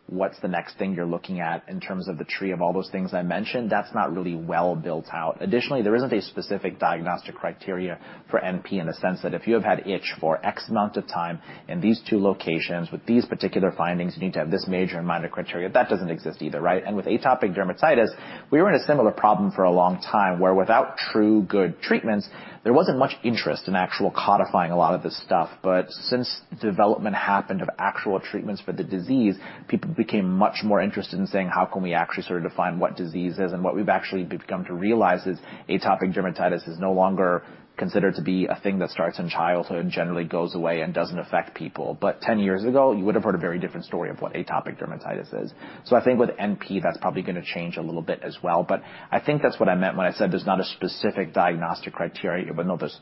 what's the next thing you're looking at in terms of the tree of all those things I mentioned, that's not really well built out. Additionally, there isn't a specific diagnostic criteria for NP in the sense that if you have had itch for x amount of time in these two locations with these particular findings, you need to have this major and minor criteria. That doesn't exist either, right? With Atopic Dermatitis, we were in a similar problem for a long time, where without true good treatments, there wasn't much interest in actual codifying a lot of this stuff. Since development happened of actual treatments for the disease, people became much more interested in saying, "How can we actually sort of define what disease is?" What we've actually become to realize is Atopic Dermatitis is no longer considered to be a thing that starts in childhood, generally goes away and doesn't affect people. 10 years ago, you would have heard a very different story of what Atopic Dermatitis is. I think with NP, that's probably gonna change a little bit as well. I think that's what I meant when I said there's not a specific diagnostic criteria, but know there's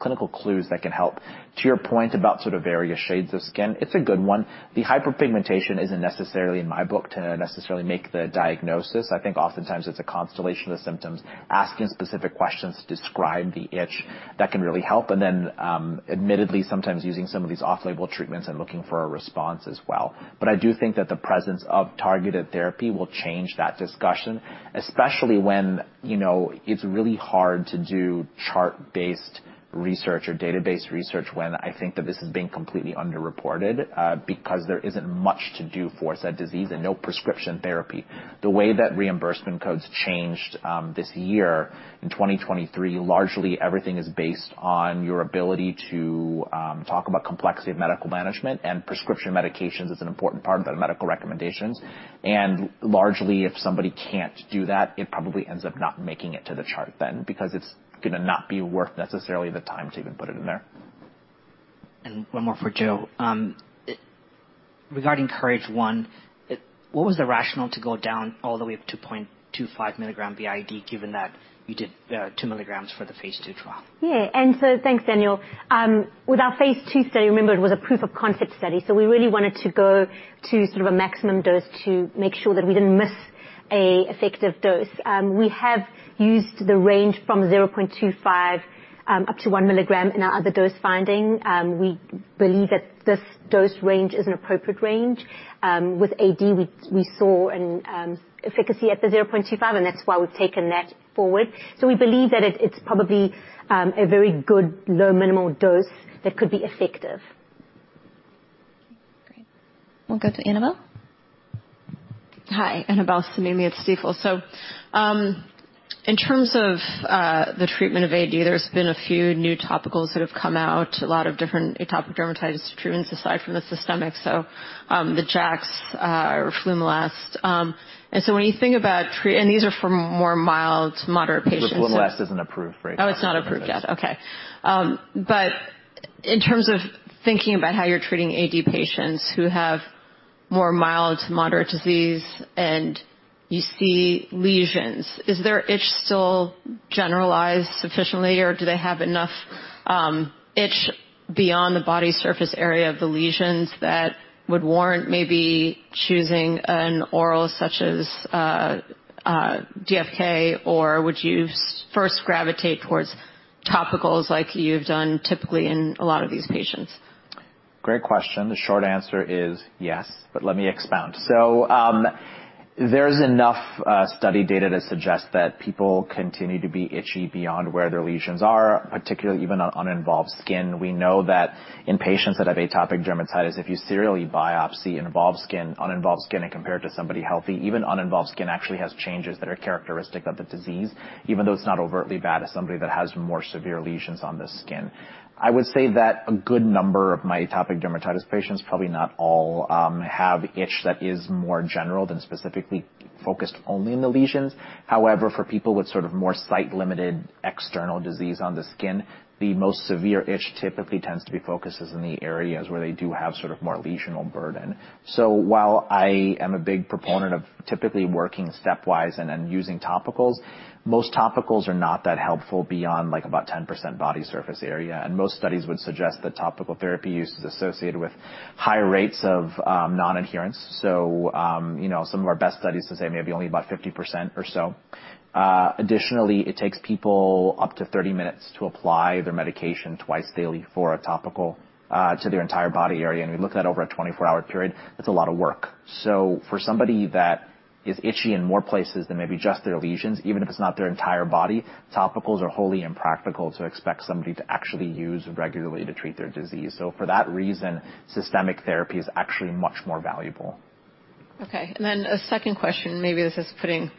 clinical clues that can help. To your point about sort of various shades of skin, it's a good one. The hyperpigmentation isn't necessarily in my book to necessarily make the diagnosis. I think oftentimes it's a constellation of symptoms. Asking specific questions to describe the itch, that can really help. Admittedly, sometimes using some of these off-label treatments and looking for a response as well. I do think that the presence of targeted therapy will change that discussion, especially when, you know, it's really hard to do chart-based research or database research when I think that this is being completely underreported because there isn't much to do for said disease and no prescription therapy. The way that reimbursement codes changed this year in 2023, largely everything is based on your ability to talk about complexity of medical management, and prescription medications is an important part of the medical recommendations. Largely, if somebody can't do that, it probably ends up not making it to the chart then because it's gonna not be worth necessarily the time to even put it in there. One more for Jo. Regarding KOURAGE-1, what was the rationale to go down all the way up to 0.25 milligram BID, given that you did 2 milligrams for the phase II trial? Yeah. Thanks, Daniel. With our phase II study, remember it was a proof of concept study. We really wanted to go to sort of a maximum dose to make sure that we didn't miss a effective dose. We have used the range from 0.25 up to 1 milligram in our other dose finding. We believe that this dose range is an appropriate range. With AD we saw an efficacy at the 0.25. That's why we've taken that forward. We believe that it's probably a very good low minimal dose that could be effective. Okay, great. We'll go to Annabel. Hi. Annabel Samimy at Stifel. In terms of the treatment of AD, there's been a few new topicals that have come out, a lot of different Atopic Dermatitis treatments aside from the systemic, so the JAKs or Roflumilast. These are for more mild to moderate patients. Roflumilast isn't approved, right? It's not approved yet. Okay. In terms of thinking about how you're treating AD patients who have more mild to moderate disease and you see lesions, is their itch still generalized sufficiently, or do they have enough itch beyond the body surface area of the lesions that would warrant maybe choosing an oral such as difelikefalin, or would you first gravitate towards topicals like you've done typically in a lot of these patients? Great question. The short answer is yes, but let me expound. There's enough study data to suggest that people continue to be itchy beyond where their lesions are, particularly even on uninvolved skin. We know that in patients that have Atopic Dermatitis, if you serially biopsy involved skin, uninvolved skin and compare it to somebody healthy, even uninvolved skin actually has changes that are characteristic of the disease, even though it's not overtly bad as somebody that has more severe lesions on the skin. I would say that a good number of my Atopic Dermatitis patients, probably not all, have itch that is more general than specifically focused only in the lesions. However, for people with sort of more site-limited external disease on the skin, the most severe itch typically tends to be focuses in the areas where they do have sort of more lesional burden. While I am a big proponent of typically working stepwise and then using topicals, most topicals are not that helpful beyond like about 10% body surface area, and most studies would suggest that topical therapy use is associated with high rates of non-adherence. You know, some of our best studies would say maybe only about 50% or so. Additionally, it takes people up to 30 minutes to apply their medication twice daily for a topical to their entire body area. We look at that over a 24-hour period, that's a lot of work. For somebody that is itchy in more places than maybe just their lesions, even if it's not their entire body, topicals are wholly impractical to expect somebody to actually use regularly to treat their disease. For that reason, systemic therapy is actually much more valuable. Then a second question, maybe this is putting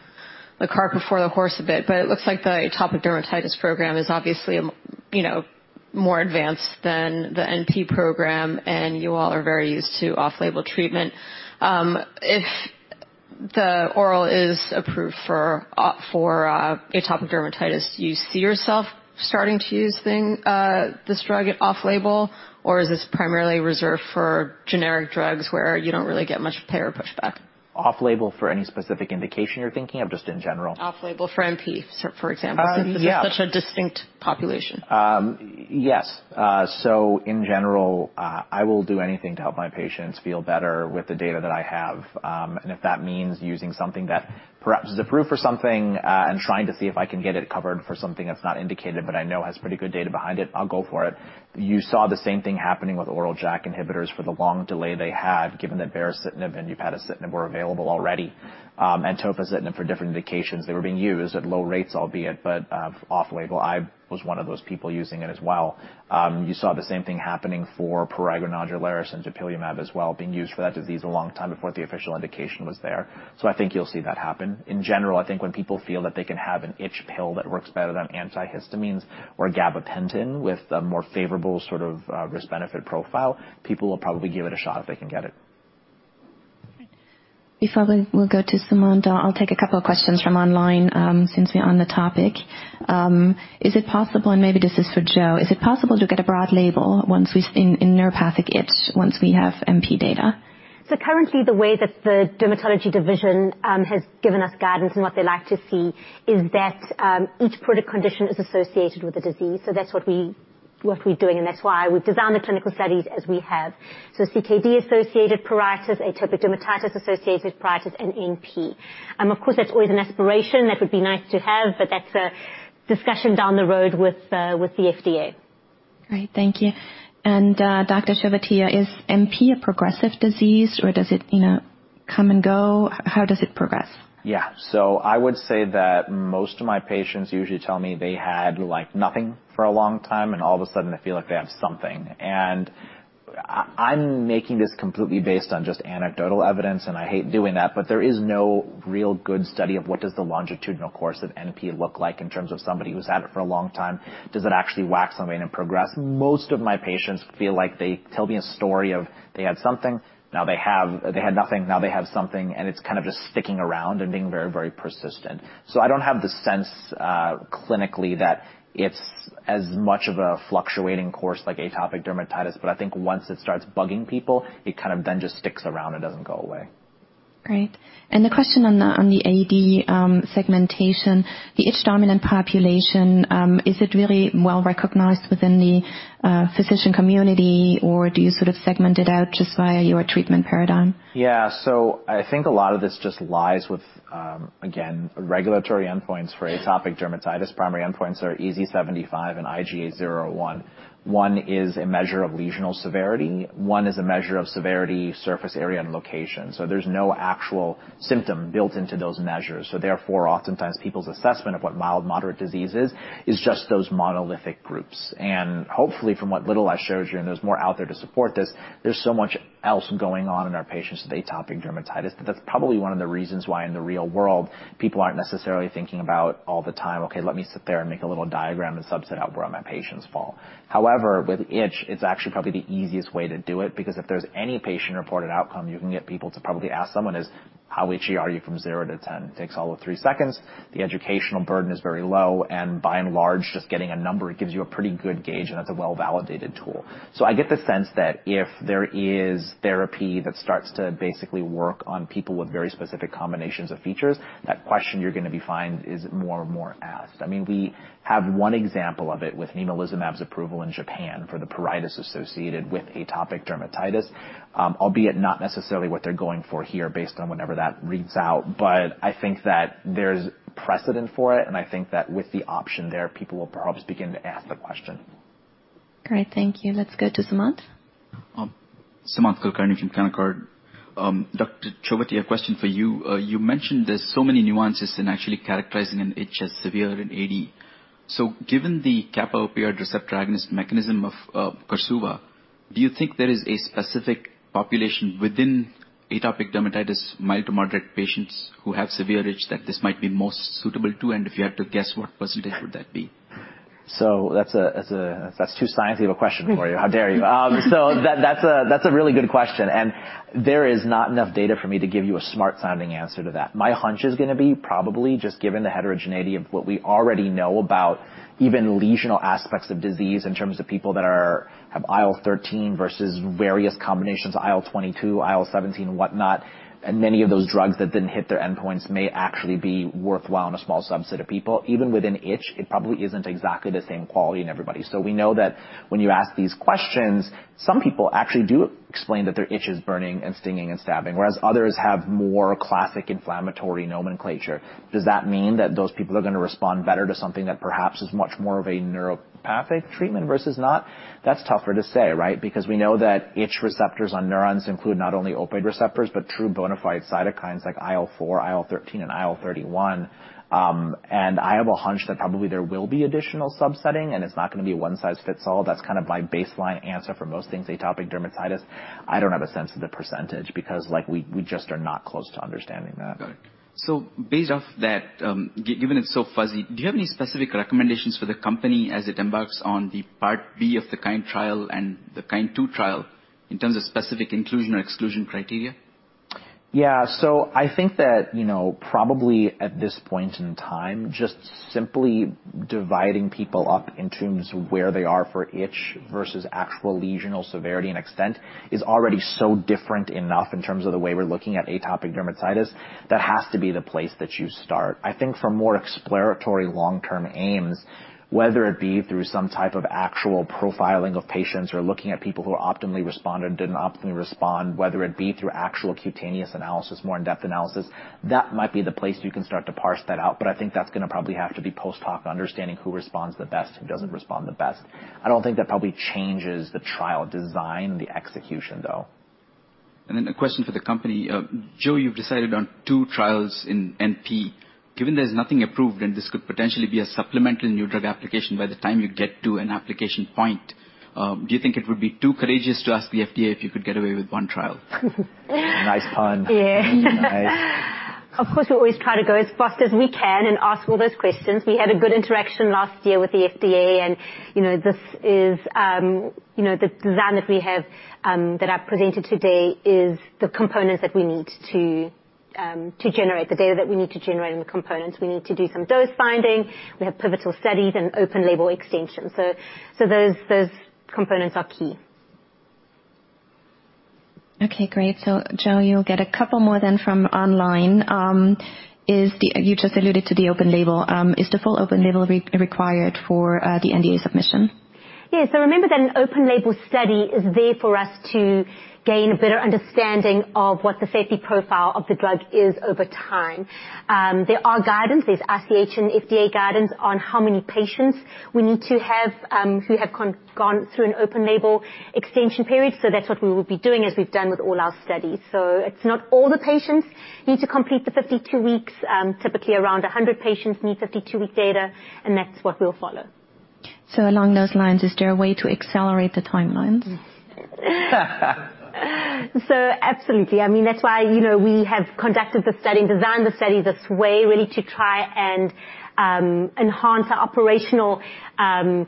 the cart before the horse a bit, but it looks like the Atopic Dermatitis program is obviously, you know, more advanced than the NP program, and you all are very used to off-label treatment. If the oral is approved for Atopic Dermatitis, do you see yourself starting to use this drug off-label, or is this primarily reserved for generic drugs where you don't really get much payer pushback? Off-label for any specific indication you're thinking of, just in general? Off-label for NP, for example. Since this is such a distinct population. Yes. In general, I will do anything to help my patients feel better with the data that I have. If that means using something that perhaps is approved for something, and trying to see if I can get it covered for something that's not indicated, but I know has pretty good data behind it, I'll go for it. You saw the same thing happening with oral JAK inhibitors for the long delay they had given that baricitinib and upadacitinib were available already, and tofacitinib for different indications. They were being used at low rates, albeit, off-label. I was one of those people using it as well. You saw the same thing happening for prurigo nodularis and dupilumab as well, being used for that disease a long time before the official indication was there. I think you'll see that happen. In general, I think when people feel that they can have an itch pill that works better than antihistamines or gabapentin with a more favorable sort of, risk-benefit profile, people will probably give it a shot if they can get it. Before we go to Simone, I'll take a couple of questions from online, since we're on the topic. Is it possible, and maybe this is for Jo, is it possible to get a broad label once we in neuropathic itch once we have NP data? Currently, the way that the dermatology division has given us guidance and what they like to see is that each product condition is associated with the disease. That's what we're doing, and that's why we've designed the clinical studies as we have. CKD-associated pruritus, atopic dermatitis-associated pruritus, and NP. Of course, that's always an aspiration that would be nice to have, that's a discussion down the road with the FDA. Great. Thank you. Dr. Chovatiya, is NP a progressive disease or does it, you know, come and go? How does it progress? Yeah. I would say that most of my patients usually tell me they had, like, nothing for a long time, and all of a sudden they feel like they have something. I'm making this completely based on just anecdotal evidence, and I hate doing that, but there is no real good study of what does the longitudinal course of NP look like in terms of somebody who's had it for a long time. Does it actually wax on and progress? Most of my patients feel like they tell me a story of they had nothing, now they have something, and it's kind of just sticking around and being very, very persistent. I don't have the sense clinically that it's as much of a fluctuating course like Atopic Dermatitis, but I think once it starts bugging people, it kind of then just sticks around and doesn't go away. Great. The question on the AD, segmentation, the itch dominant population, is it really well-recognized within the physician community, or do you sort of segment it out just via your treatment paradigm? I think a lot of this just lies with, again, regulatory endpoints for Atopic Dermatitis. Primary endpoints are EASI-75 and IGA 0/1. One is a measure of lesional severity, one is a measure of severity, surface area, and location. There's no actual symptom built into those measures. Therefore, oftentimes, people's assessment of what mild, moderate disease is just those monolithic groups. Hopefully, from what little I showed you, and there's more out there to support this, there's so much else going on in our patients with Atopic Dermatitis. That's probably one of the reasons why in the real world, people aren't necessarily thinking about all the time, "Okay, let me sit there and make a little diagram and subset out where my patients fall." However, with itch, it's actually probably the easiest way to do it, because if there's any patient-reported outcome, you can get people to probably ask someone is, "How itchy are you from 0 to 10?" Takes all of three seconds. The educational burden is very low, and by and large, just getting a number, it gives you a pretty good gauge, and that's a well-validated tool. I get the sense that if there is therapy that starts to basically work on people with very specific combinations of features, that question you're gonna be find is more and more asked. I mean, we have one example of it with nemolizumab's approval in Japan for the pruritus associated with atopic dermatitis. Albeit not necessarily what they're going for here based on whenever that reads out. I think that there's precedent for it, and I think that with the option there, people will perhaps begin to ask the question. Great. Thank you. Let's go to Sumant. Sumant Kulkarni from Canaccord. Dr. Chovatiya, a question for you. You mentioned there's so many nuances in actually characterizing an itch as severe in AD. Given the kappa opioid receptor agonist mechanism of Korsuva, do you think there is a specific population within atopic dermatitis, mild to moderate patients who have severe itch that this might be most suitable to? If you had to guess, what percent would that be? That's too scientific a question for you. How dare you? That's a really good question. There is not enough data for me to give you a smart-sounding answer to that. My hunch is gonna be probably just given the heterogeneity of what we already know about even lesional aspects of disease in terms of people that are, have IL-13 versus various combinations, IL-22, IL-17, and whatnot, and many of those drugs that didn't hit their endpoints may actually be worthwhile in a small subset of people. Even within itch, it probably isn't exactly the same quality in everybody. We know that when you ask these questions, some people actually do explain that their itch is burning and stinging and stabbing, whereas others have more classic inflammatory nomenclature. Does that mean that those people are gonna respond better to something that perhaps is much more of a neuropathic treatment versus not? That's tougher to say, right? Because we know that itch receptors on neurons include not only opioid receptors, but true bona fide cytokines like IL-4, IL-13 and IL-31. I have a hunch that probably there will be additional sub-setting, and it's not gonna be a one-size-fits-all. That's kinda my baseline answer for most things Atopic Dermatitis. I don't have a sense of the percentage because, like, we just are not close to understanding that. Got it. Based off that, given it's so fuzzy, do you have any specific recommendations for the company as it embarks on the part B of the KIND trial and the KIND-2 trial in terms of specific inclusion or exclusion criteria? I think that, you know, probably at this point in time, just simply dividing people up in terms of where they are for itch versus actual lesional severity and extent is already so different enough in terms of the way we're looking at atopic dermatitis. That has to be the place that you start. I think for more exploratory long-term aims, whether it be through some type of actual profiling of patients or looking at people who optimally responded or didn't optimally respond, whether it be through actual cutaneous analysis, more in-depth analysis, that might be the place you can start to parse that out. I think that's gonna probably have to be post-hoc understanding who responds the best, who doesn't respond the best. I don't think that probably changes the trial design, the execution, though. A question for the company. Jo, you've decided on two trials in NP. Given there's nothing approved, and this could potentially be a supplemental new drug application by the time you get to an application point, do you think it would be too courageous to ask the FDA if you could get away with one trial? Nice one. Yeah. Of course, we always try to go as fast as we can and ask all those questions. We had a good interaction last year with the FDA and, you know, this is, you know, the design that we have that I've presented today is the components that we need to generate the data that we need to generate and the components. We need to do some dose finding. We have pivotal studies and open label extension. Those components are key. Okay, great. Jo, you'll get a couple more then from online. You just alluded to the open label. Is the full open label re-required for the NDA submission? Yes. Remember that an open label study is there for us to gain a better understanding of what the safety profile of the drug is over time. There are guidance. There's ICH and FDA guidance on how many patients we need to have who have gone through an open label extension period, so that's what we will be doing as we've done with all our studies. It's not all the patients need to complete the 52 weeks. Typically around 100 patients need 52-week data, and that's what we'll follow. Along those lines, is there a way to accelerate the timelines? Absolutely. I mean, that's why, you know, we have conducted the study and designed the study this way, really to try and enhance our operational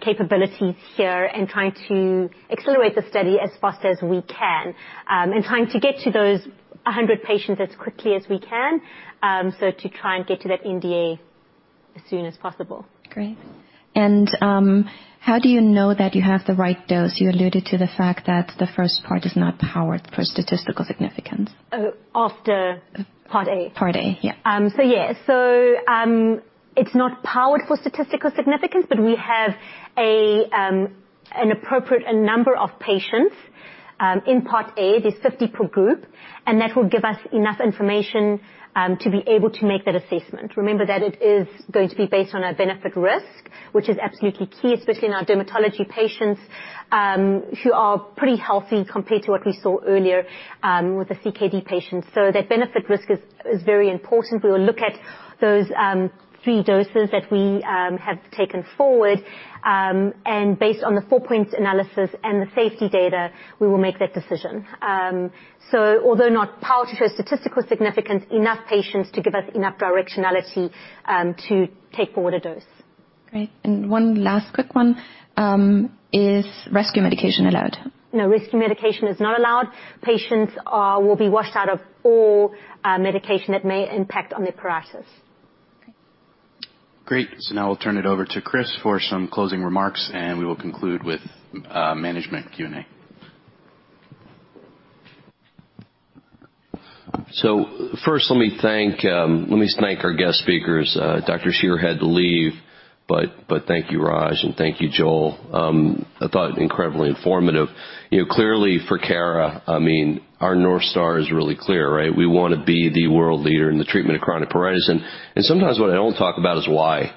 capabilities here and trying to accelerate the study as fast as we can, and trying to get to those 100 patients as quickly as we can, so to try and get to that NDA as soon as possible. Great. How do you know that you have the right dose? You alluded to the fact that the first part is not powered for statistical significance. After Part A. Part A. Yeah. Yeah. It's not powered for statistical significance, but we have an appropriate number of patients in Part A, there's 50 per group, and that will give us enough information to be able to make that assessment. Remember that it is going to be based on a benefit risk, which is absolutely key, especially in our dermatology patients, who are pretty healthy compared to what we saw earlier with the CKD patients. That benefit risk is very important. We will look at those three doses that we have taken forward. Based on the 4-point analysis and the safety data, we will make that decision. Although not powered for statistical significance, enough patients to give us enough directionality to take forward a dose. Great. One last quick one. Is rescue medication allowed? Rescue medication is not allowed. Patients will be washed out of all medication that may impact on their psoriasis. Okay. Great. Now I'll turn it over to Chris for some closing remarks, and we will conclude with management Q&A. First, let me thank our guest speakers. Dr. Scherer had to leave, but thank you, Raj, and thank you, Jo. I thought incredibly informative. You know, clearly for Cara, I mean, our North Star is really clear, right? We wanna be the world leader in the treatment of chronic psoriasis. Sometimes what I don't talk about is why.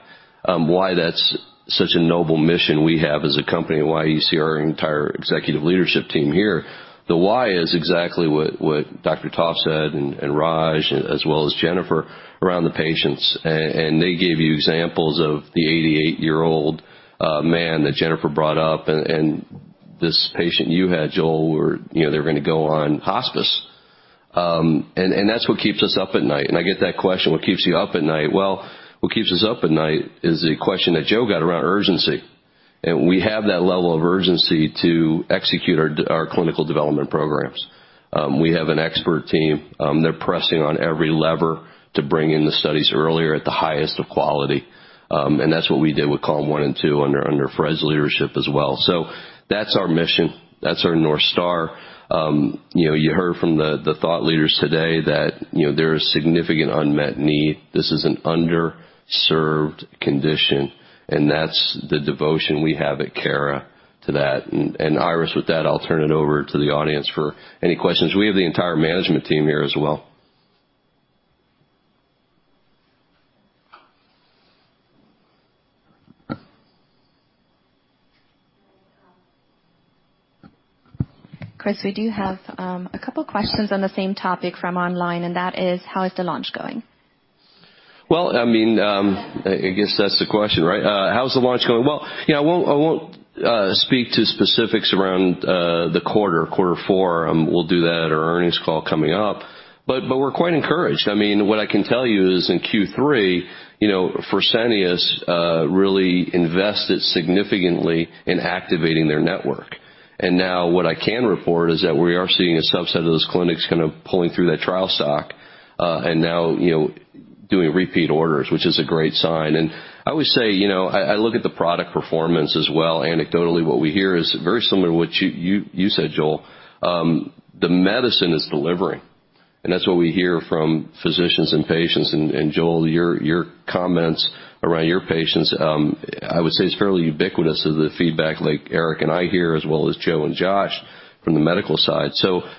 Why that's such a noble mission we have as a company, and why you see our entire executive leadership team here. The why is exactly what Dr. Topf said, and Raj, as well as Jennifer, around the patients. They gave you examples of the 88-year-old man that Jennifer brought up and this patient you had, Jo, where, you know, they were gonna go on hospice. That's what keeps us up at night. I get that question, what keeps you up at night? Well, what keeps us up at night is the question that Jo got around urgency. We have that level of urgency to execute our clinical development programs. We have an expert team, they're pressing on every lever to bring in the studies earlier at the highest of quality. That's what we did with CALM-1 and 2 under Fred's leadership as well. That's our mission. That's our North Star. You know, you heard from the thought leaders today that, you know, there is significant unmet need. This is an underserved condition, and that's the devotion we have at Cara to that. Iris, with that, I'll turn it over to the audience for any questions. We have the entire management team here as well. Chris, we do have, a couple questions on the same topic from online, and that is, how is the launch going? Well, I mean, I guess that's the question, right? How's the launch going? Well, you know, I won't speak to specifics around the quarter four. We'll do that at our earnings call coming up. We're quite encouraged. I mean, what I can tell you is in Q3, you know, Fresenius really invested significantly in activating their network. Now what I can report is that we are seeing a subset of those clinics kind of pulling through that trial stock, and now, you know, doing repeat orders, which is a great sign. I always say, you know, I look at the product performance as well. Anecdotally, what we hear is very similar to what you said, Jo. The medicine is delivering, and that's what we hear from physicians and patients. Jo, your comments around your patients, I would say it's fairly ubiquitous of the feedback like Eric and I hear, as well as Jo and Josh from the medical side.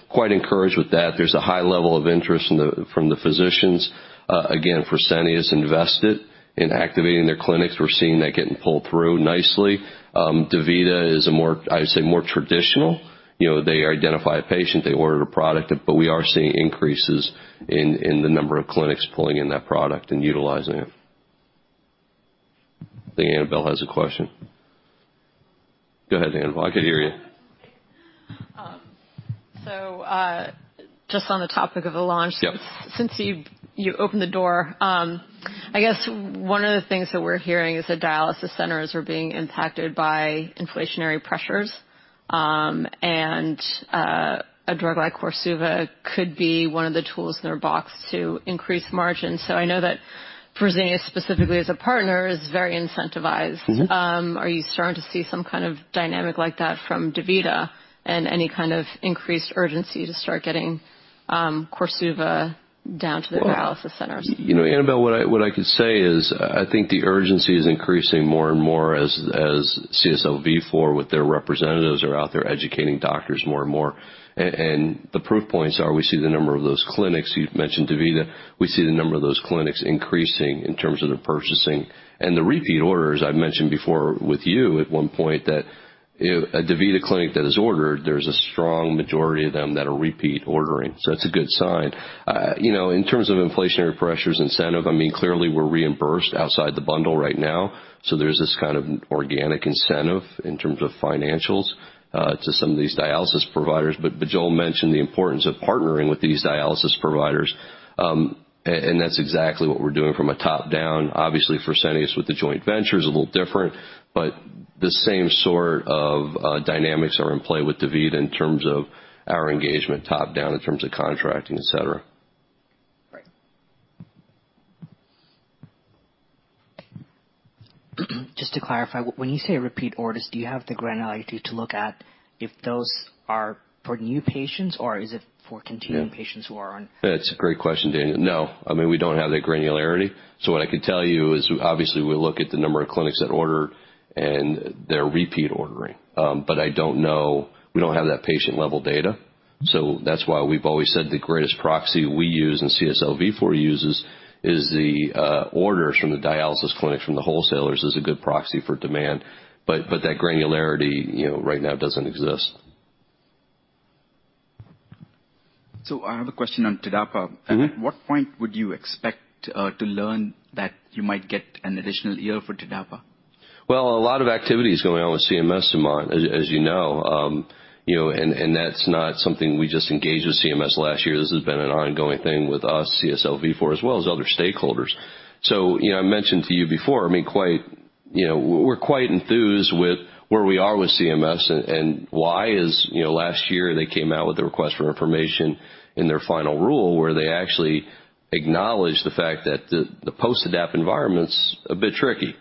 Quite encouraged with that. There's a high level of interest from the physicians. Again, Fresenius invested in activating their clinics. We're seeing that getting pulled through nicely. DaVita is a more, I'd say, more traditional. You know, they identify a patient, they order a product, but we are seeing increases in the number of clinics pulling in that product and utilizing it. I think Annabel has a question. Go ahead, Annabel. I could hear you. Just on the topic of the launch. Since you opened the door, I guess one of the things that we're hearing is that dialysis centers are being impacted by inflationary pressures, and a drug like Korsuva could be one of the tools in their box to increase margins. I know that Fresenius specifically as a partner is very incentivized. Are you starting to see some kind of dynamic like that from DaVita and any kind of increased urgency to start getting Korsuva down to the dialysis centers? Well, you know, Annabel, what I, what I could say is I think the urgency is increasing more and more as CSL Vifor with their representatives are out there educating doctors more and more. The proof points are we see the number of those clinics. You've mentioned DaVita. We see the number of those clinics increasing in terms of their purchasing. The repeat orders I've mentioned before with you at one point that if a DaVita clinic that has ordered, there's a strong majority of them that are repeat ordering. It's a good sign. You know, in terms of inflationary pressures incentive, I mean, clearly we're reimbursed outside the bundle right now. There's this kind of organic incentive in terms of financials to some of these dialysis providers. Joel mentioned the importance of partnering with these dialysis providers. That's exactly what we're doing from a top-down. Obviously, Fresenius with the joint venture is a little different. The same sort of dynamics are in play with DaVita in terms of our engagement top-down in terms of contracting, et cetera. Right. Just to clarify, when you say repeat orders, do you have the granularity to look at if those are for new patients or is it for continuing patients who are on- That's a great question, Daniel. No, I mean, we don't have that granularity. What I could tell you is, obviously, we look at the number of clinics that order and their repeat ordering. I don't know. We don't have that patient-level data. That's why we've always said the greatest proxy we use and CSL Vifor uses is the orders from the dialysis clinics from the wholesalers is a good proxy for demand. That granularity, you know, right now doesn't exist. I have a question on TDAPA. At what point would you expect to learn that you might get an additional year for TDAPA? Well, a lot of activity is going on with CMS, Sumant, as you know. That's not something we just engaged with CMS last year. This has been an ongoing thing with us, CSL Vifor, as well as other stakeholders. You know, I mentioned to you before, I mean, quite, you know, we're quite enthused with where we are with CMS and why is, you know, last year they came out with a request for information in their final rule where they actually acknowledge the fact that the post-TDAPA environment's a bit tricky.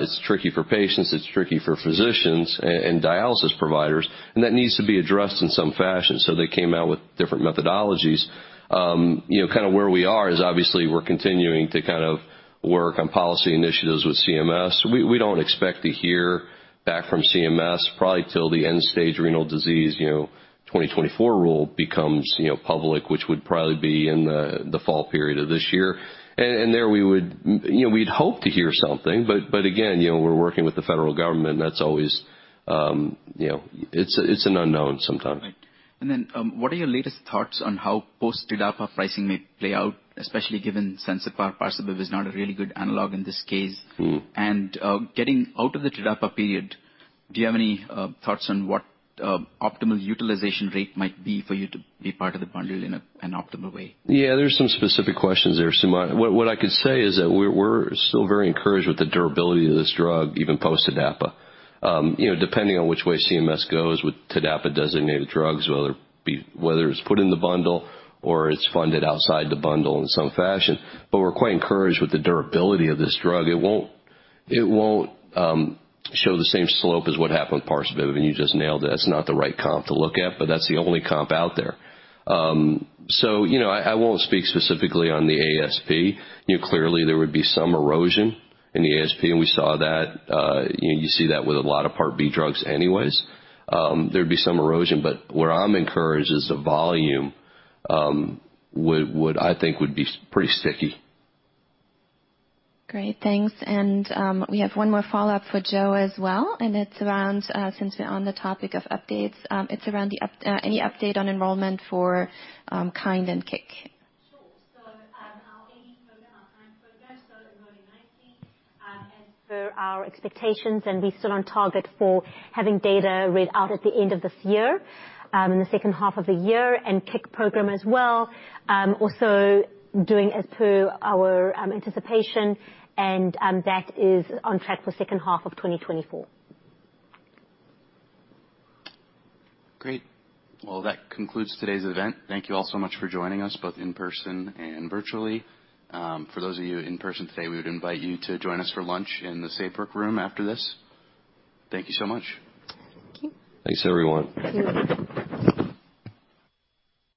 It's tricky for patients, it's tricky for physicians and dialysis providers, and that needs to be addressed in some fashion, so they came out with different methodologies. You know, kinda where we are is obviously we're continuing to kind of work on policy initiatives with CMS. We don't expect to hear back from CMS probably till the end-stage renal disease, you know, 2024 rule becomes, you know, public, which would probably be in the fall period of this year. There we would, you know, we'd hope to hear something. Again, you know, we're working with the federal government and that's always, you know, it's an unknown sometimes. Right. What are your latest thoughts on how post-TDAPA pricing may play out, especially given Sensipar, Parsabiv is not a really good analog in this case? Getting out of the TDAPA period, do you have any thoughts on what optimal utilization rate might be for you to be part of the bundle in an optimal way? Yeah, there's some specific questions there, Sumant. What I can say is that we're still very encouraged with the durability of this drug, even post-TDAPA. You know, depending on which way CMS goes with TDAPA-designated drugs, whether it's put in the bundle or it's funded outside the bundle in some fashion. We're quite encouraged with the durability of this drug. It won't show the same slope as what happened with Parsabiv, and you just nailed it. It's not the right comp to look at, but that's the only comp out there. You know, I won't speak specifically on the ASP. You know, clearly there would be some erosion in the ASP, and we saw that. You know, you see that with a lot of Part B drugs anyways. There'd be some erosion, but where I'm encouraged is the volume, would I think would be pretty sticky. Great. Thanks. We have one more follow-up for Jo as well, and it's around, since we're on the topic of updates, it's around the any update on enrollment for KIND and KICK? Sure. Our KIND program, our KIND program, so enrolling 19, and per our expectations, and we're still on target for having data read out at the end of this year, in the second half of the year. KICK program as well, also doing as per our anticipation. That is on track for second half of 2024. That concludes today's event. Thank you all so much for joining us, both in person and virtually. For those of you in person today, we would invite you to join us for lunch in the Saybrook Room after this. Thank you so much. Thanks, everyone. Thank you.